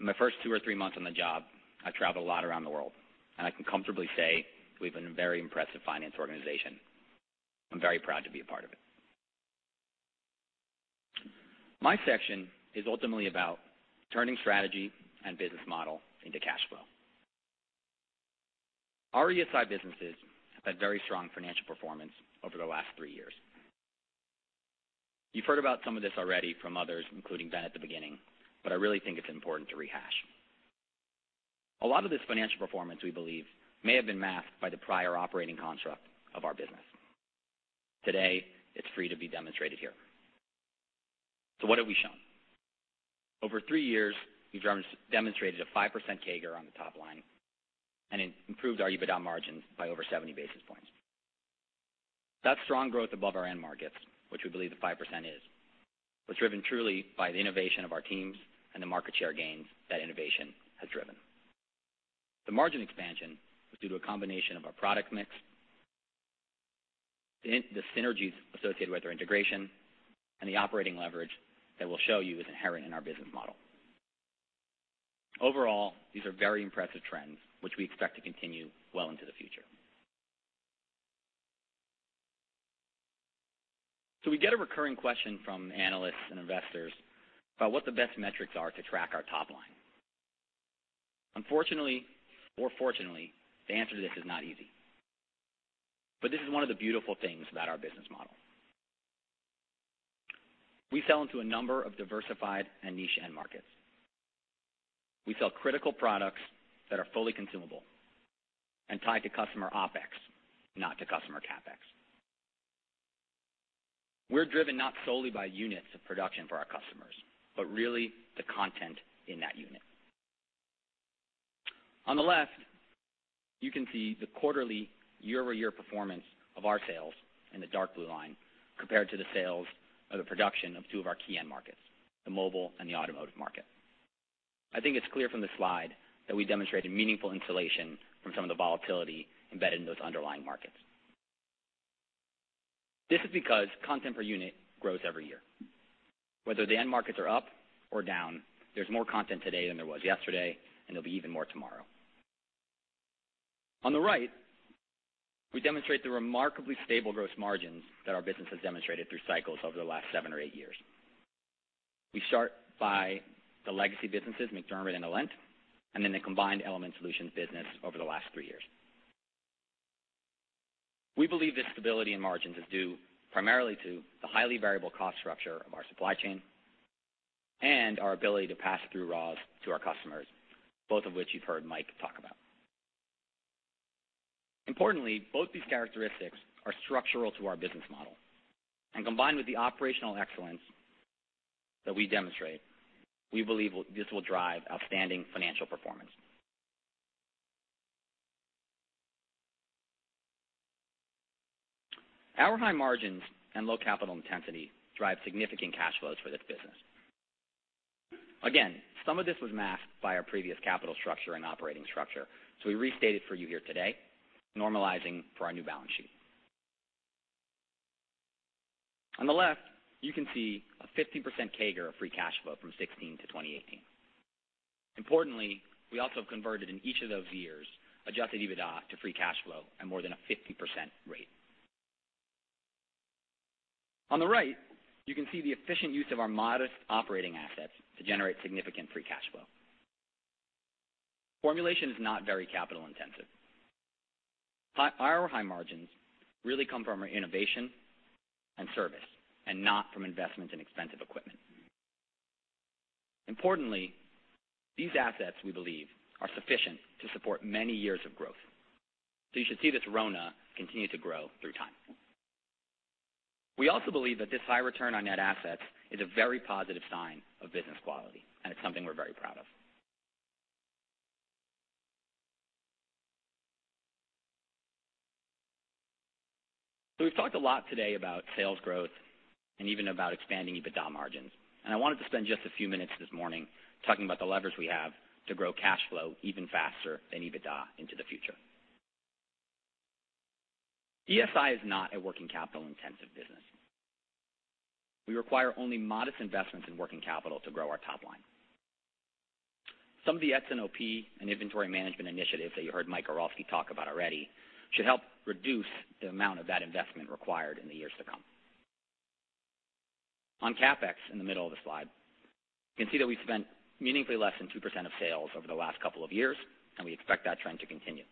In my first two or three months on the job, I traveled a lot around the world, and I can comfortably say we have a very impressive finance organization. I'm very proud to be a part of it. My section is ultimately about turning strategy and business model into cash flow. Our ESI businesses have had very strong financial performance over the last three years. You've heard about some of this already from others, including Ben at the beginning, but I really think it's important to rehash. A lot of this financial performance, we believe, may have been masked by the prior operating construct of our business. Today, it's free to be demonstrated here. What have we shown? Over three years, we've demonstrated a 5% CAGR on the top line, and it improved our EBITDA margins by over 70 basis points. That's strong growth above our end markets, which we believe the 5% is. It was driven truly by the innovation of our teams and the market share gains that innovation has driven. The margin expansion was due to a combination of our product mix, the synergies associated with our integration, and the operating leverage that we'll show you is inherent in our business model. Overall, these are very impressive trends, which we expect to continue well into the future. We get a recurring question from analysts and investors about what the best metrics are to track our top line. Unfortunately, or fortunately, the answer to this is not easy. This is one of the beautiful things about our business model. We sell into a number of diversified and niche end markets. We sell critical products that are fully consumable and tied to customer OpEx, not to customer CapEx. We're driven not solely by units of production for our customers, but really the content in that unit. On the left, you can see the quarterly year-over-year performance of our sales in the dark blue line, compared to the sales of the production of two of our key end markets, the mobile and the automotive market. I think it's clear from this slide that we demonstrated meaningful insulation from some of the volatility embedded in those underlying markets. This is because content per unit grows every year. Whether the end markets are up or down, there's more content today than there was yesterday, and there'll be even more tomorrow. On the right, we demonstrate the remarkably stable gross margins that our business has demonstrated through cycles over the last seven or eight years. We start by the legacy businesses, MacDermid and Alent, and then the combined Element Solutions business over the last three years. We believe this stability in margins is due primarily to the highly variable cost structure of our supply chain and our ability to pass through raws to our customers, both of which you've heard Mike talk about. Importantly, both these characteristics are structural to our business model. Combined with the operational excellence that we demonstrate, we believe this will drive outstanding financial performance. Our high margins and low capital intensity drive significant cash flows for this business. Again, some of this was masked by our previous capital structure and operating structure. We restate it for you here today, normalizing for our new balance sheet. On the left, you can see a 15% CAGR of free cash flow from 2016 to 2018. Importantly, we also converted in each of those years, adjusted EBITDA to free cash flow at more than a 50% rate. On the right, you can see the efficient use of our modest operating assets to generate significant free cash flow. Formulation is not very capital intensive. Our high margins really come from our innovation and service, and not from investment in expensive equipment. Importantly, these assets, we believe, are sufficient to support many years of growth. You should see this RONA continue to grow through time. We also believe that this high return on net assets is a very positive sign of business quality, and it's something we're very proud of. We've talked a lot today about sales growth and even about expanding EBITDA margins, and I wanted to spend just a few minutes this morning talking about the levers we have to grow cash flow even faster than EBITDA into the future. ESI is not a working capital intensive business. We require only modest investments in working capital to grow our top line. Some of the S&OP and inventory management initiatives that you heard Mike Goralski talk about already should help reduce the amount of that investment required in the years to come. On CapEx, in the middle of the slide, you can see that we've spent meaningfully less than 2% of sales over the last couple of years, and we expect that trend to continue.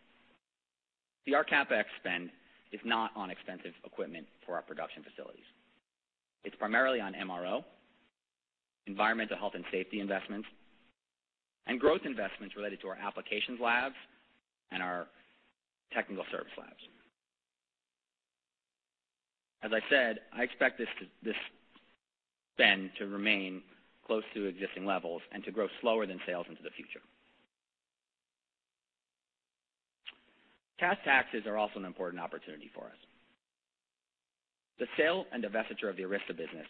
Our CapEx spend is not on expensive equipment for our production facilities. It's primarily on MRO, environmental health and safety investments, and growth investments related to our applications labs and our technical service labs. As I said, I expect this spend to remain close to existing levels and to grow slower than sales into the future. Cash taxes are also an important opportunity for us. The sale and divestiture of the Arysta business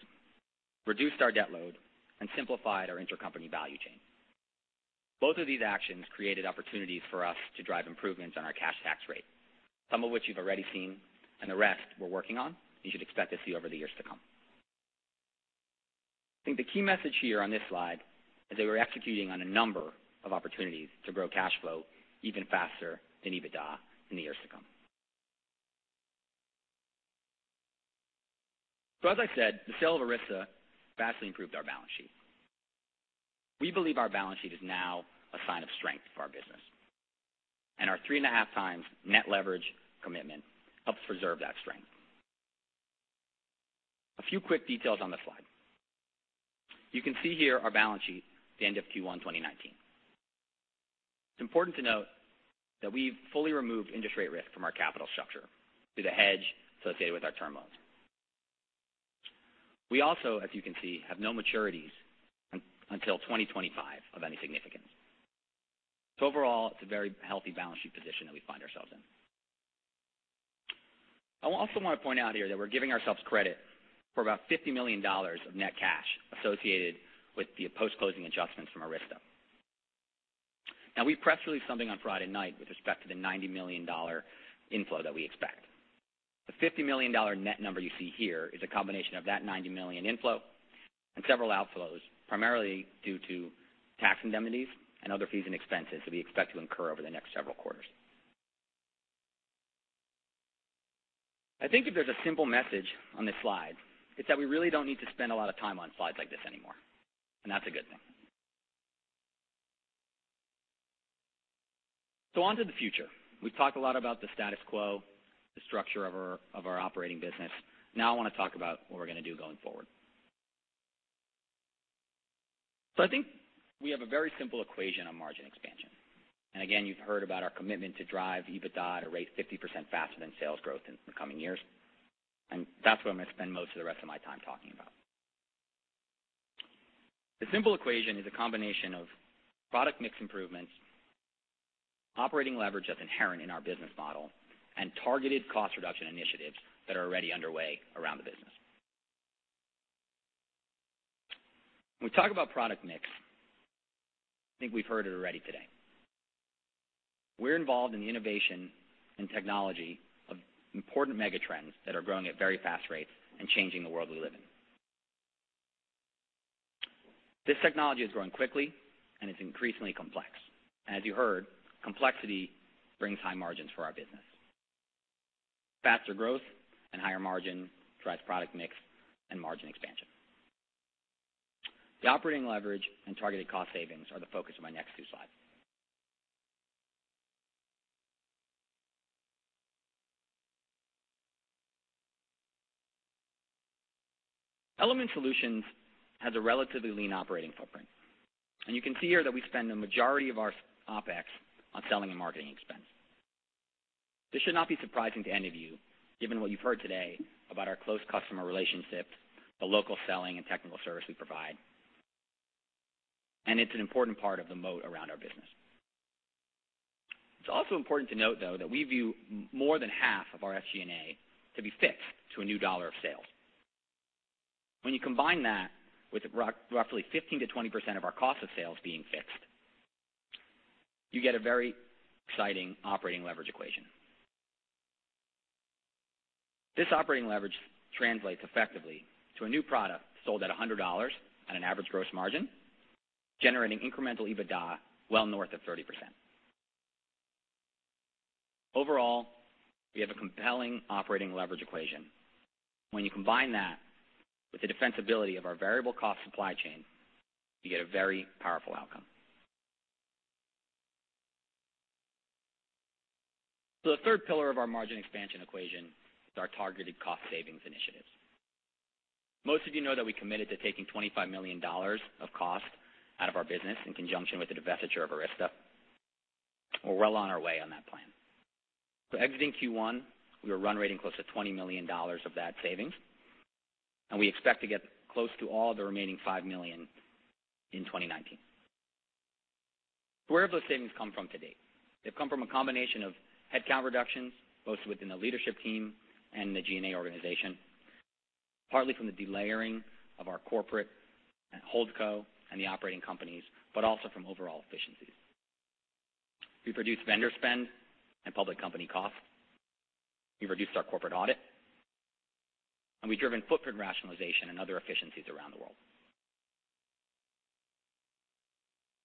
reduced our debt load and simplified our intercompany value chain. Both of these actions created opportunities for us to drive improvements on our cash tax rate, some of which you've already seen, and the rest we're working on, you should expect to see over the years to come. I think the key message here on this slide is that we're executing on a number of opportunities to grow cash flow even faster than EBITDA in the years to come. As I said, the sale of Arysta vastly improved our balance sheet. We believe our balance sheet is now a sign of strength for our business, and our 3.5 times net leverage commitment helps preserve that strength. A few quick details on this slide. You can see here our balance sheet at the end of Q1 2019. It's important to note that we've fully removed interest rate risk from our capital structure through the hedge associated with our term loans. We also, as you can see, have no maturities until 2025 of any significance. Overall, it's a very healthy balance sheet position that we find ourselves in. I also want to point out here that we're giving ourselves credit for about $50 million of net cash associated with the post-closing adjustments from Arysta. We press released something on Friday night with respect to the $90 million inflow that we expect. The $50 million net number you see here is a combination of that $90 million inflow and several outflows, primarily due to tax indemnities and other fees and expenses that we expect to incur over the next several quarters. I think if there's a simple message on this slide, it's that we really don't need to spend a lot of time on slides like this anymore, and that's a good thing. On to the future. We've talked a lot about the status quo, the structure of our operating business. I want to talk about what we're going to do going forward. I think we have a very simple equation on margin expansion. Again, you've heard about our commitment to drive EBITDA at a rate 50% faster than sales growth in the coming years. That's what I'm going to spend most of the rest of my time talking about. The simple equation is a combination of product mix improvements, operating leverage that's inherent in our business model, and targeted cost reduction initiatives that are already underway around the business. When we talk about product mix, I think we've heard it already today. We're involved in the innovation and technology of important mega trends that are growing at very fast rates and changing the world we live in. This technology is growing quickly, and it's increasingly complex. As you heard, complexity brings high margins for our business. Faster growth and higher margin drives product mix and margin expansion. The operating leverage and targeted cost savings are the focus of my next two slides. Element Solutions has a relatively lean operating footprint, and you can see here that we spend the majority of our OpEx on selling and marketing expense. This should not be surprising to any of you, given what you've heard today about our close customer relationships, the local selling and technical service we provide, and it's an important part of the moat around our business. It's also important to note, though, that we view more than half of our SG&A to be fixed to a new dollar of sale. When you combine that with roughly 15%-20% of our cost of sales being fixed, you get a very exciting operating leverage equation. This operating leverage translates effectively to a new product sold at $100 at an average gross margin, generating incremental EBITDA well north of 30%. Overall, we have a compelling operating leverage equation. When you combine that with the defensibility of our variable cost supply chain, you get a very powerful outcome. The third pillar of our margin expansion equation is our targeted cost savings initiatives. Most of you know that we committed to taking $25 million of cost out of our business in conjunction with the divestiture of Arysta. We're well on our way on that plan. Exiting Q1, we were run rating close to $20 million of that savings, and we expect to get close to all the remaining $5 million in 2019. Where have those savings come from to date? They've come from a combination of headcount reductions, both within the leadership team and the G&A organization, partly from the delayering of our corporate and holdco and the operating companies, but also from overall efficiencies. We've reduced vendor spend and public company costs, we've reduced our corporate audit, and we've driven footprint rationalization and other efficiencies around the world.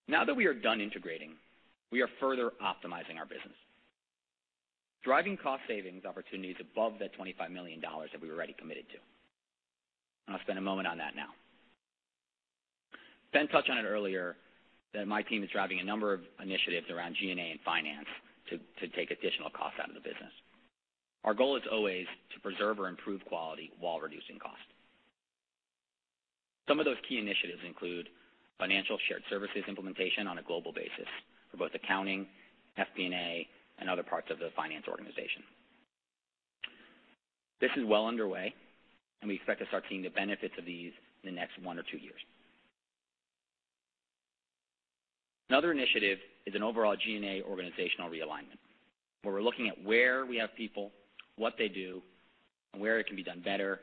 Now that we are done integrating, we are further optimizing our business, driving cost savings opportunities above that $25 million that we already committed to. I'll spend a moment on that now. Ben touched on it earlier, that my team is driving a number of initiatives around G&A and finance to take additional cost out of the business. Our goal is always to preserve or improve quality while reducing cost. Some of those key initiatives include financial shared services implementation on a global basis for both accounting, FP&A, and other parts of the finance organization. This is well underway and we expect to start seeing the benefits of these in the next one or two years. Another initiative is an overall G&A organizational realignment, where we're looking at where we have people, what they do, and where it can be done better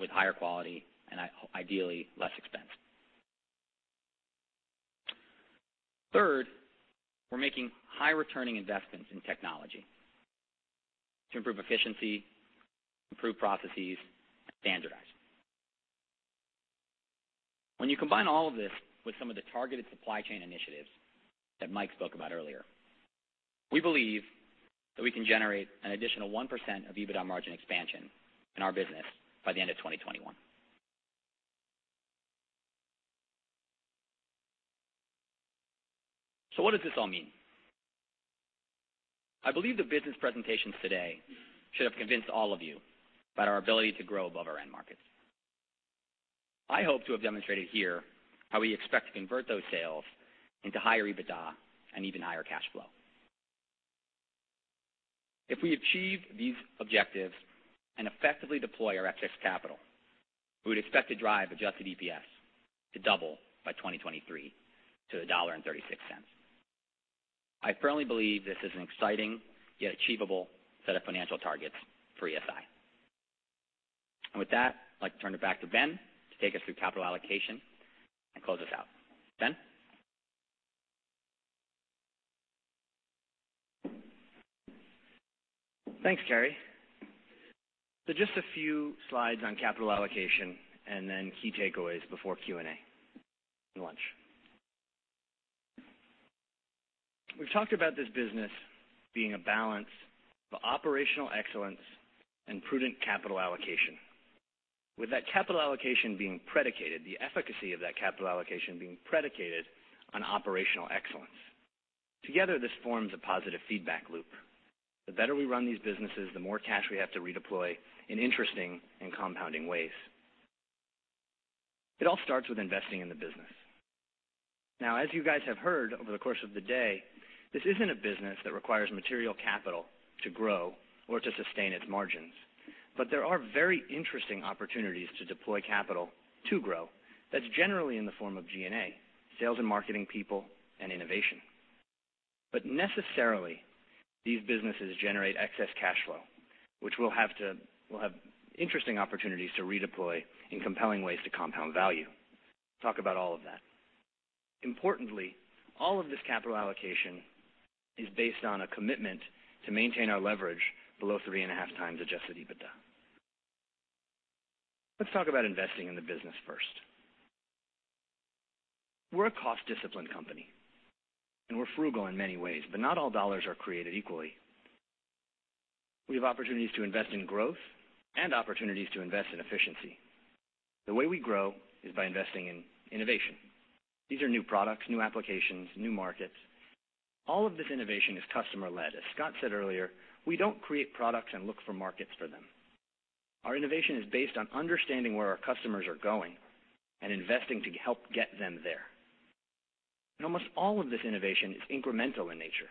with higher quality and ideally, less expense. Third, we're making high returning investments in technology to improve efficiency, improve processes, and standardize. When you combine all of this with some of the targeted supply chain initiatives that Mike spoke about earlier. We believe that we can generate an additional 1% of EBITDA margin expansion in our business by the end of 2021. What does this all mean? I believe the business presentations today should have convinced all of you about our ability to grow above our end markets. I hope to have demonstrated here how we expect to convert those sales into higher EBITDA and even higher cash flow. If we achieve these objectives and effectively deploy our excess capital, we would expect to drive adjusted EPS to double by 2023 to $1.36. I firmly believe this is an exciting, yet achievable set of financial targets for ESI. With that, I'd like to turn it back to Ben to take us through capital allocation and close us out. Ben? Thanks, Carey. Just a few slides on capital allocation and then key takeaways before Q&A and lunch. We've talked about this business being a balance of operational excellence and prudent capital allocation. With that capital allocation being predicated, the efficacy of that capital allocation being predicated on operational excellence. Together, this forms a positive feedback loop. The better we run these businesses, the more cash we have to redeploy in interesting and compounding ways. It all starts with investing in the business. Now, as you guys have heard over the course of the day, this isn't a business that requires material capital to grow or to sustain its margins, but there are very interesting opportunities to deploy capital to grow that's generally in the form of G&A, sales and marketing people, and innovation. Necessarily, these businesses generate excess cash flow, which we'll have interesting opportunities to redeploy in compelling ways to compound value. Talk about all of that. Importantly, all of this capital allocation is based on a commitment to maintain our leverage below 3.5 times adjusted EBITDA. Let's talk about investing in the business first. We're a cost-disciplined company, and we're frugal in many ways, but not all dollars are created equally. We have opportunities to invest in growth and opportunities to invest in efficiency. The way we grow is by investing in innovation. These are new products, new applications, new markets. All of this innovation is customer-led. As Scot said earlier, we don't create products and look for markets for them. Our innovation is based on understanding where our customers are going and investing to help get them there. Almost all of this innovation is incremental in nature.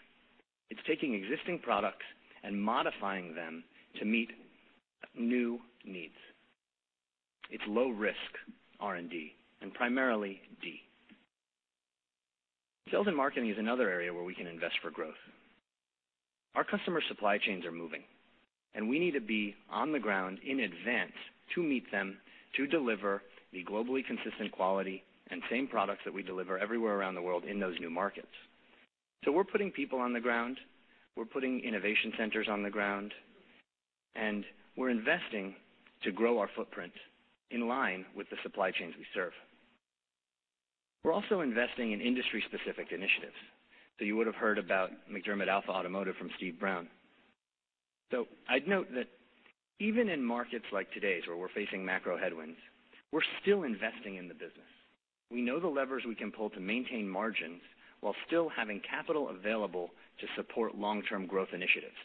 It's taking existing products and modifying them to meet new needs. It's low risk R&D, and primarily D. Sales and marketing is another area where we can invest for growth. Our customer supply chains are moving, and we need to be on the ground in advance to meet them to deliver the globally consistent quality and same products that we deliver everywhere around the world in those new markets. We're putting people on the ground, we're putting innovation centers on the ground, and we're investing to grow our footprint in line with the supply chains we serve. We're also investing in industry-specific initiatives. You would have heard about MacDermid Alpha Automotive from Steve Brown. I'd note that even in markets like today's, where we're facing macro headwinds, we're still investing in the business. We know the levers we can pull to maintain margins while still having capital available to support long-term growth initiatives.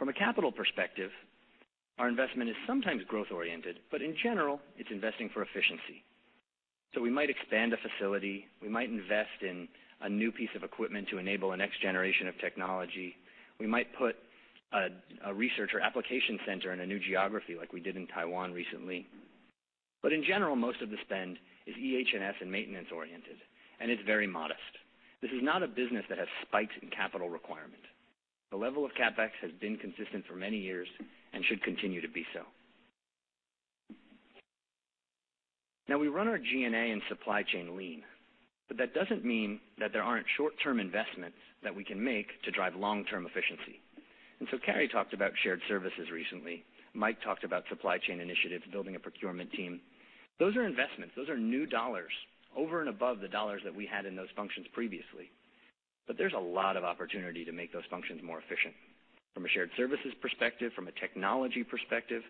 From a capital perspective, our investment is sometimes growth-oriented, but in general, it's investing for efficiency. We might expand a facility, we might invest in a new piece of equipment to enable a next generation of technology. We might put a research or application center in a new geography like we did in Taiwan recently. In general, most of the spend is EH&S and maintenance oriented, and it's very modest. This is not a business that has spikes in capital requirement. The level of CapEx has been consistent for many years and should continue to be so. We run our G&A and supply chain lean, that doesn't mean that there aren't short-term investments that we can make to drive long-term efficiency. Carey talked about shared services recently. Mike talked about supply chain initiatives, building a procurement team. Those are investments. Those are new dollars over and above the dollars that we had in those functions previously. There's a lot of opportunity to make those functions more efficient. From a shared services perspective, from a technology perspective,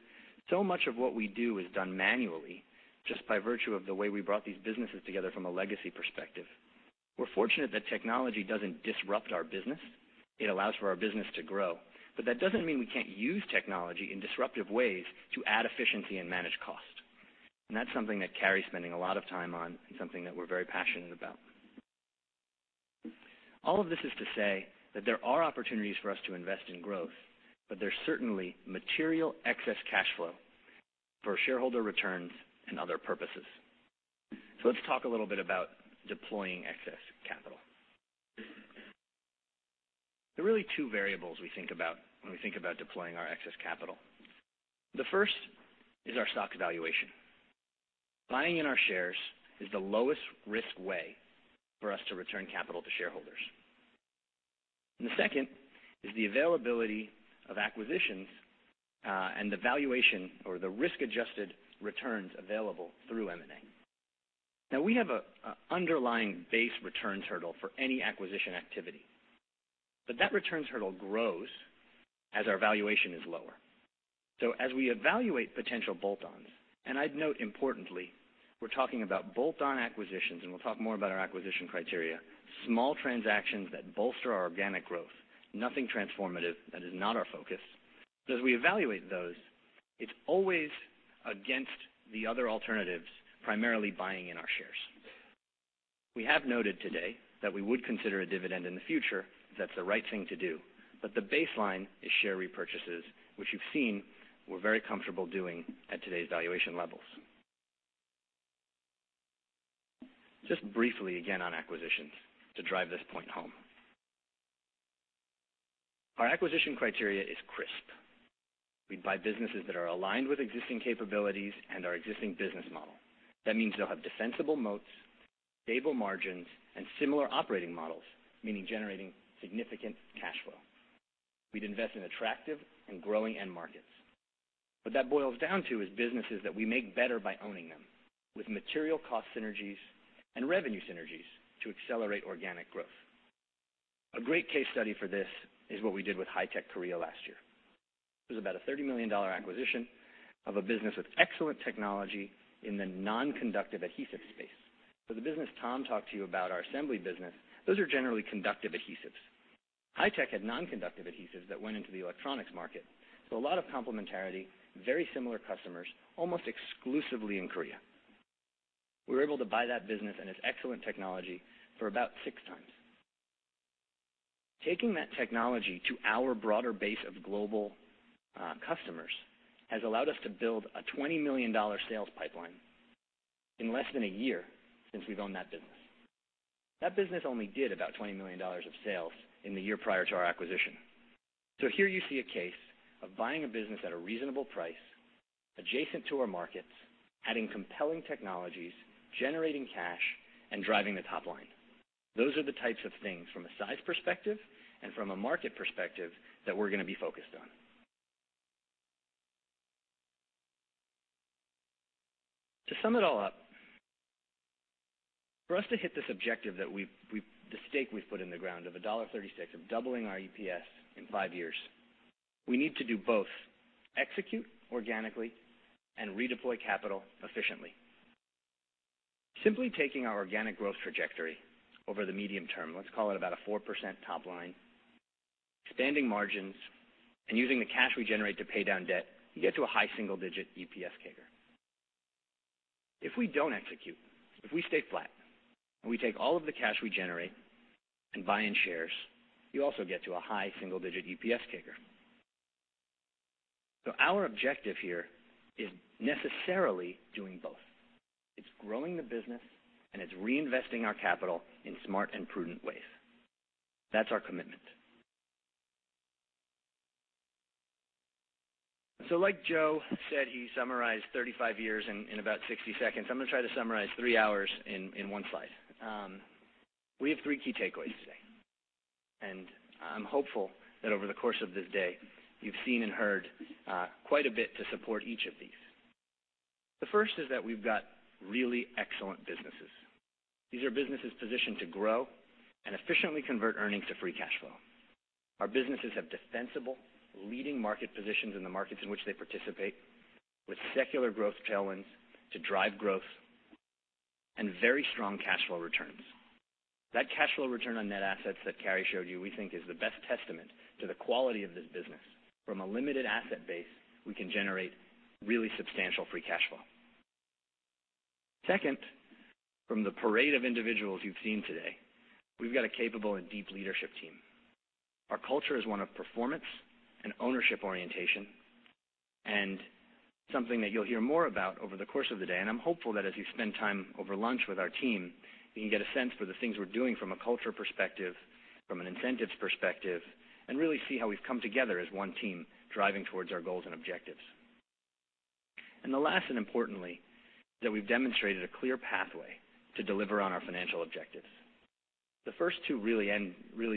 so much of what we do is done manually just by virtue of the way we brought these businesses together from a legacy perspective. We're fortunate that technology doesn't disrupt our business. It allows for our business to grow. That doesn't mean we can't use technology in disruptive ways to add efficiency and manage cost. That's something that Carey's spending a lot of time on and something that we're very passionate about. All of this is to say that there are opportunities for us to invest in growth, there's certainly material excess cash flow for shareholder returns and other purposes. Let's talk a little bit about deploying excess capital. There are really two variables we think about when we think about deploying our excess capital. The first is our stock valuation. Buying in our shares is the lowest risk way for us to return capital to shareholders. And the second is the availability of acquisitions, and the valuation or the risk-adjusted returns available through M&A. We have an underlying base returns hurdle for any acquisition activity. That returns hurdle grows as our valuation is lower. As we evaluate potential bolt-ons, and I'd note importantly, we're talking about bolt-on acquisitions, and we'll talk more about our acquisition criteria, small transactions that bolster our organic growth. Nothing transformative. That is not our focus. As we evaluate those, it's always against the other alternatives, primarily buying in our shares. We have noted today that we would consider a dividend in the future if that's the right thing to do, the baseline is share repurchases, which you've seen we're very comfortable doing at today's valuation levels. Just briefly again on acquisitions to drive this point home. Our acquisition criteria is crisp. We'd buy businesses that are aligned with existing capabilities and our existing business model. That means they'll have defensible moats, stable margins, and similar operating models, meaning generating significant cash flow. We'd invest in attractive and growing end markets. What that boils down to is businesses that we make better by owning them, with material cost synergies and revenue synergies to accelerate organic growth. A great case study for this is what we did with HiTech Korea last year. It was about a $30 million acquisition of a business with excellent technology in the non-conductive adhesive space. The business Tom talked to you about, our assembly business, those are generally conductive adhesives. HiTech Korea had non-conductive adhesives that went into the electronics market. A lot of complementarity, very similar customers, almost exclusively in Korea. We were able to buy that business and its excellent technology for about 6x. Taking that technology to our broader base of global customers has allowed us to build a $20 million sales pipeline in less than a year since we've owned that business. That business only did about $20 million of sales in the year prior to our acquisition. Here you see a case of buying a business at a reasonable price, adjacent to our markets, adding compelling technologies, generating cash, and driving the top line. Those are the types of things from a size perspective and from a market perspective that we're going to be focused on. To sum it all up, for us to hit this objective, the stake we've put in the ground of $1.36 of doubling our EPS in five years, we need to do both execute organically and redeploy capital efficiently. Simply taking our organic growth trajectory over the medium term, let's call it about a 4% top line, expanding margins, and using the cash we generate to pay down debt, you get to a high single-digit EPS CAGR. If we don't execute, if we stay flat, and we take all of the cash we generate and buy in shares, you also get to a high single-digit EPS CAGR. Our objective here is necessarily doing both. It's growing the business, and it's reinvesting our capital in smart and prudent ways. That's our commitment. Like Joe said, he summarized 35 years in about 60 seconds. I'm going to try to summarize three hours in one slide. We have three key takeaways today, and I'm hopeful that over the course of this day, you've seen and heard quite a bit to support each of these. The first is that we've got really excellent businesses. These are businesses positioned to grow and efficiently convert earnings to free cash flow. Our businesses have defensible leading market positions in the markets in which they participate, with secular growth tailwinds to drive growth and very strong cash flow returns. That cash flow return on net assets that Carey showed you, we think is the best testament to the quality of this business. From a limited asset base, we can generate really substantial free cash flow. Second, from the parade of individuals you've seen today, we've got a capable and deep leadership team. Our culture is one of performance and ownership orientation, something that you'll hear more about over the course of the day. I'm hopeful that as you spend time over lunch with our team, you can get a sense for the things we're doing from a culture perspective, from an incentives perspective, and really see how we've come together as one team driving towards our goals and objectives. The last, and importantly, that we've demonstrated a clear pathway to deliver on our financial objectives. The first two really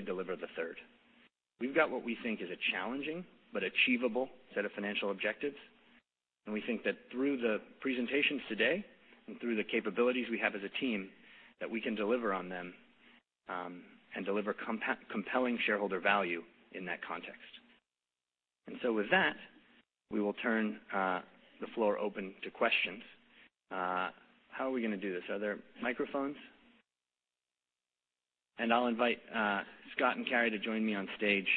deliver the third. We've got what we think is a challenging but achievable set of financial objectives, and we think that through the presentations today and through the capabilities we have as a team, that we can deliver on them, and deliver compelling shareholder value in that context. With that, we will turn the floor open to questions. How are we going to do this? Are there microphones? I'll invite Scot and Carey to join me on stage.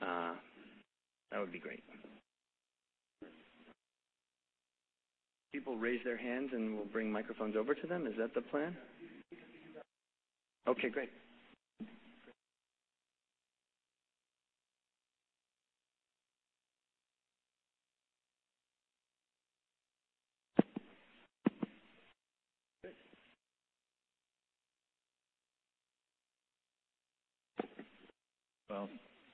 That would be great. People raise their hands, and we'll bring microphones over to them. Is that the plan? Yeah. We can do that. Okay, great. Well,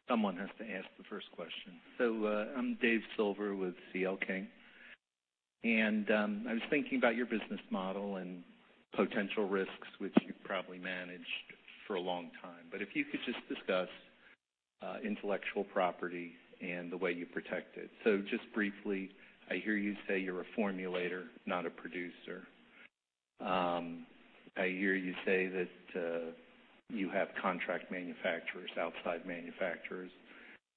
someone has to ask the first question. I'm Dave Silver with CL King. I was thinking about your business model and potential risks, which you've probably managed for a long time. If you could just discuss intellectual property and the way you protect it. Just briefly, I hear you say you're a formulator, not a producer. I hear you say that you have contract manufacturers, outside manufacturers,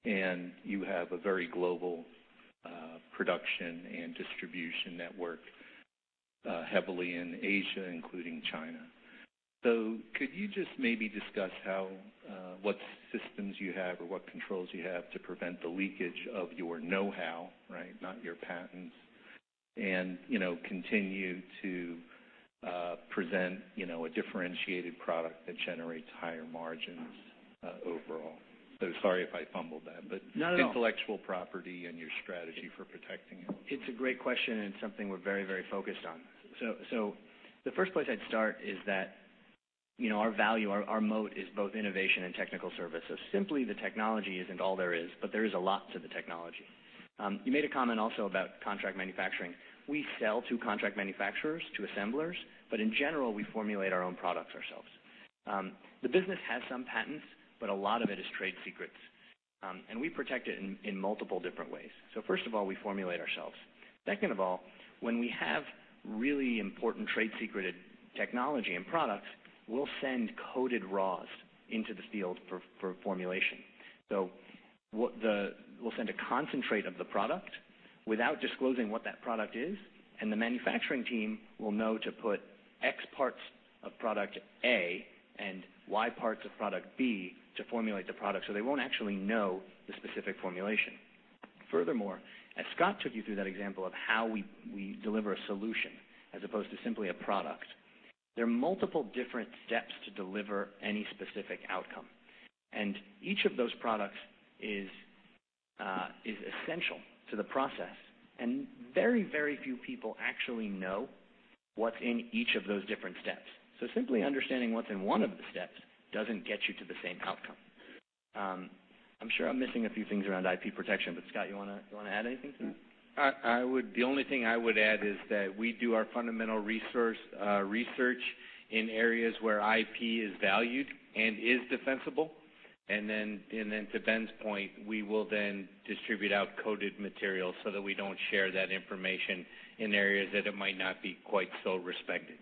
and you have a very global production and distribution network, heavily in Asia, including China. Could you just maybe discuss what systems you have or what controls you have to prevent the leakage of your know-how, right, not your patents, and continue to present a differentiated product that generates higher margins overall? Sorry if I fumbled that. No intellectual property and your strategy for protecting it. It's a great question and something we're very focused on. The first place I'd start is that our value, our moat, is both innovation and technical service. Simply the technology isn't all there is, but there is a lot to the technology. You made a comment also about contract manufacturing. We sell to contract manufacturers, to assemblers, but in general, we formulate our own products ourselves. The business has some patents, but a lot of it is trade secrets. We protect it in multiple different ways. First of all, we formulate ourselves. Second of all, when we have really important trade secreted technology and products, we'll send coded raws into the field for formulation. We'll send a concentrate of the product without disclosing what that product is, and the manufacturing team will know to put X parts of product A and Y parts of product B to formulate the product, so they won't actually know the specific formulation. Furthermore, as Scot took you through that example of how we deliver a solution as opposed to simply a product, there are multiple different steps to deliver any specific outcome. Each of those products is essential to the process. Very few people actually know what's in each of those different steps. Simply understanding what's in one of the steps doesn't get you to the same outcome. I'm sure I'm missing a few things around IP protection, but Scot, you want to add anything to that? The only thing I would add is that we do our fundamental research in areas where IP is valued and is defensible. Then to Ben's point, we will then distribute out coded materials so that we don't share that information in areas that it might not be quite so respected.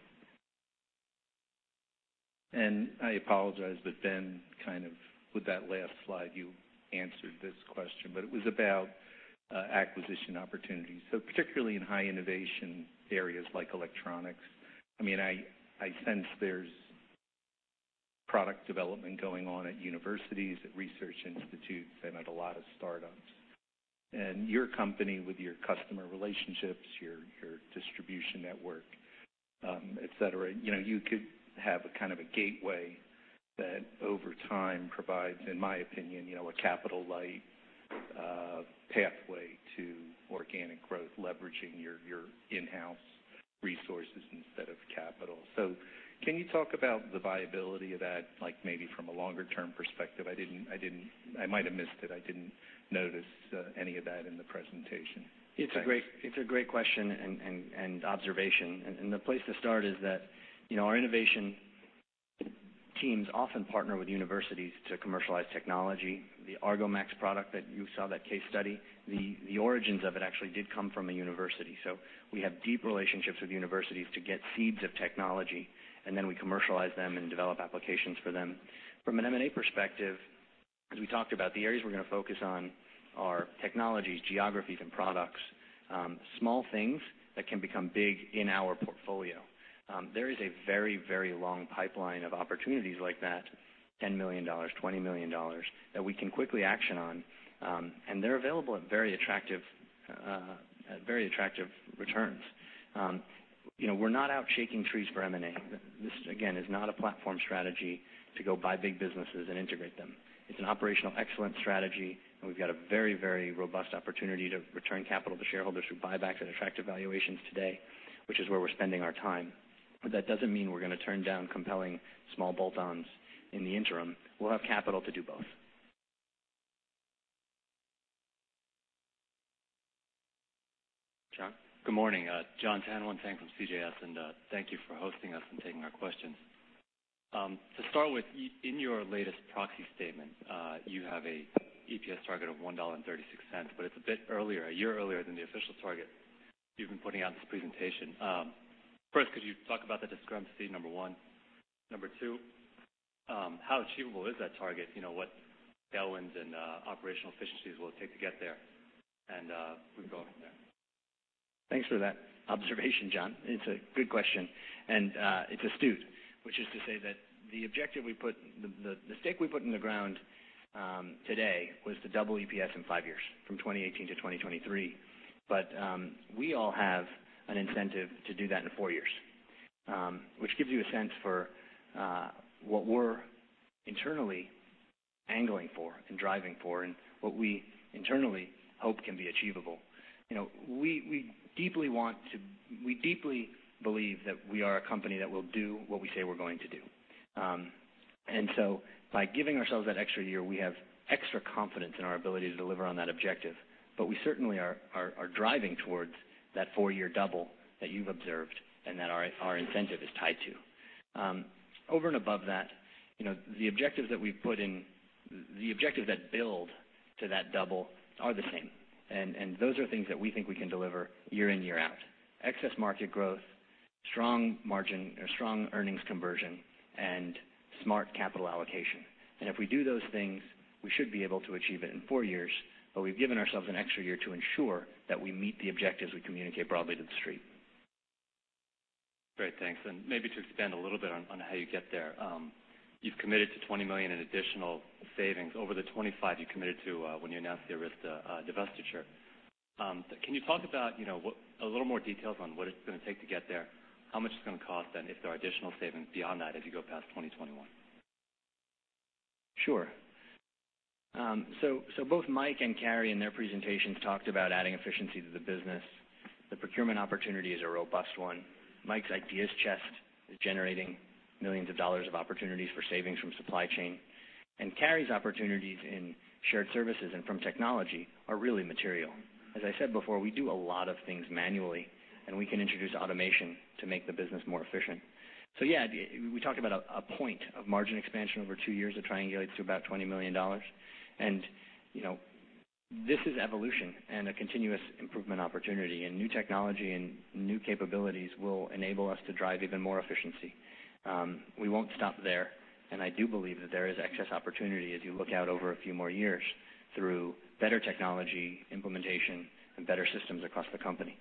I apologize, Ben, kind of, with that last slide, you answered this question, but it was about acquisition opportunities. Particularly in high innovation areas like electronics. I sense there's product development going on at universities, at research institutes, and at a lot of startups. Your company, with your customer relationships, your distribution network, et cetera, you could have a kind of a gateway that over time provides, in my opinion, a capital-light pathway to organic growth, leveraging your in-house resources instead of capital. Can you talk about the viability of that, maybe from a longer-term perspective? I might have missed it. I didn't notice any of that in the presentation. It's a great question and observation. The place to start is that our innovation teams often partner with universities to commercialize technology. The Argomax product that you saw, that case study, the origins of it actually did come from a university. We have deep relationships with universities to get seeds of technology, and then we commercialize them and develop applications for them. From an M&A perspective, as we talked about, the areas we're going to focus on are technologies, geographies, and products. Small things that can become big in our portfolio. There is a very long pipeline of opportunities like that, $10 million, $20 million, that we can quickly action on. They're available at very attractive returns. We're not out shaking trees for M&A. This, again, is not a platform strategy to go buy big businesses and integrate them. It's an operational excellence strategy. We've got a very robust opportunity to return capital to shareholders through buybacks at attractive valuations today, which is where we're spending our time. That doesn't mean we're going to turn down compelling small bolt-ons in the interim. We'll have capital to do both. Jon? Good morning. Jon Tanwanteng from CJS, thank you for hosting us and taking our questions. To start with, in your latest proxy statement, you have a EPS target of $1.36. It's a bit earlier, a year earlier than the official target you've been putting out in this presentation. First, could you talk about the discrepancy, number one? Number two, how achievable is that target? What tailwinds and operational efficiencies will it take to get there? We can go from there. Thanks for that observation, Jon. It's a good question. It's astute, which is to say that the stake we put in the ground today was to double EPS in five years, from 2018 to 2023. We all have an incentive to do that in four years, which gives you a sense for what we're internally angling for and driving for and what we internally hope can be achievable. We deeply believe that we are a company that will do what we say we're going to do. So by giving ourselves that extra year, we have extra confidence in our ability to deliver on that objective. We certainly are driving towards that four-year double that you've observed and that our incentive is tied to. Over and above that, the objectives that build to that double are the same, and those are things that we think we can deliver year in, year out. Excess market growth, strong margin or strong earnings conversion, and smart capital allocation. If we do those things, we should be able to achieve it in four years. We've given ourselves an extra year to ensure that we meet the objectives we communicate broadly to the street. Great. Thanks. Maybe to expand a little bit on how you get there. You've committed to $20 million in additional savings over the $25 million you committed to when you announced the Arysta divestiture. Can you talk about a little more details on what it's going to take to get there, how much it's going to cost, and if there are additional savings beyond that as you go past 2021? Sure. Both Mike and Carey in their presentations talked about adding efficiency to the business. The procurement opportunity is a robust one. Mike's Idea Chest is generating millions of dollars of opportunities for savings from supply chain, and Carey's opportunities in shared services and from technology are really material. As I said before, we do a lot of things manually, and we can introduce automation to make the business more efficient. Yeah, we talked about a point of margin expansion over two years. It triangulates to about $20 million. This is evolution and a continuous improvement opportunity. New technology and new capabilities will enable us to drive even more efficiency. We won't stop there. I do believe that there is excess opportunity as you look out over a few more years through better technology implementation and better systems across the company.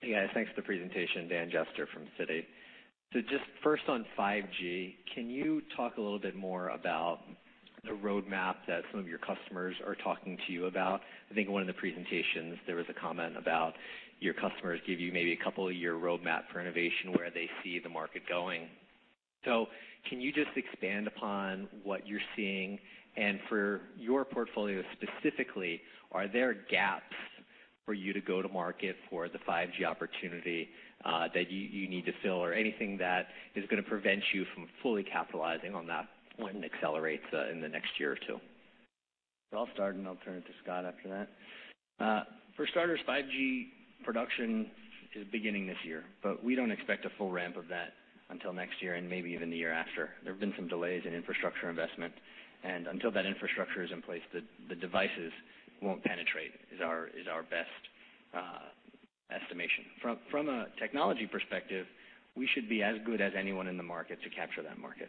Hey, guys. Thanks for the presentation. Daniel Jester from Citi. Just first on 5G, can you talk a little bit more about the roadmap that some of your customers are talking to you about? I think in one of the presentations, there was a comment about your customers give you maybe a couple of year roadmap for innovation where they see the market going. Can you just expand upon what you're seeing? And for your portfolio specifically, are there gaps for you to go to market for the 5G opportunity, that you need to fill or anything that is going to prevent you from fully capitalizing on that when it accelerates in the next year or two? I'll start, and I'll turn it to Scot after that. For starters, 5G production is beginning this year, we don't expect a full ramp of that until next year and maybe even the year after. There have been some delays in infrastructure investment, until that infrastructure is in place, the devices won't penetrate is our best estimation. From a technology perspective, we should be as good as anyone in the market to capture that market.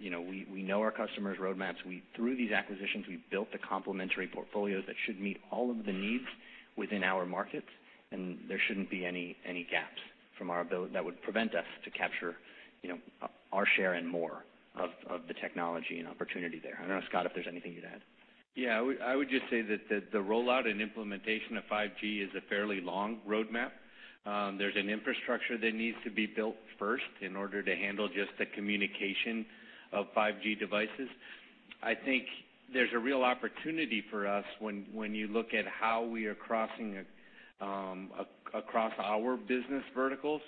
We know our customers' roadmaps. Through these acquisitions, we've built the complementary portfolios that should meet all of the needs within our markets, there shouldn't be any gaps that would prevent us to capture our share and more of the technology and opportunity there. I don't know, Scot, if there's anything you'd add. Yeah. I would just say that the rollout and implementation of 5G is a fairly long roadmap. There's an infrastructure that needs to be built first in order to handle just the communication of 5G devices. I think there's a real opportunity for us when you look at how we are crossing across our business verticals.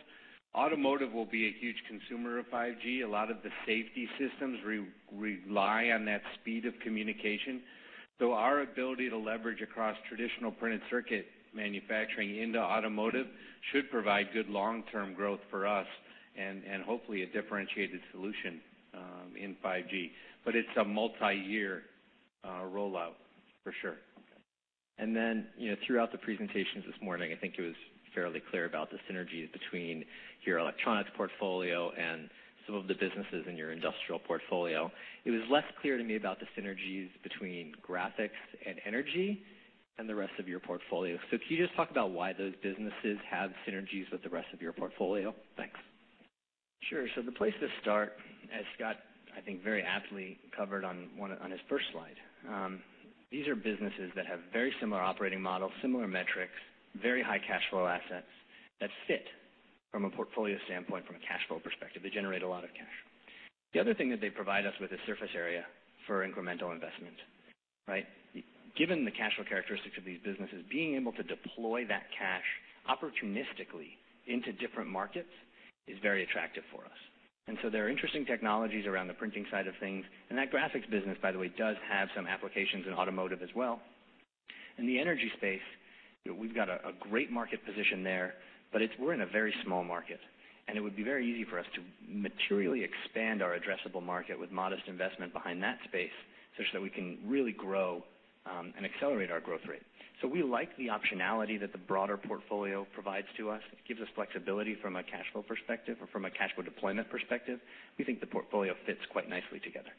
Automotive will be a huge consumer of 5G. A lot of the safety systems rely on that speed of communication. Our ability to leverage across traditional printed circuit manufacturing into automotive should provide good long-term growth for us and hopefully a differentiated solution in 5G. It's a multi-year rollout for sure. Throughout the presentations this morning, I think it was fairly clear about the synergies between your electronics portfolio and some of the businesses in your industrial portfolio. It was less clear to me about the synergies between graphics and energy and the rest of your portfolio. Can you just talk about why those businesses have synergies with the rest of your portfolio? Thanks. The place to start, as Scot, I think, very aptly covered on his first slide. These are businesses that have very similar operating models, similar metrics, very high cash flow assets that fit from a portfolio standpoint, from a cash flow perspective. They generate a lot of cash. The other thing that they provide us with is surface area for incremental investment, right? Given the cash flow characteristics of these businesses, being able to deploy that cash opportunistically into different markets is very attractive for us. There are interesting technologies around the printing side of things. That graphics business, by the way, does have some applications in automotive as well. In the energy space, we've got a great market position there. We're in a very small market, and it would be very easy for us to materially expand our addressable market with modest investment behind that space such that we can really grow, and accelerate our growth rate. We like the optionality that the broader portfolio provides to us. It gives us flexibility from a cash flow perspective or from a cash flow deployment perspective. We think the portfolio fits quite nicely together.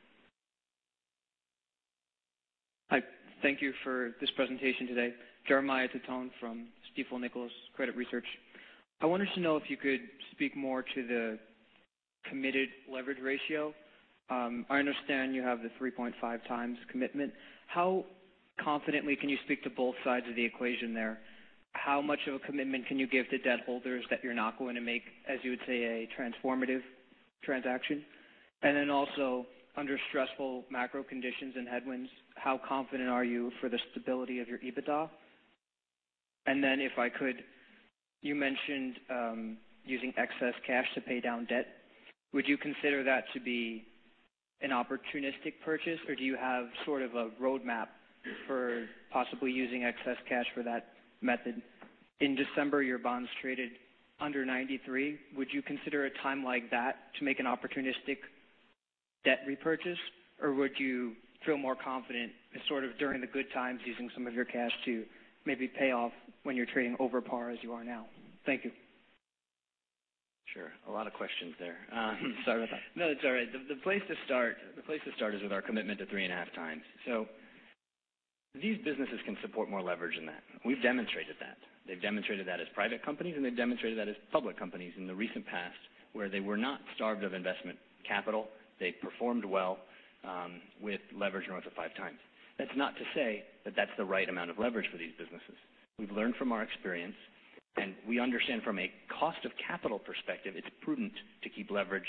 Hi. Thank you for this presentation today. Jeremiah Tutone from Stifel Nicolaus Credit Research. I wanted to know if you could speak more to the committed leverage ratio. I understand you have the 3.5 times commitment. How confidently can you speak to both sides of the equation there? How much of a commitment can you give to debt holders that you're not going to make, as you would say, a transformative Transaction. Also under stressful macro conditions and headwinds, how confident are you for the stability of your EBITDA? If I could, you mentioned using excess cash to pay down debt. Would you consider that to be an opportunistic purchase, or do you have sort of a roadmap for possibly using excess cash for that method? In December, your bonds traded under $93. Would you consider a time like that to make an opportunistic debt repurchase, or would you feel more confident in sort of during the good times, using some of your cash to maybe pay off when you're trading over par as you are now? Thank you. Sure. A lot of questions there. Sorry about that. No, it's all right. The place to start is with our commitment to three and a half times. These businesses can support more leverage than that. We've demonstrated that. They've demonstrated that as private companies, and they've demonstrated that as public companies in the recent past where they were not starved of investment capital. They performed well with leverage north of five times. That's not to say that that's the right amount of leverage for these businesses. We've learned from our experience, and we understand from a cost of capital perspective, it's prudent to keep leverage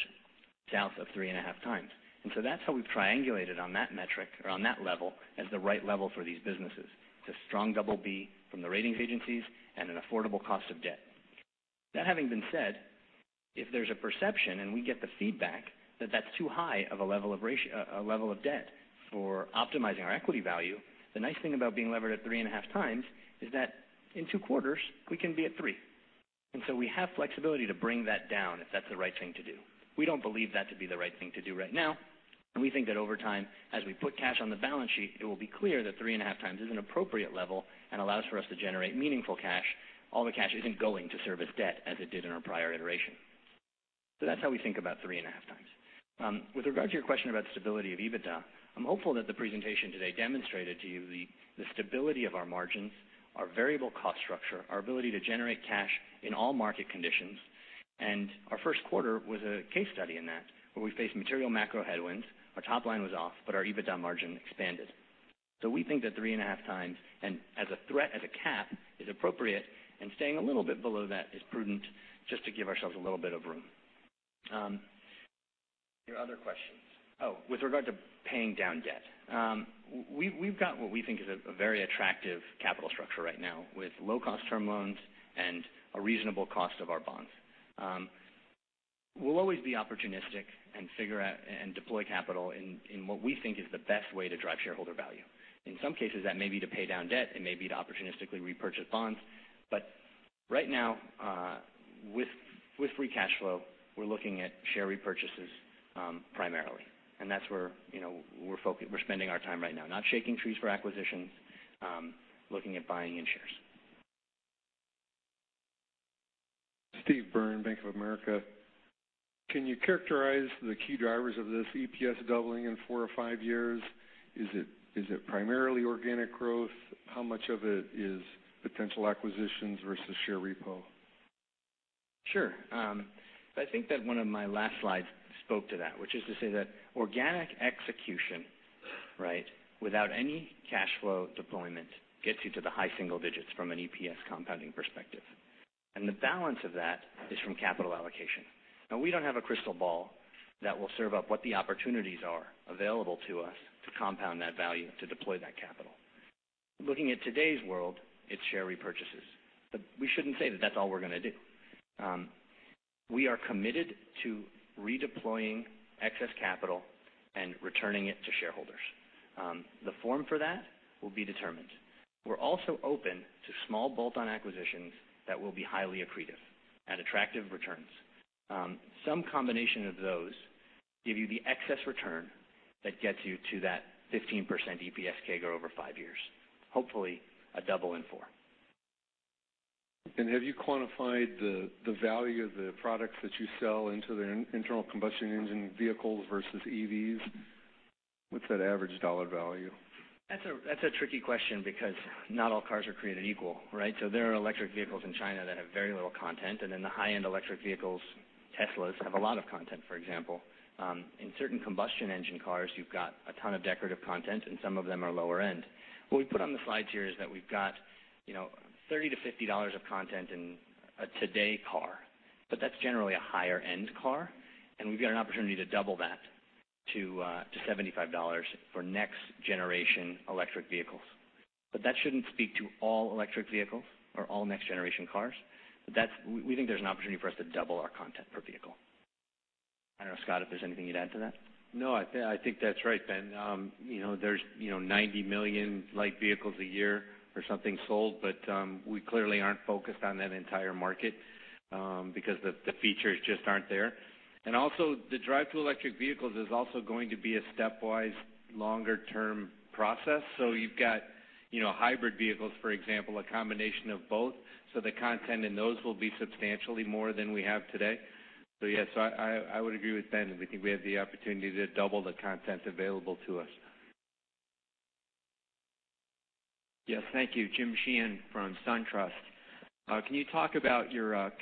south of three and a half times. That's how we've triangulated on that metric or on that level as the right level for these businesses. It's a strong double B from the ratings agencies and an affordable cost of debt. That having been said, if there's a perception and we get the feedback that that's too high of a level of debt for optimizing our equity value, the nice thing about being levered at three and a half times is that in two quarters we can be at three. We have flexibility to bring that down if that's the right thing to do. We don't believe that to be the right thing to do right now. We think that over time, as we put cash on the balance sheet, it will be clear that three and a half times is an appropriate level and allows for us to generate meaningful cash. All the cash isn't going to service debt as it did in our prior iteration. That's how we think about three and a half times. With regard to your question about stability of EBITDA, I'm hopeful that the presentation today demonstrated to you the stability of our margins, our variable cost structure, our ability to generate cash in all market conditions. Our first quarter was a case study in that where we faced material macro headwinds. Our top line was off, but our EBITDA margin expanded. We think that three and a half times and as a threat, as a cap is appropriate and staying a little bit below that is prudent just to give ourselves a little bit of room. Your other questions. Oh, with regard to paying down debt. We've got what we think is a very attractive capital structure right now with low cost term loans and a reasonable cost of our bonds. We'll always be opportunistic and figure out and deploy capital in what we think is the best way to drive shareholder value. In some cases, that may be to pay down debt, it may be to opportunistically repurchase bonds. Right now, with free cash flow, we're looking at share repurchases, primarily. That's where we're spending our time right now, not shaking trees for acquisitions, looking at buying in shares. Steve Byrne, Bank of America. Can you characterize the key drivers of this EPS doubling in four or five years? Is it primarily organic growth? How much of it is potential acquisitions versus share repo? Sure. I think that one of my last slides spoke to that, which is to say that organic execution, right, without any cash flow deployment gets you to the high single digits from an EPS compounding perspective. The balance of that is from capital allocation. We don't have a crystal ball that will serve up what the opportunities are available to us to compound that value, to deploy that capital. Looking at today's world, it's share repurchases. We shouldn't say that that's all we're going to do. We are committed to redeploying excess capital and returning it to shareholders. The form for that will be determined. We're also open to small bolt-on acquisitions that will be highly accretive at attractive returns. Some combination of those give you the excess return that gets you to that 15% EPS CAGR over five years, hopefully a double in four. Have you quantified the value of the products that you sell into the internal combustion engine vehicles versus EVs? What's that average dollar value? That's a tricky question because not all cars are created equal, right? There are electric vehicles in China that have very little content, and then the high-end electric vehicles, Teslas, have a lot of content, for example. In certain combustion engine cars, you've got a ton of decorative content, and some of them are lower end. What we put on the slide here is that we've got $30 to $50 of content in a today car, but that's generally a higher end car, and we've got an opportunity to double that to $75 for next generation electric vehicles. That shouldn't speak to all electric vehicles or all next generation cars. We think there's an opportunity for us to double our content per vehicle. I don't know, Scot, if there's anything you'd add to that. No, I think that's right, Ben. There's 90 million light vehicles a year or something sold, but we clearly aren't focused on that entire market, because the features just aren't there. Also the drive to electric vehicles is also going to be a stepwise longer term process. You've got hybrid vehicles, for example, a combination of both. The content in those will be substantially more than we have today. Yes, I would agree with Ben that we think we have the opportunity to double the content available to us. Yes. Thank you. James Sheehan from SunTrust. Can you talk about the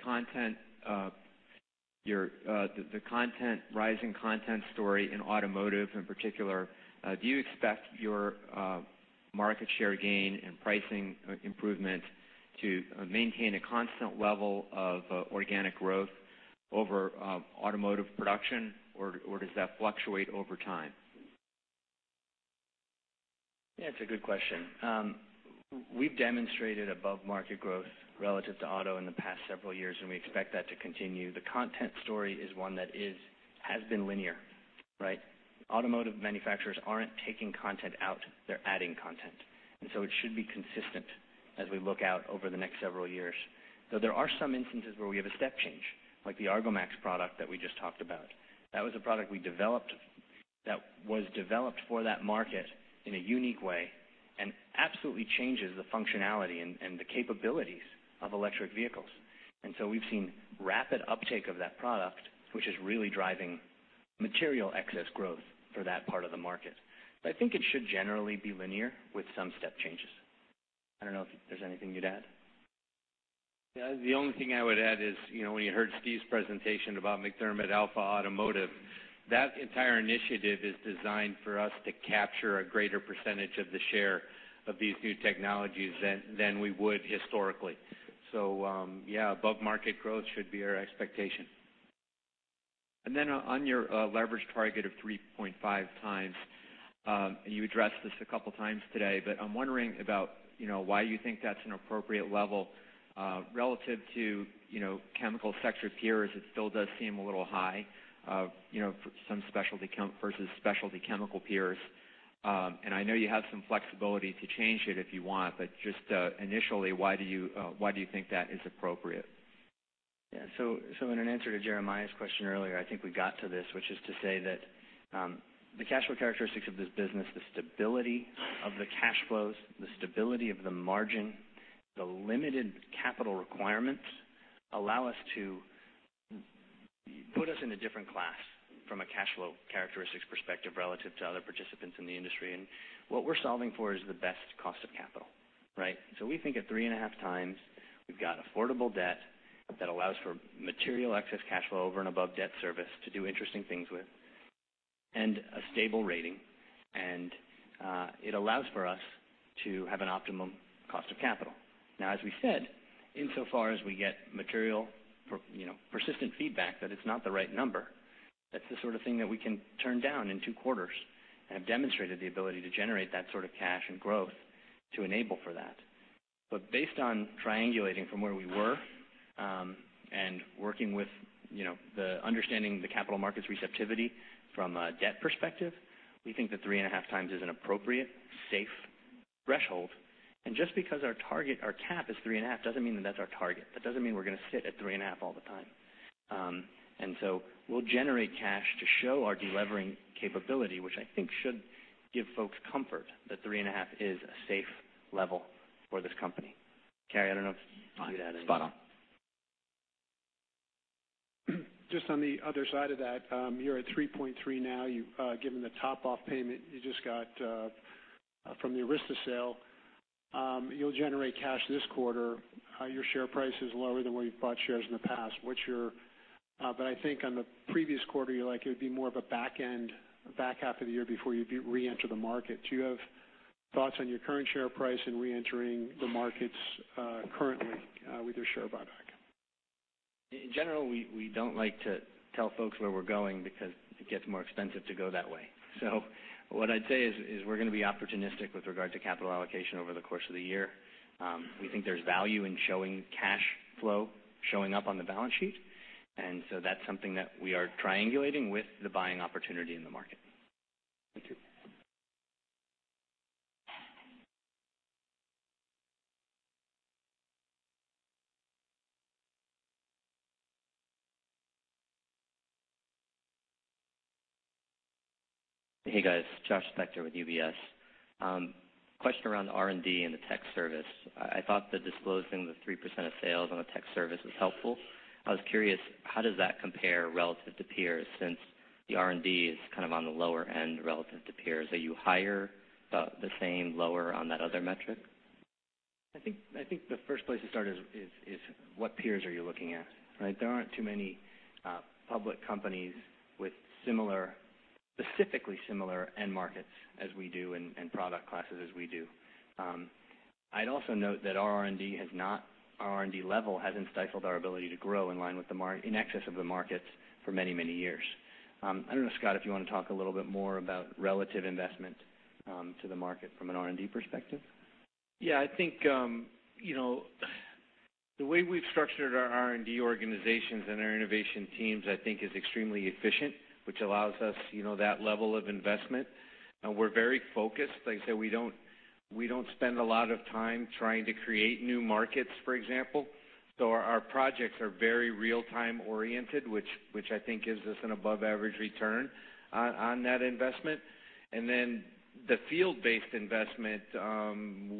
rising content story in automotive in particular? Do you expect your market share gain and pricing improvement to maintain a constant level of organic growth over automotive production, or does that fluctuate over time? It's a good question. We've demonstrated above-market growth relative to auto in the past several years, and we expect that to continue. The content story is one that has been linear. Automotive manufacturers aren't taking content out, they're adding content. It should be consistent as we look out over the next several years. Though there are some instances where we have a step change, like the Argomax product that we just talked about. That was a product that was developed for that market in a unique way and absolutely changes the functionality and the capabilities of electric vehicles. We've seen rapid uptake of that product, which is really driving material excess growth for that part of the market. I think it should generally be linear with some step changes. I don't know if there's anything you'd add. The only thing I would add is, when you heard Steve's presentation about MacDermid Alpha Automotive, that entire initiative is designed for us to capture a greater percentage of the share of these new technologies than we would historically. Above-market growth should be our expectation. On your leverage target of 3.5x, you addressed this a couple of times today, but I'm wondering about why you think that's an appropriate level. Relative to chemical sector peers, it still does seem a little high versus specialty chemical peers. I know you have some flexibility to change it if you want, but just initially, why do you think that is appropriate? In an answer to Jeremiah's question earlier, I think we got to this, which is to say that the cash flow characteristics of this business, the stability of the cash flows, the stability of the margin, the limited capital requirements, put us in a different class from a cash flow characteristics perspective relative to other participants in the industry. What we're solving for is the best cost of capital. We think at 3.5x, we've got affordable debt that allows for material excess cash flow over and above debt service to do interesting things with, a stable rating. It allows for us to have an optimum cost of capital. As we said, insofar as we get material, persistent feedback that it's not the right number, that's the sort of thing that we can turn down in two quarters and have demonstrated the ability to generate that sort of cash and growth to enable for that. Based on triangulating from where we were, and understanding the capital markets receptivity from a debt perspective, we think that 3.5x is an appropriate, safe threshold. Just because our cap is 3.5 doesn't mean that that's our target. That doesn't mean we're going to sit at 3.5 all the time. We'll generate cash to show our de-levering capability, which I think should give folks comfort that 3.5 is a safe level for this company. Carey, I don't know if you'd add anything. Spot on. Just on the other side of that, you're at 3.3 now. Given the top-off payment you just got from the Arysta sale, you'll generate cash this quarter. Your share price is lower than where you've bought shares in the past. I think on the previous quarter, you're like, it would be more of a back half of the year before you'd reenter the market. Do you have thoughts on your current share price and reentering the markets currently with your share buyback? In general, we don't like to tell folks where we're going because it gets more expensive to go that way. What I'd say is we're going to be opportunistic with regard to capital allocation over the course of the year. We think there's value in showing cash flow showing up on the balance sheet. That's something that we are triangulating with the buying opportunity in the market. Thank you. Hey, guys. Joshua Spector with UBS. Question around the R&D and the tech service. I thought the disclosing the 3% of sales on the tech service was helpful. I was curious, how does that compare relative to peers since the R&D is on the lower end relative to peers? Are you higher, the same, lower on that other metric? I think the first place to start is what peers are you looking at? There aren't too many public companies with specifically similar end markets as we do and product classes as we do. I'd also note that our R&D level hasn't stifled our ability to grow in excess of the markets for many, many years. I don't know, Scot, if you want to talk a little bit more about relative investment to the market from an R&D perspective. I think the way we've structured our R&D organizations and our innovation teams, I think, is extremely efficient, which allows us that level of investment. We're very focused. Like I said, we don't spend a lot of time trying to create new markets, for example. Our projects are very real-time oriented, which I think gives us an above-average return on that investment. The field-based investment,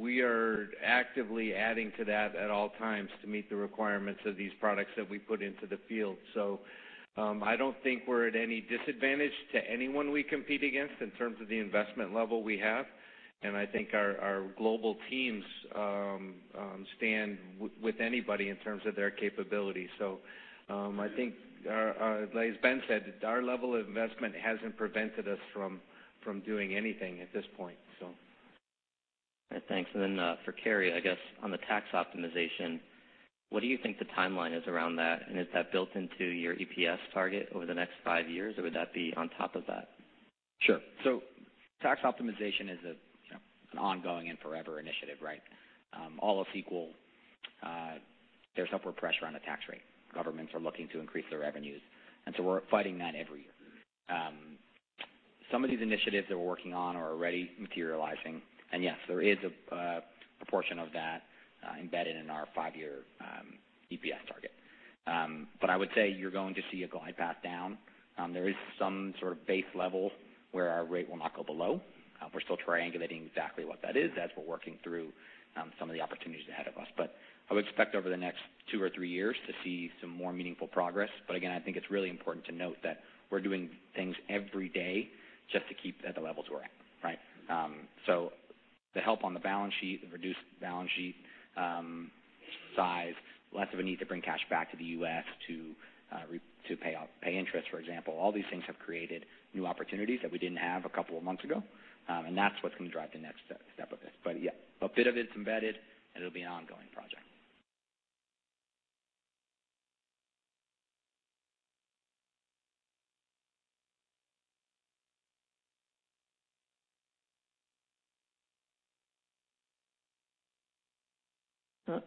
we are actively adding to that at all times to meet the requirements of these products that we put into the field. I don't think we're at any disadvantage to anyone we compete against in terms of the investment level we have. I think our global teams stand with anybody in terms of their capability. I think as Ben said, our level of investment hasn't prevented us from doing anything at this point, so. Thanks. For Carey, I guess on the tax optimization, what do you think the timeline is around that? Is that built into your EPS target over the next five years, or would that be on top of that? Sure. Tax optimization is an ongoing and forever initiative, right? All else equal, there's upward pressure on the tax rate. Governments are looking to increase their revenues, we're fighting that every year. Some of these initiatives that we're working on are already materializing, yes, there is a proportion of that embedded in our five-year EPS target. I would say you're going to see a glide path down. There is some sort of base level where our rate will not go below. We're still triangulating exactly what that is as we're working through some of the opportunities ahead of us. I would expect over the next two or three years to see some more meaningful progress. Again, I think it's really important to note that we're doing things every day just to keep at the levels we're at, right? The help on the balance sheet, the reduced balance sheet size, less of a need to bring cash back to the U.S. to pay interest, for example. All these things have created new opportunities that we didn't have a couple of months ago. That's what's going to drive the next step of this. Yeah, a bit of it's embedded, and it'll be an ongoing project.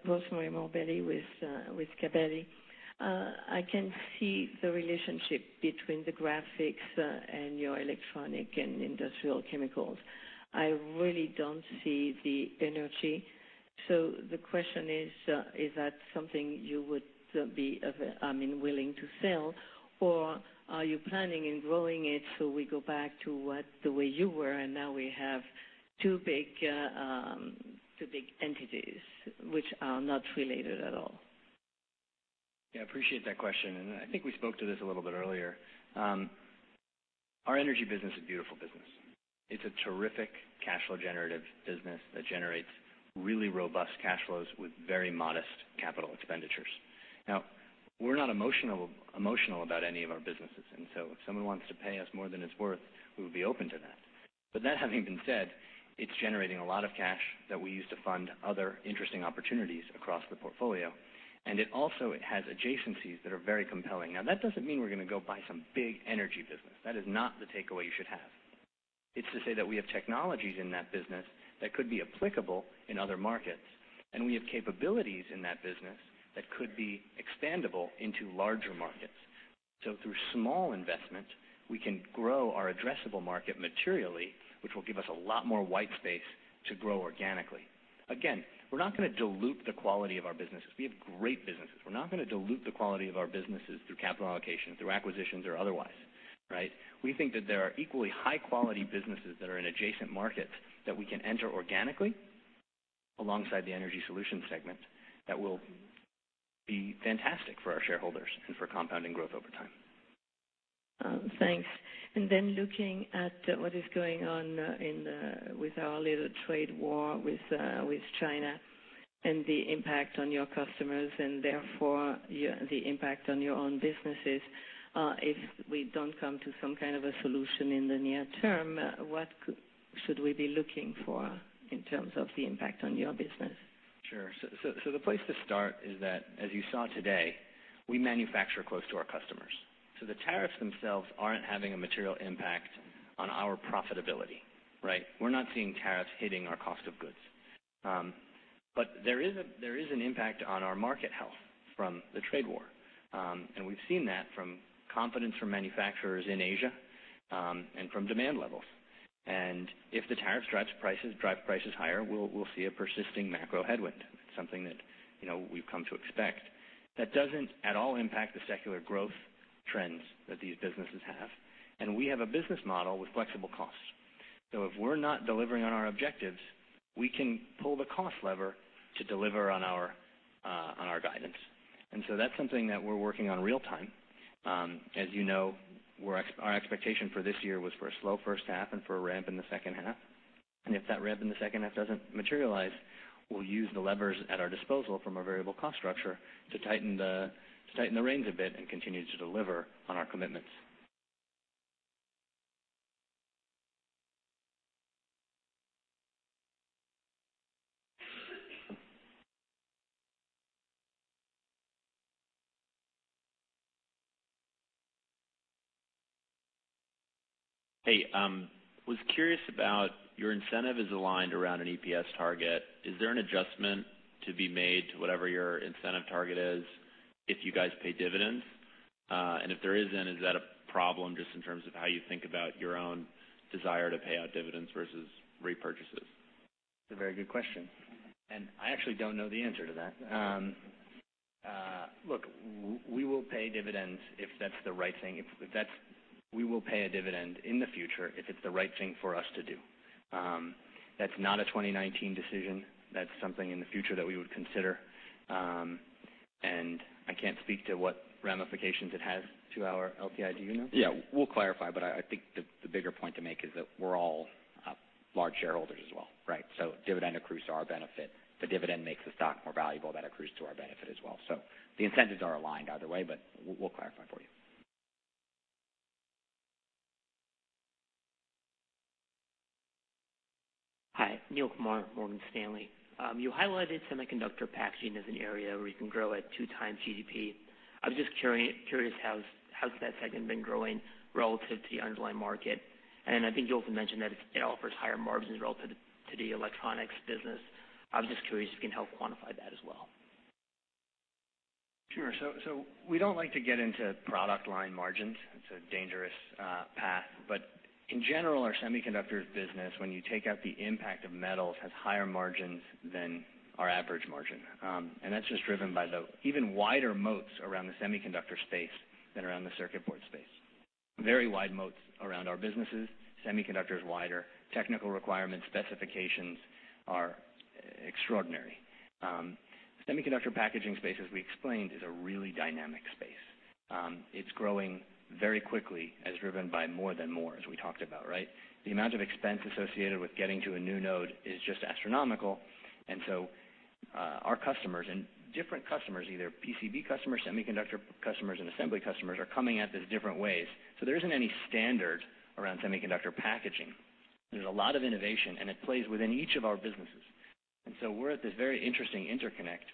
Rosemarie Morbelli with Gabelli. I can see the relationship between the Graphics and your electronic and Industrial chemicals. I really don't see the Energy. The question is that something you would be willing to sell, or are you planning on growing it so we go back to the way you were, and now we have two big entities which are not related at all? Yeah, appreciate that question. I think we spoke to this a little bit earlier. Our Energy business is a beautiful business. It's a terrific cash flow generative business that generates really robust cash flows with very modest capital expenditures. We're not emotional about any of our businesses, if someone wants to pay us more than it's worth, we would be open to that. That having been said, it's generating a lot of cash that we use to fund other interesting opportunities across the portfolio, and it also has adjacencies that are very compelling. That doesn't mean we're going to go buy some big Energy business. That is not the takeaway you should have. It's to say that we have technologies in that business that could be applicable in other markets, and we have capabilities in that business that could be expandable into larger markets. Through small investment, we can grow our addressable market materially, which will give us a lot more white space to grow organically. Again, we're not going to dilute the quality of our businesses. We have great businesses. We're not going to dilute the quality of our businesses through capital allocation, through acquisitions or otherwise, right? We think that there are equally high-quality businesses that are in adjacent markets that we can enter organically alongside the Energy Solutions segment that will be fantastic for our shareholders and for compounding growth over time. Thanks. Looking at what is going on with our little trade war with China and the impact on your customers and therefore the impact on your own businesses, if we don't come to some kind of a solution in the near term, what should we be looking for in terms of the impact on your business? Sure. The place to start is that, as you saw today, we manufacture close to our customers. The tariffs themselves aren't having a material impact on our profitability, right? We're not seeing tariffs hitting our cost of goods. There is an impact on our market health from the trade war. We've seen that from confidence from manufacturers in Asia, and from demand levels. If the tariff drives prices higher, we'll see a persisting macro headwind, something that we've come to expect. That doesn't at all impact the secular growth trends that these businesses have. We have a business model with flexible costs. If we're not delivering on our objectives, we can pull the cost lever to deliver on our guidance. That's something that we're working on real time. As you know, our expectation for this year was for a slow first half and for a ramp in the second half. If that ramp in the second half doesn't materialize, we'll use the levers at our disposal from a variable cost structure to tighten the reins a bit and continue to deliver on our commitments. Hey, was curious about your incentive is aligned around an EPS target. Is there an adjustment to be made to whatever your incentive target is if you guys pay dividends? If there isn't, is that a problem just in terms of how you think about your own desire to pay out dividends versus repurchases? That's a very good question. I actually don't know the answer to that. Look, we will pay dividends if that's the right thing. We will pay a dividend in the future if it's the right thing for us to do. That's not a 2019 decision. That's something in the future that we would consider. I can't speak to what ramifications it has to our LTI. Do you know? Yeah, we'll clarify. I think the bigger point to make is that we're all large shareholders as well, right? Dividend accrues to our benefit. The dividend makes the stock more valuable, that accrues to our benefit as well. The incentives are aligned either way. We'll clarify for you. Hi, Neel Kumar, Morgan Stanley. You highlighted semiconductor packaging as an area where you can grow at two times GDP. I was just curious, how's that segment been growing relative to the underlying market? I think you also mentioned that it offers higher margins relative to the electronics business. I was just curious if you can help quantify that as well. Sure. We don't like to get into product line margins. It's a dangerous path. In general, our semiconductors business, when you take out the impact of metals, has higher margins than our average margin. That's just driven by the even wider moats around the semiconductor space than around the circuit board space. Very wide moats around our businesses, semiconductors wider, technical requirements, specifications are extraordinary. Semiconductor packaging space, as we explained, is a really dynamic space. It's growing very quickly as driven by More than Moore, as we talked about, right? The amount of expense associated with getting to a new node is just astronomical. Our customers and different customers, either PCB customers, semiconductor customers, and assembly customers, are coming at this different ways. There isn't any standard around semiconductor packaging. There's a lot of innovation, and it plays within each of our businesses. We're at this very interesting interconnect,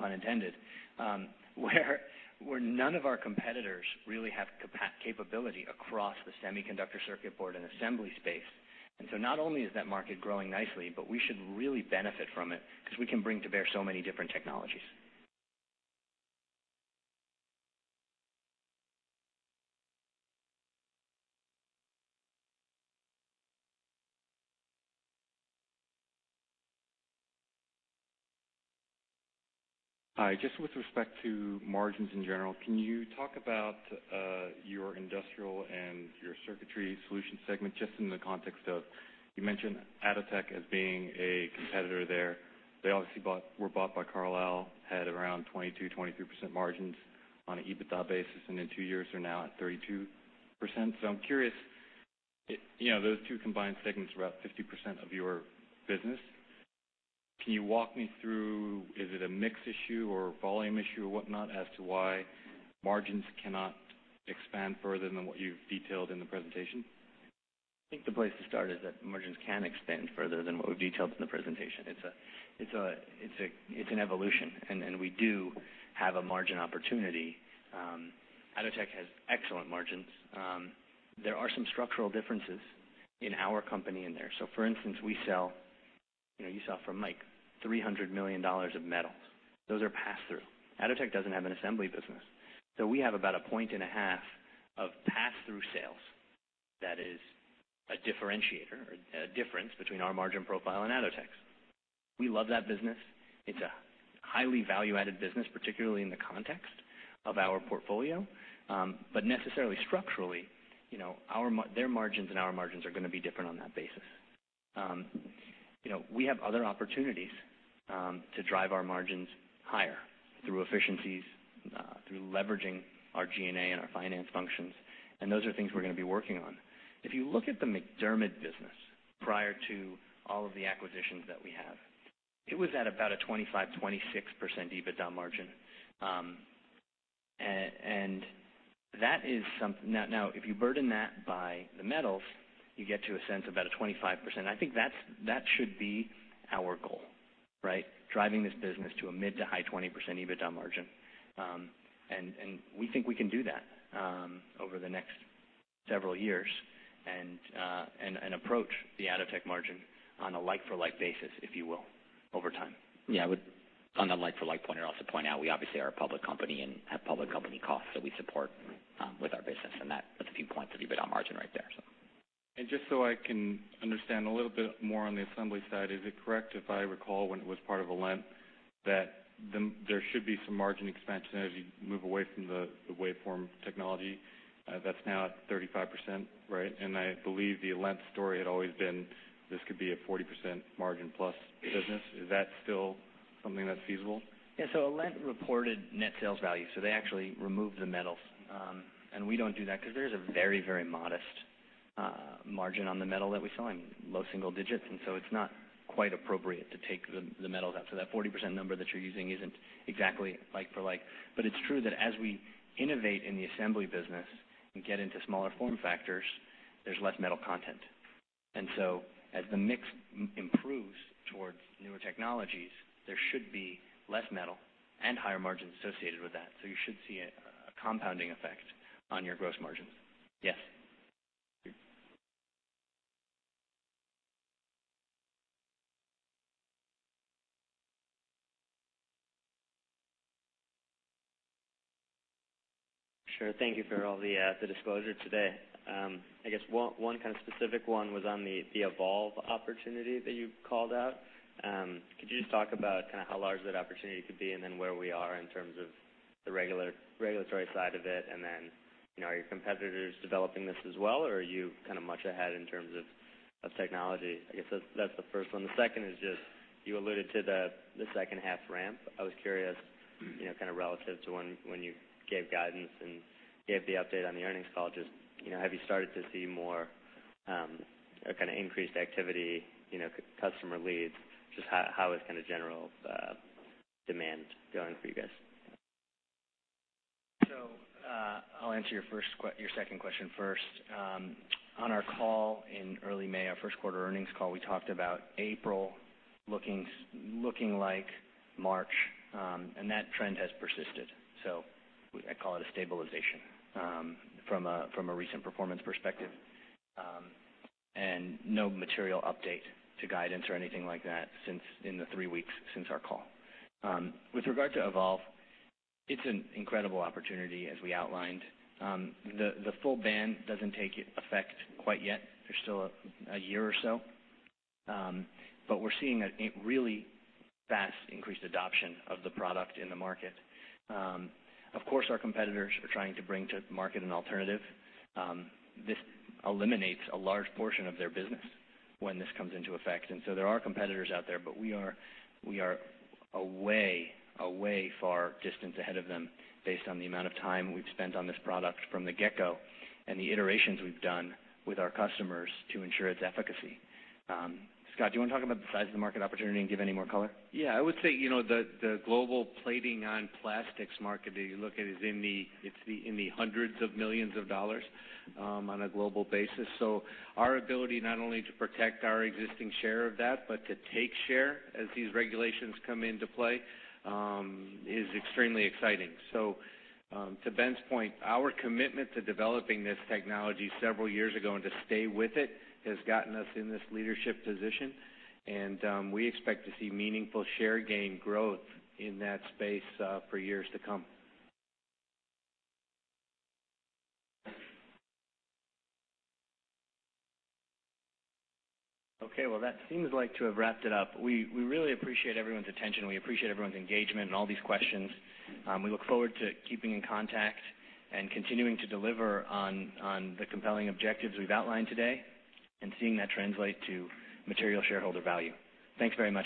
pun intended, where none of our competitors really have capability across the semiconductor circuit board and assembly space. Not only is that market growing nicely, but we should really benefit from it because we can bring to bear so many different technologies. Hi, just with respect to margins in general, can you talk about your Industrial Solutions and your Circuitry Solutions segment, just in the context of, you mentioned Atotech as being a competitor there. They obviously were bought by Carlyle, had around 22%, 23% margins on an EBITDA basis, and then two years are now at 32%. I'm curious, those two combined segments are about 50% of your business. Can you walk me through, is it a mix issue or volume issue or whatnot as to why margins cannot expand further than what you've detailed in the presentation? I think the place to start is that margins can expand further than what we've detailed in the presentation. It's an evolution, and we do have a margin opportunity. Atotech has excellent margins. There are some structural differences in our company in there. For instance, you saw from Mike, $300 million of metals. Those are pass through. Atotech doesn't have an assembly business. We have about a point and a half of pass-through sales. That is a differentiator, a difference between our margin profile and Atotech's. We love that business. It's a highly value-added business, particularly in the context of our portfolio. Necessarily structurally, their margins and our margins are going to be different on that basis. We have other opportunities to drive our margins higher through efficiencies, through leveraging our G&A and our finance functions. Those are things we're going to be working on. If you look at the MacDermid business prior to all of the acquisitions that we have, it was at about a 25%, 26% EBITDA margin. Now, if you burden that by the metals, you get to a sense about a 25%. I think that should be our goal, right? Driving this business to a mid to high 20% EBITDA margin. We think we can do that over the next several years and approach the Atotech margin on a like-for-like basis, if you will, over time. Yeah, I would on the like-for-like point, I'd also point out we obviously are a public company and have public company costs that we support with our business and that's a few points of EBITDA margin right there, so. Just so I can understand a little bit more on the assembly side, is it correct if I recall when it was part of Alent, that there should be some margin expansion as you move away from the wave soldering technology that's now at 35%, right? I believe the Alent story had always been this could be a 40% margin plus business. Is that still something that's feasible? Yeah, Alent reported net sales value, so they actually removed the metals. We don't do that because there's a very modest margin on the metal that we sell in low single digits, it's not quite appropriate to take the metals out. That 40% number that you're using isn't exactly like for like. It's true that as we innovate in the assembly business and get into smaller form factors, there's less metal content. As the mix improves towards newer technologies, there should be less metal and higher margins associated with that. You should see a compounding effect on your gross margins. Yes. Great. Sure. Thank you for all the disclosure today. I guess one kind of specific one was on the evolve opportunity that you called out. Could you just talk about how large that opportunity could be and then where we are in terms of the regulatory side of it, and then, are your competitors developing this as well, or are you kind of much ahead in terms of technology? I guess that's the first one. The second is just you alluded to the second half ramp. I was curious kind of relative to when you gave guidance and gave the update on the earnings call, just have you started to see more or kind of increased activity, customer leads? Just how is kind of general demand going for you guys? I'll answer your second question first. On our call in early May, our first quarter earnings call, we talked about April looking like March, and that trend has persisted. I call it a stabilization from a recent performance perspective. No material update to guidance or anything like that since in the 3 weeks since our call. With regard to evolve, it's an incredible opportunity, as we outlined. The full ban doesn't take effect quite yet. There's still a year or so. We're seeing a really fast increased adoption of the product in the market. Of course, our competitors are trying to bring to market an alternative. This eliminates a large portion of their business when this comes into effect. There are competitors out there, but we are a way far distance ahead of them based on the amount of time we've spent on this product from the get-go and the iterations we've done with our customers to ensure its efficacy. Scot, do you want to talk about the size of the market opportunity and give any more color? Yeah. I would say, the global plating on plastics market that you look at is in the $hundreds of millions on a global basis. Our ability not only to protect our existing share of that, but to take share as these regulations come into play, is extremely exciting. To Ben's point, our commitment to developing this technology several years ago and to stay with it has gotten us in this leadership position, and we expect to see meaningful share gain growth in that space for years to come. Okay. Well, that seems like to have wrapped it up. We really appreciate everyone's attention. We appreciate everyone's engagement and all these questions. We look forward to keeping in contact and continuing to deliver on the compelling objectives we've outlined today and seeing that translate to material shareholder value. Thanks very much, everyone.